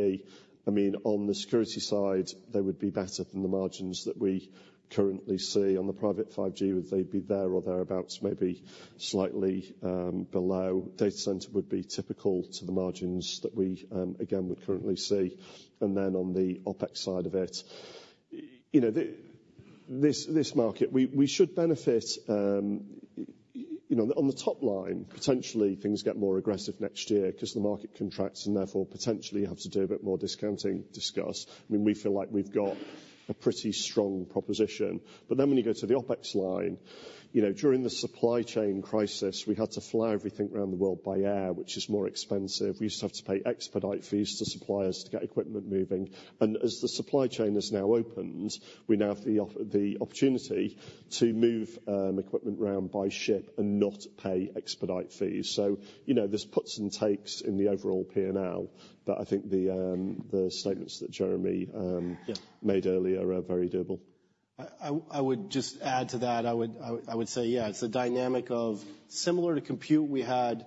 S4: I mean, on the security side, they would be better than the margins that we currently see. On the private 5G, would they be there or thereabouts, maybe slightly below. Data center would be typical to the margins that we, again, we currently see. And then on the OpEx side of it, you know, this market, we should benefit, you know, on the top line, potentially, things get more aggressive next year because the market contracts, and therefore, potentially have to do a bit more discounting discuss. I mean, we feel like we've got a pretty strong proposition. But then when you go to the OpEx line, you know, during the supply chain crisis, we had to fly everything around the world by air, which is more expensive. We used to have to pay expedite fees to suppliers to get equipment moving. And as the supply chain has now opened, we now have the opportunity to move equipment around by ship and not pay expedite fees. You know, there's puts and takes in the overall P&L, but I think the, the statements that Jeremy-
S8: Yeah...
S4: made earlier are very doable.
S8: I would just add to that. I would say, yeah, it's a dynamic of similar to compute, we had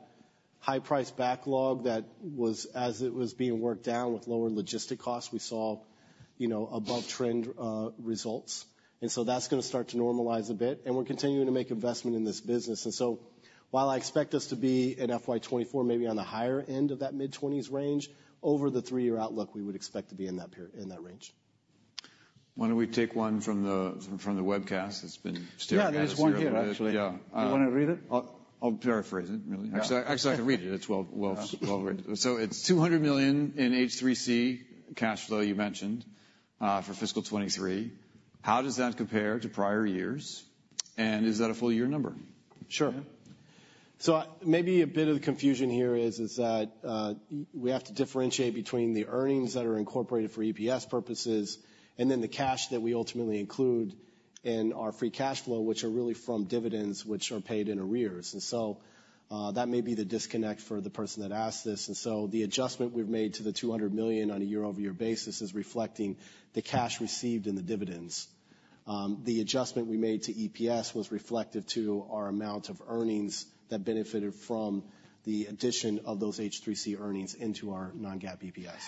S8: high price backlog that was, as it was being worked down with lower logistic costs, we saw, you know, above trend results. And so that's gonna start to normalize a bit, and we're continuing to make investment in this business. And so while I expect us to be in FY 2024, maybe on the higher end of that mid-20s range, over the three-year outlook, we would expect to be in that range.
S2: Why don't we take one from the webcast? It's been staring at us here.
S8: Yeah, there's one here, actually.
S2: Yeah.
S8: You wanna read it?
S2: I'll paraphrase it, really.
S8: Yeah.
S2: Actually, I can read it. It's well, well, well written. So it's $200 million in H3C cash flow you mentioned for fiscal 2023. How does that compare to prior years, and is that a full year number?
S8: Sure. So maybe a bit of the confusion here is that we have to differentiate between the earnings that are incorporated for EPS purposes and then the cash that we ultimately include in our free cash flow, which are really from dividends, which are paid in arrears. And so that may be the disconnect for the person that asked this. And so the adjustment we've made to the $200 million on a year-over-year basis is reflecting the cash received in the dividends. The adjustment we made to EPS was reflective to our amount of earnings that benefited from the addition of those H3C earnings into our non-GAAP EPS....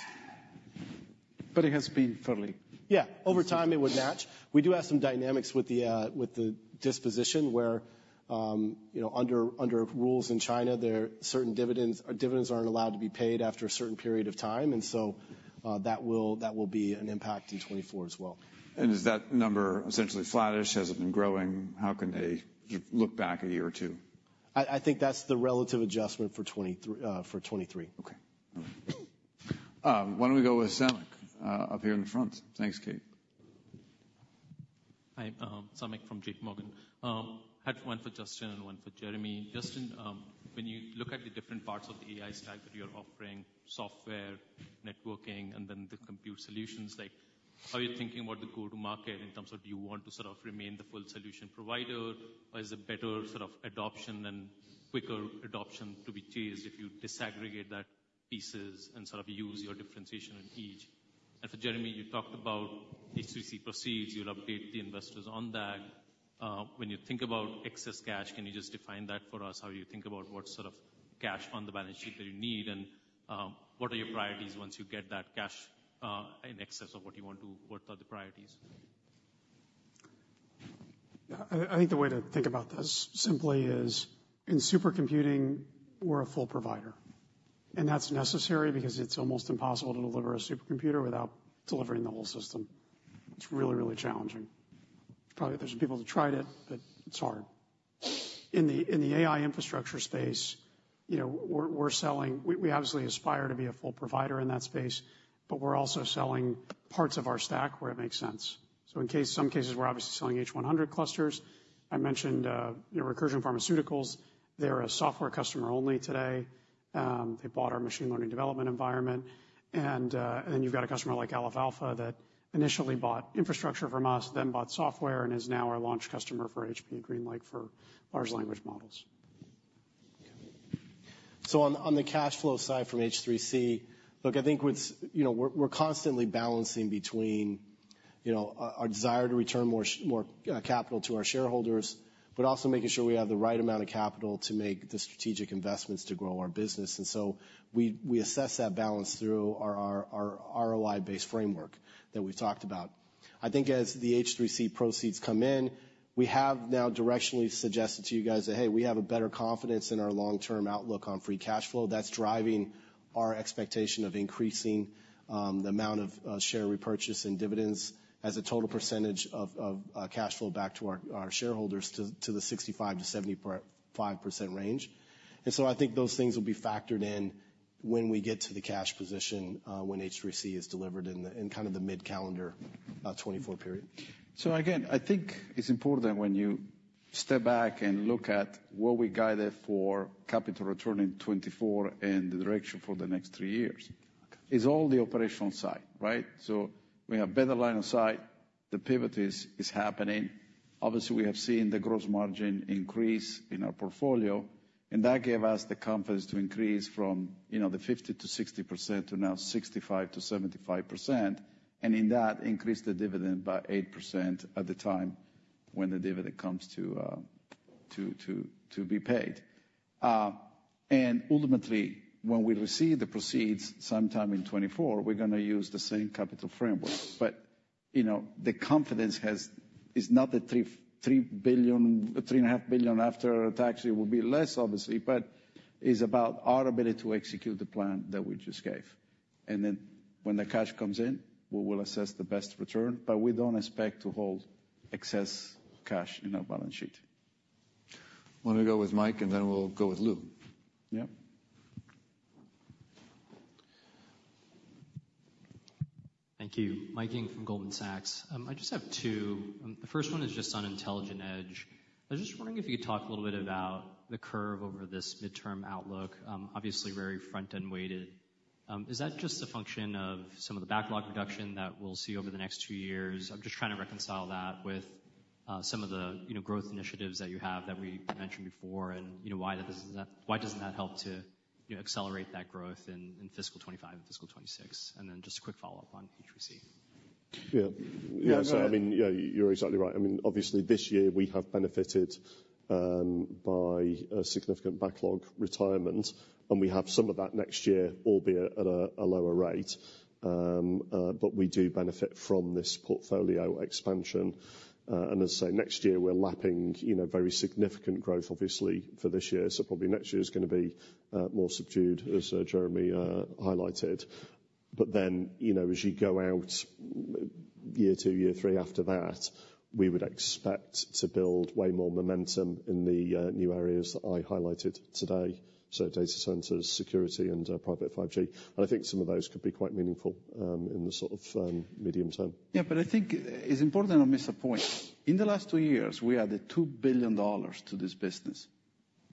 S3: But it has been fully?
S8: Yeah, over time it would match. We do have some dynamics with the, with the disposition, where, you know, under, under rules in China, there are certain dividends, or dividends aren't allowed to be paid after a certain period of time, and so, that will, that will be an impact in 2024 as well.
S2: Is that number essentially flattish? Has it been growing? How can they look back a year or two?
S8: I think that's the relative adjustment for 2023.
S2: Okay. Why don't we go with Samik, up here in the front? Thanks, Kate.
S17: Hi, Samik from JPMorgan. Had one for Justin and one for Jeremy. Justin, when you look at the different parts of the AI stack that you're offering, software, networking, and then the compute solutions, like, how are you thinking about the go-to-market in terms of, do you want to sort of remain the full solution provider, or is a better sort of adoption and quicker adoption to be chased if you disaggregate that pieces and sort of use your differentiation in each? And for Jeremy, you talked about H3C proceeds, you'll update the investors on that. When you think about excess cash, can you just define that for us, how you think about what sort of cash on the balance sheet that you need, and what are your priorities once you get that cash, in excess of what you want to, what are the priorities?
S6: I think the way to think about this simply is, in supercomputing, we're a full provider, and that's necessary because it's almost impossible to deliver a supercomputer without delivering the whole system. It's really, really challenging. Probably there's some people who tried it, but it's hard. In the AI infrastructure space, you know, we're selling. We obviously aspire to be a full provider in that space, but we're also selling parts of our stack where it makes sense. So in some cases we're obviously selling H100 clusters. I mentioned, you know, Recursion Pharmaceuticals. They're a software customer only today. They bought our machine learning development environment, and you've got a customer like Aleph Alpha that initially bought infrastructure from us, then bought software, and is now our launch customer for HPE GreenLake for Large Language Models.
S8: So on the cash flow side from H3C, look, I think with, you know, we're constantly balancing between, you know, our desire to return more capital to our shareholders, but also making sure we have the right amount of capital to make the strategic investments to grow our business. So we assess that balance through our ROI-based framework that we've talked about. I think as the H3C proceeds come in, we have now directionally suggested to you guys that, hey, we have a better confidence in our long-term outlook on free cash flow. That's driving our expectation of increasing the amount of share repurchase and dividends as a total percentage of cash flow back to our shareholders to the 65%-75% range. I think those things will be factored in when we get to the cash position, when H3C is delivered in kind of the mid-calendar 2024 period.
S3: So again, I think it's important when you step back and look at what we guided for capital return in 2024 and the direction for the next three years, is all the operational side, right? So we have better line of sight. The pivot is happening. Obviously, we have seen the gross margin increase in our portfolio, and that gave us the confidence to increase from, you know, the 50%-60% to now 65%-75%, and in that, increase the dividend by 8% at the time when the dividend comes to be paid. And ultimately, when we receive the proceeds sometime in 2024, we're gonna use the same capital framework. But, you know, the confidence is not the $3 billion-$3.5 billion after taxes, it will be less, obviously, but is about our ability to execute the plan that we just gave. And then when the cash comes in, we will assess the best return, but we don't expect to hold excess cash in our balance sheet.
S2: Why don't we go with Mike, and then we'll go with Louis?
S3: Yeah.
S18: Thank you. Mike Ng from Goldman Sachs. I just have two. The first one is just on Intelligent Edge. I was just wondering if you could talk a little bit about the curve over this midterm outlook. Obviously, very front-end weighted. Is that just a function of some of the backlog reduction that we'll see over the next two years? I'm just trying to reconcile that with, some of the, you know, growth initiatives that you have that we mentioned before, and you know, why that doesn't, why doesn't that help to, you know, accelerate that growth in, in fiscal 2025 and fiscal 2026? And then just a quick follow-up on H3C.
S4: Yeah. Yeah, so I mean, yeah, you're exactly right. I mean, obviously this year we have benefited by a significant backlog retirement, and we have some of that next year, albeit at a lower rate. But we do benefit from this portfolio expansion. And as I say, next year, we're lapping, you know, very significant growth, obviously, for this year. So probably next year is gonna be more subdued, as Jeremy highlighted. But then, you know, as you go out year two, year three, after that, we would expect to build way more momentum in the new areas that I highlighted today, so data centers, security, and private 5G. And I think some of those could be quite meaningful in the sort of medium term.
S3: Yeah, but I think it's important to not miss a point. In the last two years, we added $2 billion to this business.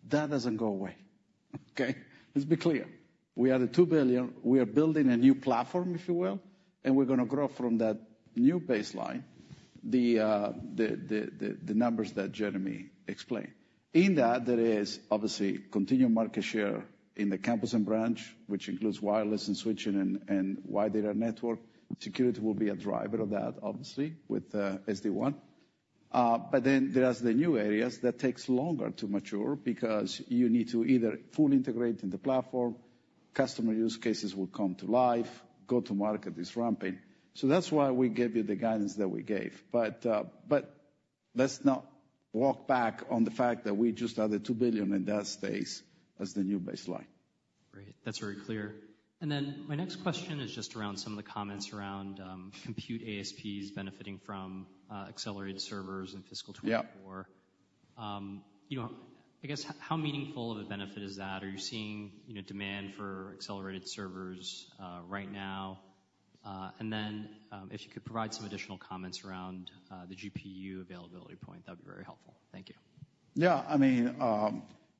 S3: That doesn't go away, okay? Let's be clear. We added $2 billion. We are building a new platform, if you will, and we're gonna grow from that new baseline, the numbers that Jeremy explained. In that, there is obviously continued market share in the campus and branch, which includes wireless and switching and wide area network. Security will be a driver of that, obviously, with SD-WAN, but then there is the new areas that takes longer to mature because you need to either fully integrate in the platform, customer use cases will come to life, go-to-market is ramping. So that's why we gave you the guidance that we gave. But, but let's not walk back on the fact that we just added $2 billion, and that stays as the new baseline.
S18: Great. That's very clear. Then my next question is just around some of the comments around compute ASPs benefiting from accelerated servers in fiscal 2024.
S3: Yeah.
S18: You know, I guess how meaningful of a benefit is that? Are you seeing, you know, demand for accelerated servers right now? And then, if you could provide some additional comments around the GPU availability point, that'd be very helpful. Thank you.
S3: Yeah, I mean,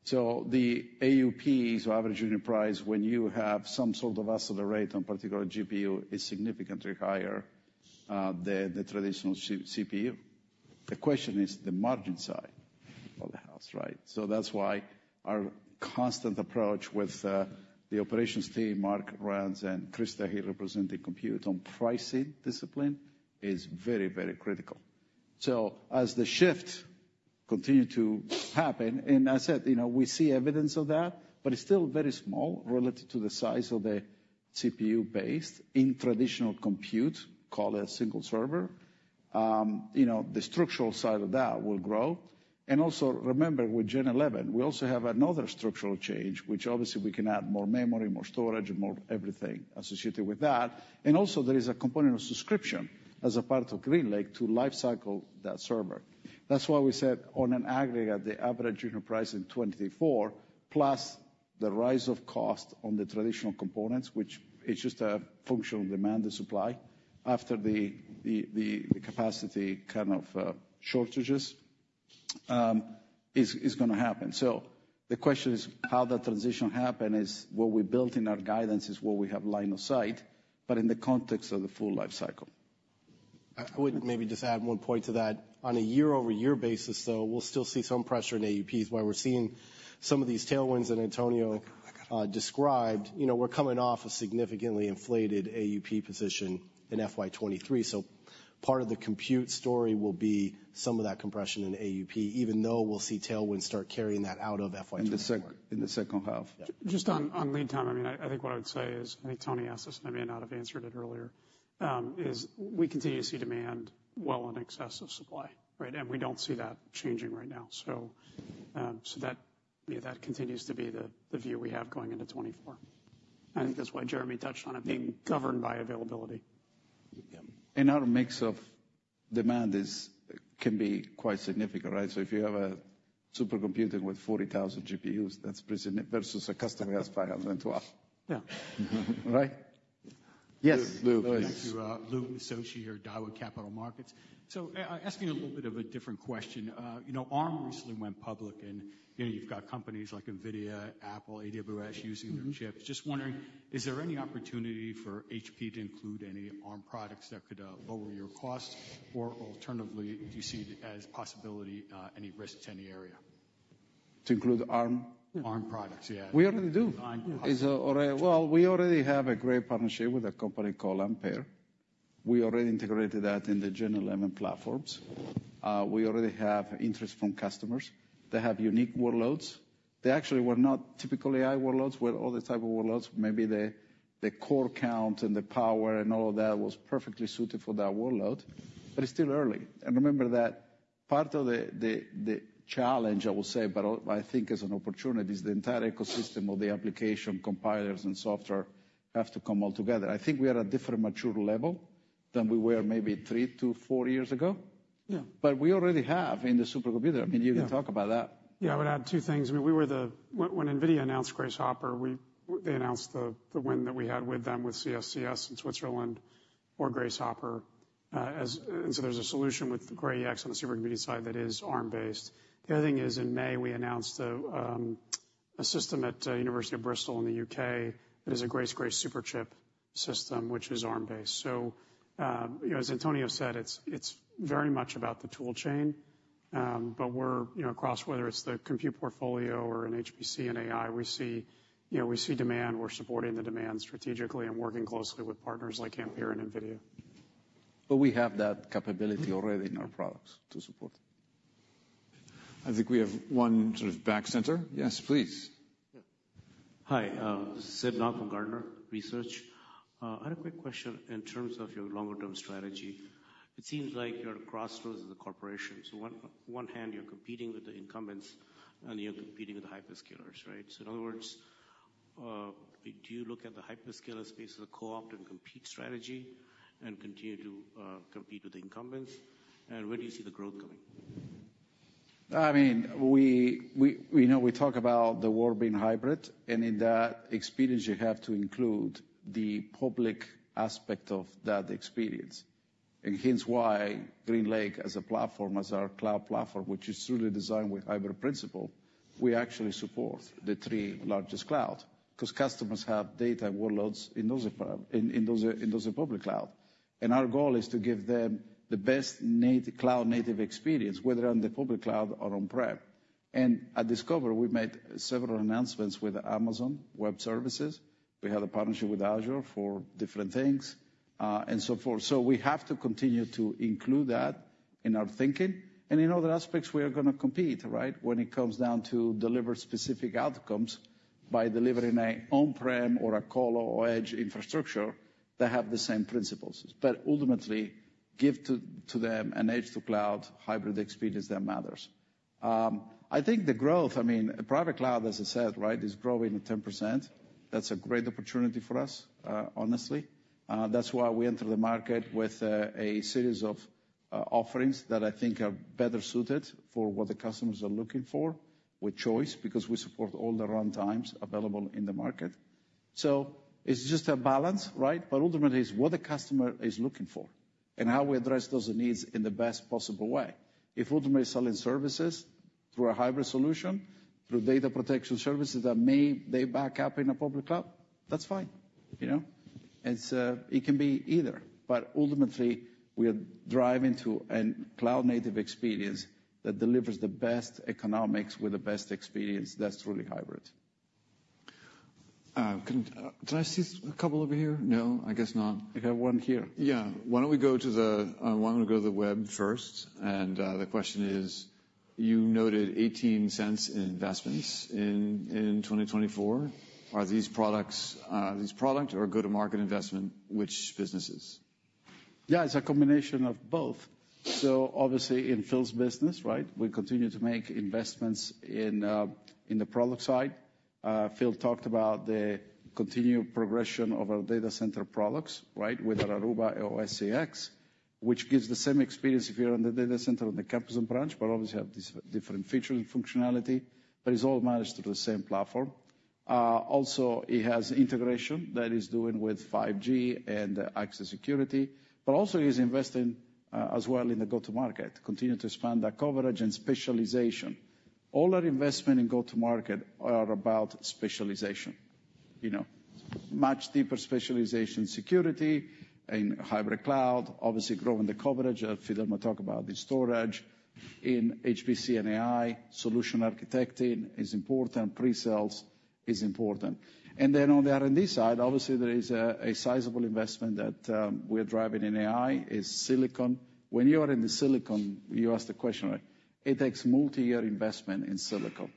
S3: so the AUP, so average unit price, when you have some sort of accelerator on particular GPU, is significantly higher than the traditional CPU. The question is the margin side of the house, right? So that's why our constant approach with the operations team, Mark Lines and Krista here, representing compute on pricing discipline, is very, very critical. So as the shift continue to happen, and as I said, you know, we see evidence of that, but it's still very small relative to the size of the CPU base in traditional compute, call it single server. You know, the structural side of that will grow. And also, remember, with Gen11, we also have another structural change, which obviously we can add more memory, more storage, and more everything associated with that. And also, there is a component of subscription as a part of GreenLake to life cycle that server. That's why we said on an aggregate, the average unit price in 2024, plus the rise of cost on the traditional components, which is just a functional demand and supply, after the capacity kind of shortages, is gonna happen. So the question is how that transition happen is what we built in our guidance, is what we have line of sight, but in the context of the full life cycle.
S8: I would maybe just add one point to that. On a year-over-year basis, though, we'll still see some pressure in AUP. While we're seeing some of these tailwinds that Antonio described, you know, we're coming off a significantly inflated AUP position in FY 2023. So part of the compute story will be some of that compression in AUP, even though we'll see tailwinds start carrying that out of FY 2024.
S3: In the second half.
S8: Yeah.
S6: Just on lead time, I mean, I think what I would say is, I think Toni asked us, and I may not have answered it earlier, is we continue to see demand well in excess of supply, right? And we don't see that changing right now. So, so that, yeah, that continues to be the view we have going into 2024. And that's why Jeremy touched on it being governed by availability.
S3: Yeah. Our mix of demand is, can be quite significant, right? So if you have a supercomputing with 40,000 GPUs, that's pretty significant versus a customer has 512.
S6: Yeah.
S3: Right? Yes, Louis.
S19: Thank you. Louis Miscioscia, Daiwa Capital Markets. So, asking a little bit of a different question. You know, ARM recently went public, and, you know, you've got companies like NVIDIA, Apple, AWS using their chips.
S3: Mm-hmm.
S19: Just wondering, is there any opportunity for HP to include any ARM products that could lower your cost? Or alternatively, do you see a possibility, any risk to any area?
S3: To include ARM?
S19: ARM products, yeah.
S3: We already do.
S19: ARM products.
S3: It's Well, we already have a great partnership with a company called Ampere. We already integrated that in the Gen11 platforms. We already have interest from customers. They have unique workloads. They actually were not typical AI workloads. With other type of workloads, maybe the, the core count and the power and all of that was perfectly suited for that workload, but it's still early. And remember that part of the, the, the challenge, I will say, but I think as an opportunity, is the entire ecosystem of the application compilers and software have to come all together. I think we are at a different mature level than we were maybe 3-4 years ago.
S6: Yeah.
S3: But we already have in the supercomputer.
S6: Yeah.
S3: I mean, you can talk about that.
S6: Yeah, I would add two things. I mean, we were. When NVIDIA announced Grace Hopper, they announced the win that we had with them with CSCS in Switzerland or Grace Hopper, and so there's a solution with Cray EX on the supercomputing side that is ARM-based. The other thing is, in May, we announced a system at University of Bristol in the U.K. It is a Grace Superchip system, which is ARM-based. So, you know, as Antonio said, it's very much about the tool chain. But we're, you know, across whether it's the compute portfolio or in HPC and AI, we see demand. We're supporting the demand strategically and working closely with partners like Ampere and NVIDIA.
S3: But we have that capability already in our products to support.
S8: I think we have one sort of back center. Yes, please.
S20: Yeah. Hi, Sid Nag from Gartner Research. I had a quick question in terms of your longer-term strategy. It seems like you're at a crossroads as a corporation. So on one hand, you're competing with the incumbents, and you're competing with the hyperscalers, right? So in other words, do you look at the hyperscaler space as a co-opt and compete strategy and continue to compete with the incumbents? And where do you see the growth coming?
S3: I mean, we know, we talk about the world being hybrid, and in that experience, you have to include the public aspect of that experience. And hence why GreenLake, as a platform, as our cloud platform, which is truly designed with hybrid principle, we actually support the three largest cloud, 'cause customers have data workloads in those, in those public cloud. And our goal is to give them the best cloud native experience, whether on the public cloud or on-prem.... And at Discover, we made several announcements with Amazon Web Services. We had a partnership with Azure for different things, and so forth. So we have to continue to include that in our thinking, and in other aspects, we are gonna compete, right? When it comes down to deliver specific outcomes by delivering a on-prem or a colo or edge infrastructure that have the same principles, but ultimately give to them an edge to cloud hybrid experience that matters. I think the growth, I mean, private cloud, as I said, right, is growing at 10%. That's a great opportunity for us, honestly. That's why we enter the market with a series of offerings that I think are better suited for what the customers are looking for, with choice, because we support all the runtimes available in the market. So it's just a balance, right? But ultimately, it's what the customer is looking for and how we address those needs in the best possible way. If ultimately selling services through a hybrid solution, through data protection services that may they back up in a public cloud, that's fine, you know? It's, it can be either. But ultimately, we are driving to a cloud-native experience that delivers the best economics with the best experience that's truly hybrid.
S2: Did I see a couple over here? No, I guess not.
S3: I have one here.
S2: Yeah. Why don't we go to the web first, and the question is, you noted $0.18 in investments in 2024. Are these products, these products or go-to-market investment, which businesses?
S3: Yeah, it's a combination of both. So obviously, in Phil's business, right, we continue to make investments in, in the product side. Phil talked about the continued progression of our data center products, right? Whether Aruba or CX, which gives the same experience if you're in the data center or the campus and branch, but obviously have these different features and functionality, but it's all managed through the same platform. Also, it has integration that is doing with 5G and Axis Security, but also is investing, as well in the go-to-market, continue to expand that coverage and specialization. All our investment in go-to-market are about specialization. You know, much deeper specialization security in Hybrid Cloud, obviously growing the coverage. Phil might talk about the storage in HPC and AI. Solution architecting is important. Pre-sales is important. Then on the R&D side, obviously there is a sizable investment that we're driving in AI, is silicon. When you are in the silicon, you ask the question, right, it takes multi-year investment in silicon.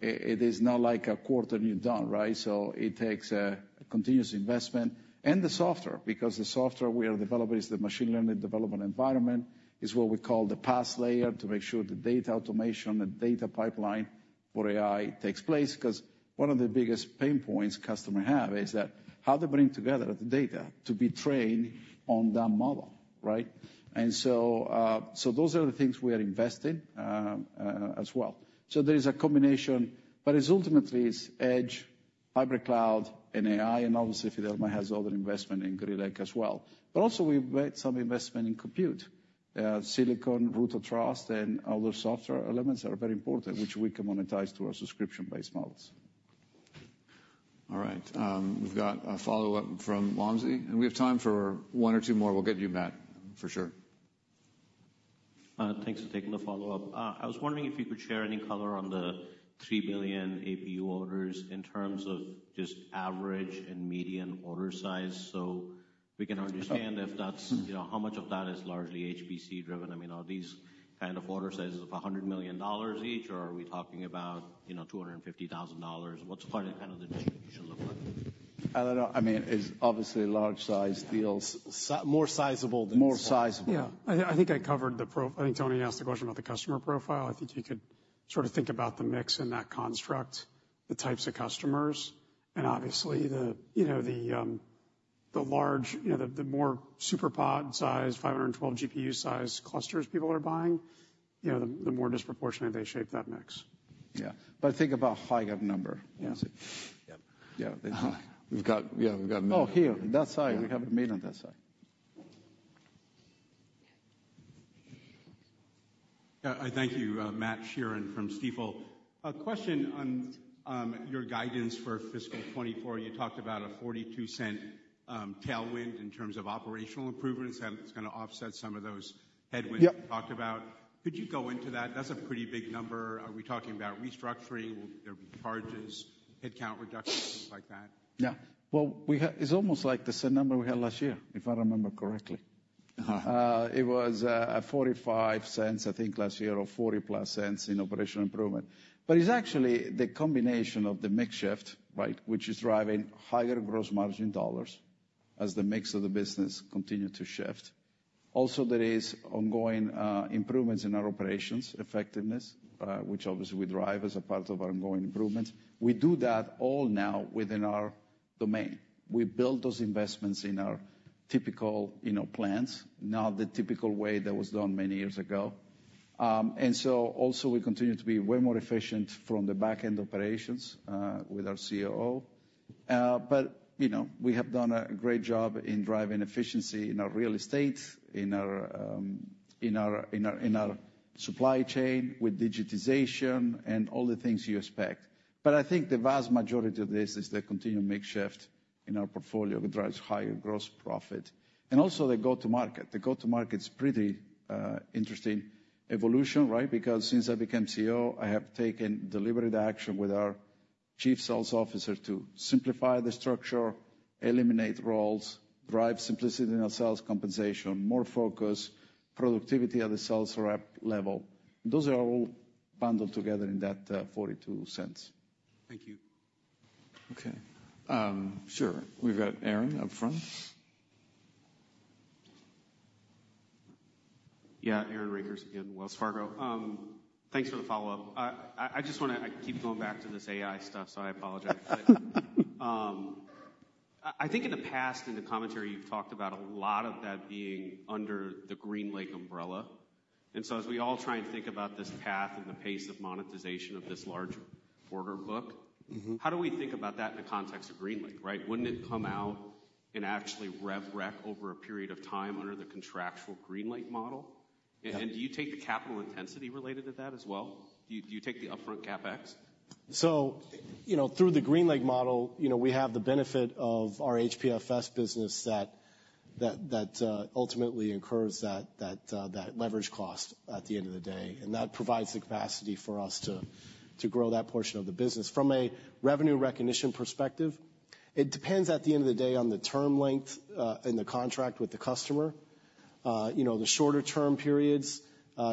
S3: It is not like a quarter and you're done, right? So it takes a continuous investment. And the software, because the software we are developing is the machine learning development environment, is what we call the PaaS layer to make sure the data automation, the data pipeline for AI takes place. 'Cause one of the biggest pain points customer have is that how they bring together the data to be trained on that model, right? And so, so those are the things we are investing, as well. So there is a combination, but it's ultimately is edge, Hybrid Cloud, and AI, and obviously, Fidelma has other investment in GreenLake as well. But also we've made some investment in compute, silicon, Root of Trust, and other software elements that are very important, which we can monetize through our subscription-based models.
S2: All right, we've got a follow-up from Wamsi, and we have time for one or two more. We'll get you, Matt, for sure.
S9: Thanks for taking the follow-up. I was wondering if you could share any color on the $3 billion AI orders in terms of just average and median order size, so we can understand if that's, you know, how much of that is largely HPC driven. I mean, are these kind of order sizes of $100 million each, or are we talking about, you know, $250,000? What's kind of, kind of the distribution look like?
S3: I don't know. I mean, it's obviously large size deals.
S2: More sizable than-
S3: More sizable.
S6: Yeah. I think I covered the... I think Toni asked the question about the customer profile. I think you could sort of think about the mix in that construct, the types of customers, and obviously the, you know, the large, you know, the more SuperPOD-sized, 512 GPU-sized clusters people are buying, you know, the more disproportionate they shape that mix.
S3: Yeah, but think about high up number.
S9: Yeah.
S3: Yeah.
S2: We've got, yeah.
S3: Oh, here, that side. We have a man on that side.
S21: Thank you. Matt Sheerin from Stifel. A question on your guidance for fiscal 2024. You talked about a $0.42 tailwind in terms of operational improvements, that it's gonna offset some of those headwinds-
S3: Yeah...
S21: you talked about. Could you go into that? That's a pretty big number. Are we talking about restructuring? Will there be charges, headcount reductions, things like that?
S3: Yeah. Well, we have... It's almost like the same number we had last year, if I remember correctly.
S21: Uh.
S3: It was $0.45, I think last year, or $0.40+ in operational improvement. But it's actually the combination of the mix shift, right, which is driving higher gross margin dollars as the mix of the business continue to shift. Also, there is ongoing improvements in our operations effectiveness, which obviously we drive as a part of our ongoing improvements. We do that all now within our domain. We build those investments in our typical, you know, plans, not the typical way that was done many years ago. And so also we continue to be way more efficient from the back-end operations with our COO. But, you know, we have done a great job in driving efficiency in our real estate, in our supply chain with digitization and all the things you expect. But I think the vast majority of this is the continued mix shift in our portfolio; it drives higher gross profit. And also the go-to-market. The go-to-market's pretty interesting evolution, right? Because since I became CEO, I have taken deliberate action with our Chief Sales Officer to simplify the structure, eliminate roles, drive simplicity in our sales compensation, more focus, productivity at the sales rep level. Those are all bundled together in that $0.42.
S8: Thank you.
S6: Okay, sure. We've got Aaron up front.
S10: Yeah, Aaron Rakers again, Wells Fargo. Thanks for the follow-up. I just wanna—I keep going back to this AI stuff, so I apologize. I think in the past, in the commentary, you've talked about a lot of that being under the GreenLake umbrella. And so as we all try and think about this path and the pace of monetization of this large order book-
S3: Mm-hmm.
S10: How do we think about that in the context of GreenLake, right? Wouldn't it come out and actually rev rec over a period of time under the contractual GreenLake model?
S3: Yeah.
S10: Do you take the capital intensity related to that as well? Do you take the upfront CapEx?
S8: So, you know, through the GreenLake model, you know, we have the benefit of our HPFS business that ultimately incurs that leverage cost at the end of the day. And that provides the capacity for us to grow that portion of the business. From a revenue recognition perspective, it depends, at the end of the day, on the term length in the contract with the customer. You know, the shorter term periods,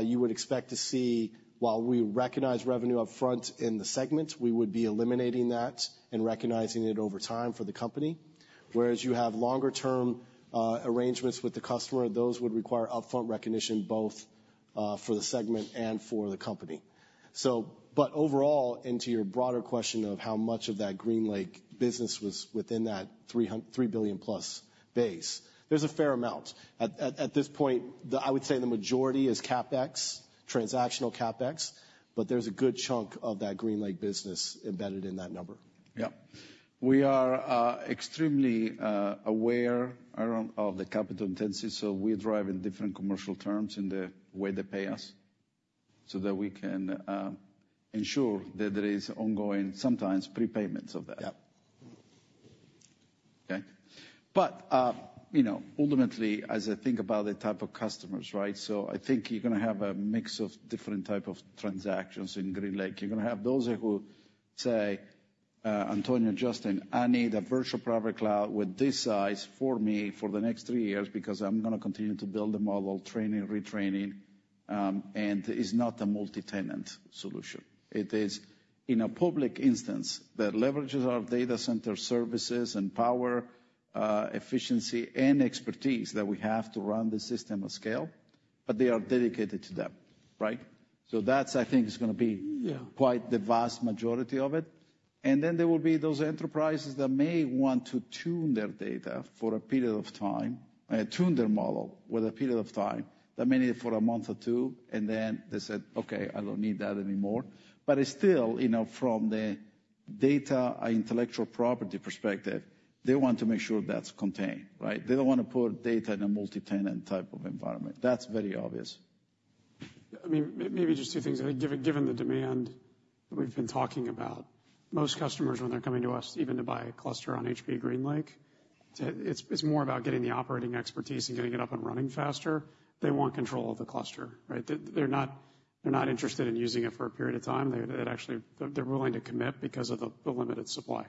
S8: you would expect to see while we recognize revenue up front in the segment, we would be eliminating that and recognizing it over time for the company. Whereas you have longer-term arrangements with the customer, those would require upfront recognition, both for the segment and for the company. So, but overall, and to your broader question of how much of that GreenLake business was within that $3 billion-plus base, there's a fair amount. At this point, I would say the majority is CapEx, transactional CapEx, but there's a good chunk of that GreenLake business embedded in that number.
S3: Yeah. We are extremely aware, Aaron, of the capital intensity, so we drive in different commercial terms in the way they pay us, so that we can ensure that there is ongoing, sometimes prepayments of that.
S8: Yeah.
S3: Okay? But, you know, ultimately, as I think about the type of customers, right? So I think you're gonna have a mix of different type of transactions in Greenlake. You're gonna have those who say, "Antonio, Justin, I need a virtual private cloud with this size for me for the next three years, because I'm gonna continue to build a model, training, retraining," and it's not a multitenant solution. It is in a public instance that leverages our data center services and power, efficiency and expertise that we have to run the system of scale, but they are dedicated to them, right? So that's, I think, is gonna be-
S8: Yeah...
S3: quite the vast majority of it. And then there will be those enterprises that may want to tune their data for a period of time, tune their model with a period of time. That may be for a month or two, and then they said, "Okay, I don't need that anymore." But it's still, you know, from the data intellectual property perspective, they want to make sure that's contained, right? They don't want to put data in a multitenant type of environment. That's very obvious.
S6: I mean, maybe just two things. I mean, given the demand that we've been talking about, most customers, when they're coming to us, even to buy a cluster on HPE GreenLake, it's more about getting the operating expertise and getting it up and running faster. They want control of the cluster, right? They're not interested in using it for a period of time. They're actually willing to commit because of the limited supply.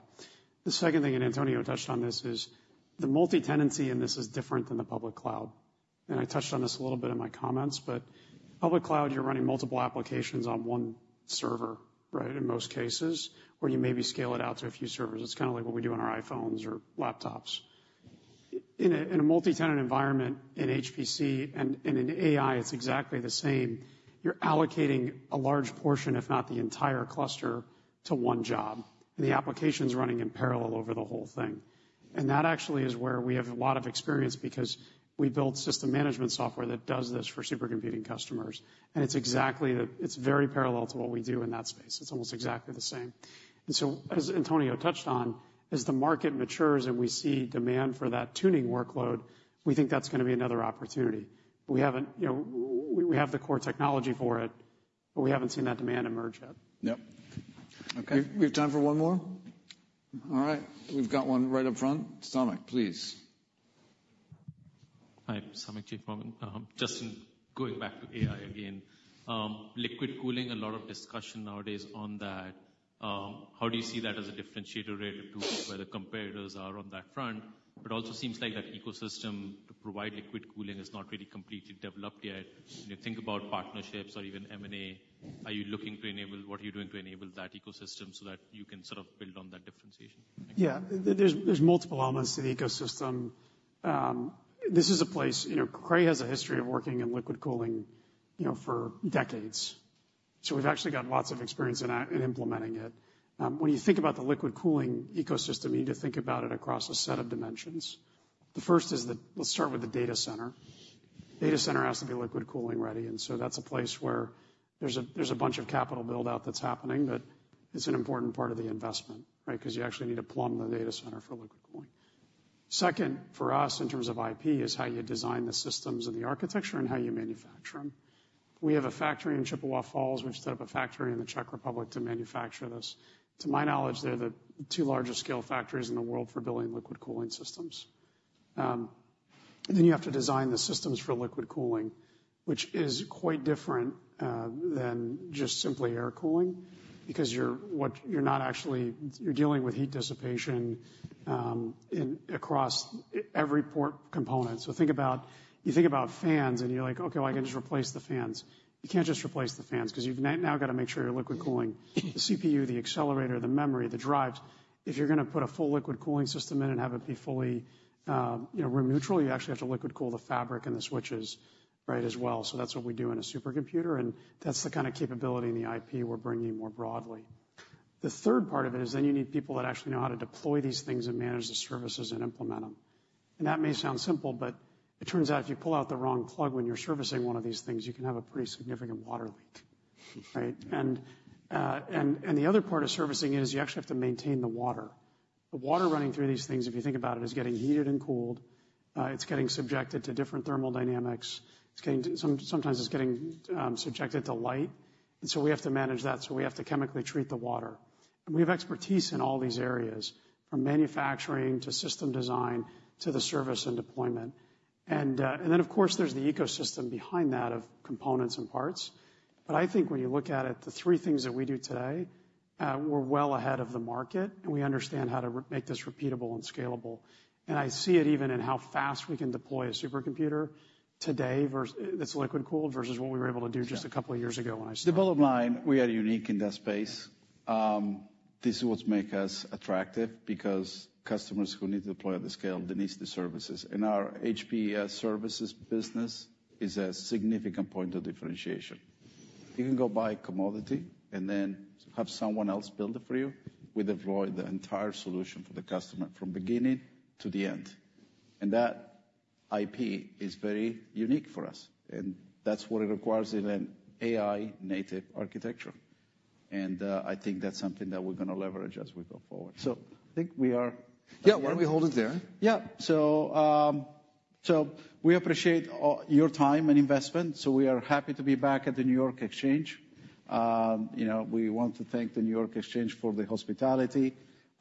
S6: The second thing, and Antonio touched on this, is the multitenancy, and this is different than the public cloud. And I touched on this a little bit in my comments, but public cloud, you're running multiple applications on one server, right? In most cases, or you maybe scale it out to a few servers. It's kinda like what we do on our iPhones or laptops. In a multitenant environment, in HPC and in AI, it's exactly the same. You're allocating a large portion, if not the entire cluster, to one job, and the application's running in parallel over the whole thing. And that actually is where we have a lot of experience because we built system management software that does this for supercomputing customers, and it's exactly the... It's very parallel to what we do in that space. It's almost exactly the same. And so, as Antonio touched on, as the market matures and we see demand for that tuning workload, we think that's gonna be another opportunity. We haven't, you know, we have the core technology for it, but we haven't seen that demand emerge yet.
S3: Yep.
S6: Okay. We have time for one more? All right, we've got one right up front. Samik, please.
S17: Hi, Samik Chatterjee. Justin, going back to AI again, liquid cooling, a lot of discussion nowadays on that. How do you see that as a differentiated to where the competitors are on that front? Also seems like that ecosystem to provide liquid cooling is not really completely developed yet. When you think about partnerships or even M&A, are you looking to enable - what are you doing to enable that ecosystem so that you can sort of build on that differentiation?
S6: Yeah. There's multiple elements to the ecosystem. This is a place, you know, Cray has a history of working in liquid cooling, you know, for decades, so we've actually got lots of experience in implementing it. When you think about the liquid cooling ecosystem, you need to think about it across a set of dimensions. The first is the... Let's start with the data center. Data center has to be liquid cooling ready, and so that's a place where there's a bunch of capital build-out that's happening, but it's an important part of the investment, right? Because you actually need to plumb the data center for liquid cooling. Second, for us, in terms of IP, is how you design the systems and the architecture and how you manufacture them. We have a factory in Chippewa Falls. We've set up a factory in the Czech Republic to manufacture this. To my knowledge, they're the two largest scale factories in the world for building liquid cooling systems. Then you have to design the systems for liquid cooling, which is quite different than just simply air cooling, because you're dealing with heat dissipation across every port component. So you think about fans, and you're like, "Okay, well, I can just replace the fans." You can't just replace the fans, 'cause you've now got to make sure your liquid cooling, the CPU, the accelerator, the memory, the drives. If you're gonna put a full liquid cooling system in and have it be fully, you know, room neutral, you actually have to liquid cool the fabric and the switches, right, as well. So that's what we do in a supercomputer, and that's the kind of capability in the IP we're bringing more broadly. The third part of it is then you need people that actually know how to deploy these things and manage the services and implement them. And that may sound simple, but it turns out, if you pull out the wrong plug when you're servicing one of these things, you can have a pretty significant water leak, right? And the other part of servicing is you actually have to maintain the water. The water running through these things, if you think about it, is getting heated and cooled. It's getting subjected to different thermodynamics. Sometimes it's getting subjected to light, and so we have to manage that, so we have to chemically treat the water. We have expertise in all these areas, from manufacturing to system design to the service and deployment. And then, of course, there's the ecosystem behind that, of components and parts. But I think when you look at it, the three things that we do today, we're well ahead of the market, and we understand how to make this repeatable and scalable. And I see it even in how fast we can deploy a supercomputer today versus that's liquid cooled, versus what we were able to do just a couple of years ago when I started.
S3: The bottom line, we are unique in that space. This is what make us attractive, because customers who need to deploy at the scale, they need the services. Our HPE's services business is a significant point of differentiation. You can go buy commodity and then have someone else build it for you. We deploy the entire solution for the customer from beginning to the end, and that IP is very unique for us, and that's what it requires in an AI-native architecture. I think that's something that we're gonna leverage as we go forward. So I think we are-
S6: Yeah, why don't we hold it there?
S3: Yeah. So, so we appreciate all your time and investment. So we are happy to be back at the New York Stock Exchange. You know, we want to thank the New York Stock Exchange for the hospitality.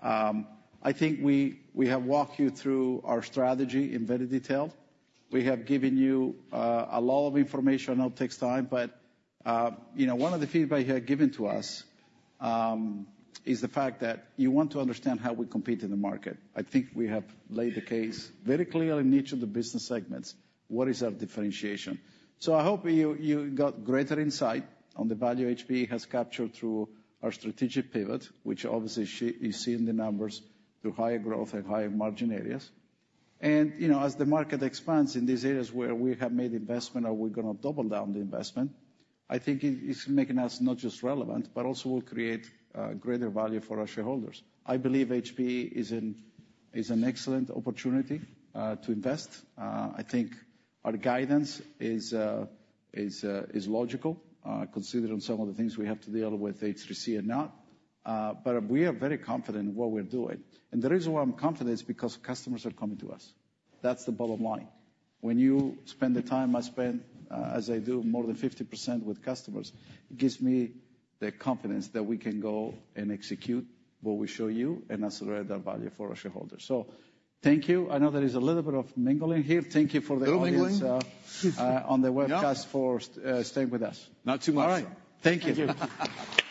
S3: I think we, we have walked you through our strategy in very detail. We have given you, a lot of information. I know it takes time, but, you know, one of the feedback you have given to us, is the fact that you want to understand how we compete in the market. I think we have laid the case very clear in each of the business segments. What is our differentiation? So I hope you, you got greater insight on the value HPE has captured through our strategic pivot, which obviously you see in the numbers, through higher growth and higher margin areas. You know, as the market expands in these areas where we have made investment or we're gonna double down the investment, I think it's making us not just relevant, but also will create greater value for our shareholders. I believe HPE is an excellent opportunity to invest. I think our guidance is logical, considering some of the things we have to deal with, HPC and not. But we are very confident in what we're doing. And the reason why I'm confident is because customers are coming to us. That's the bottom line. When you spend the time I spend, as I do, more than 50% with customers, it gives me the confidence that we can go and execute what we show you and accelerate our value for our shareholders. Thank you. I know there is a little bit of mingling here. Thank you for the audience-
S6: Mingling?
S3: on the webcast for staying with us.
S6: Not too much.
S3: All right. Thank you.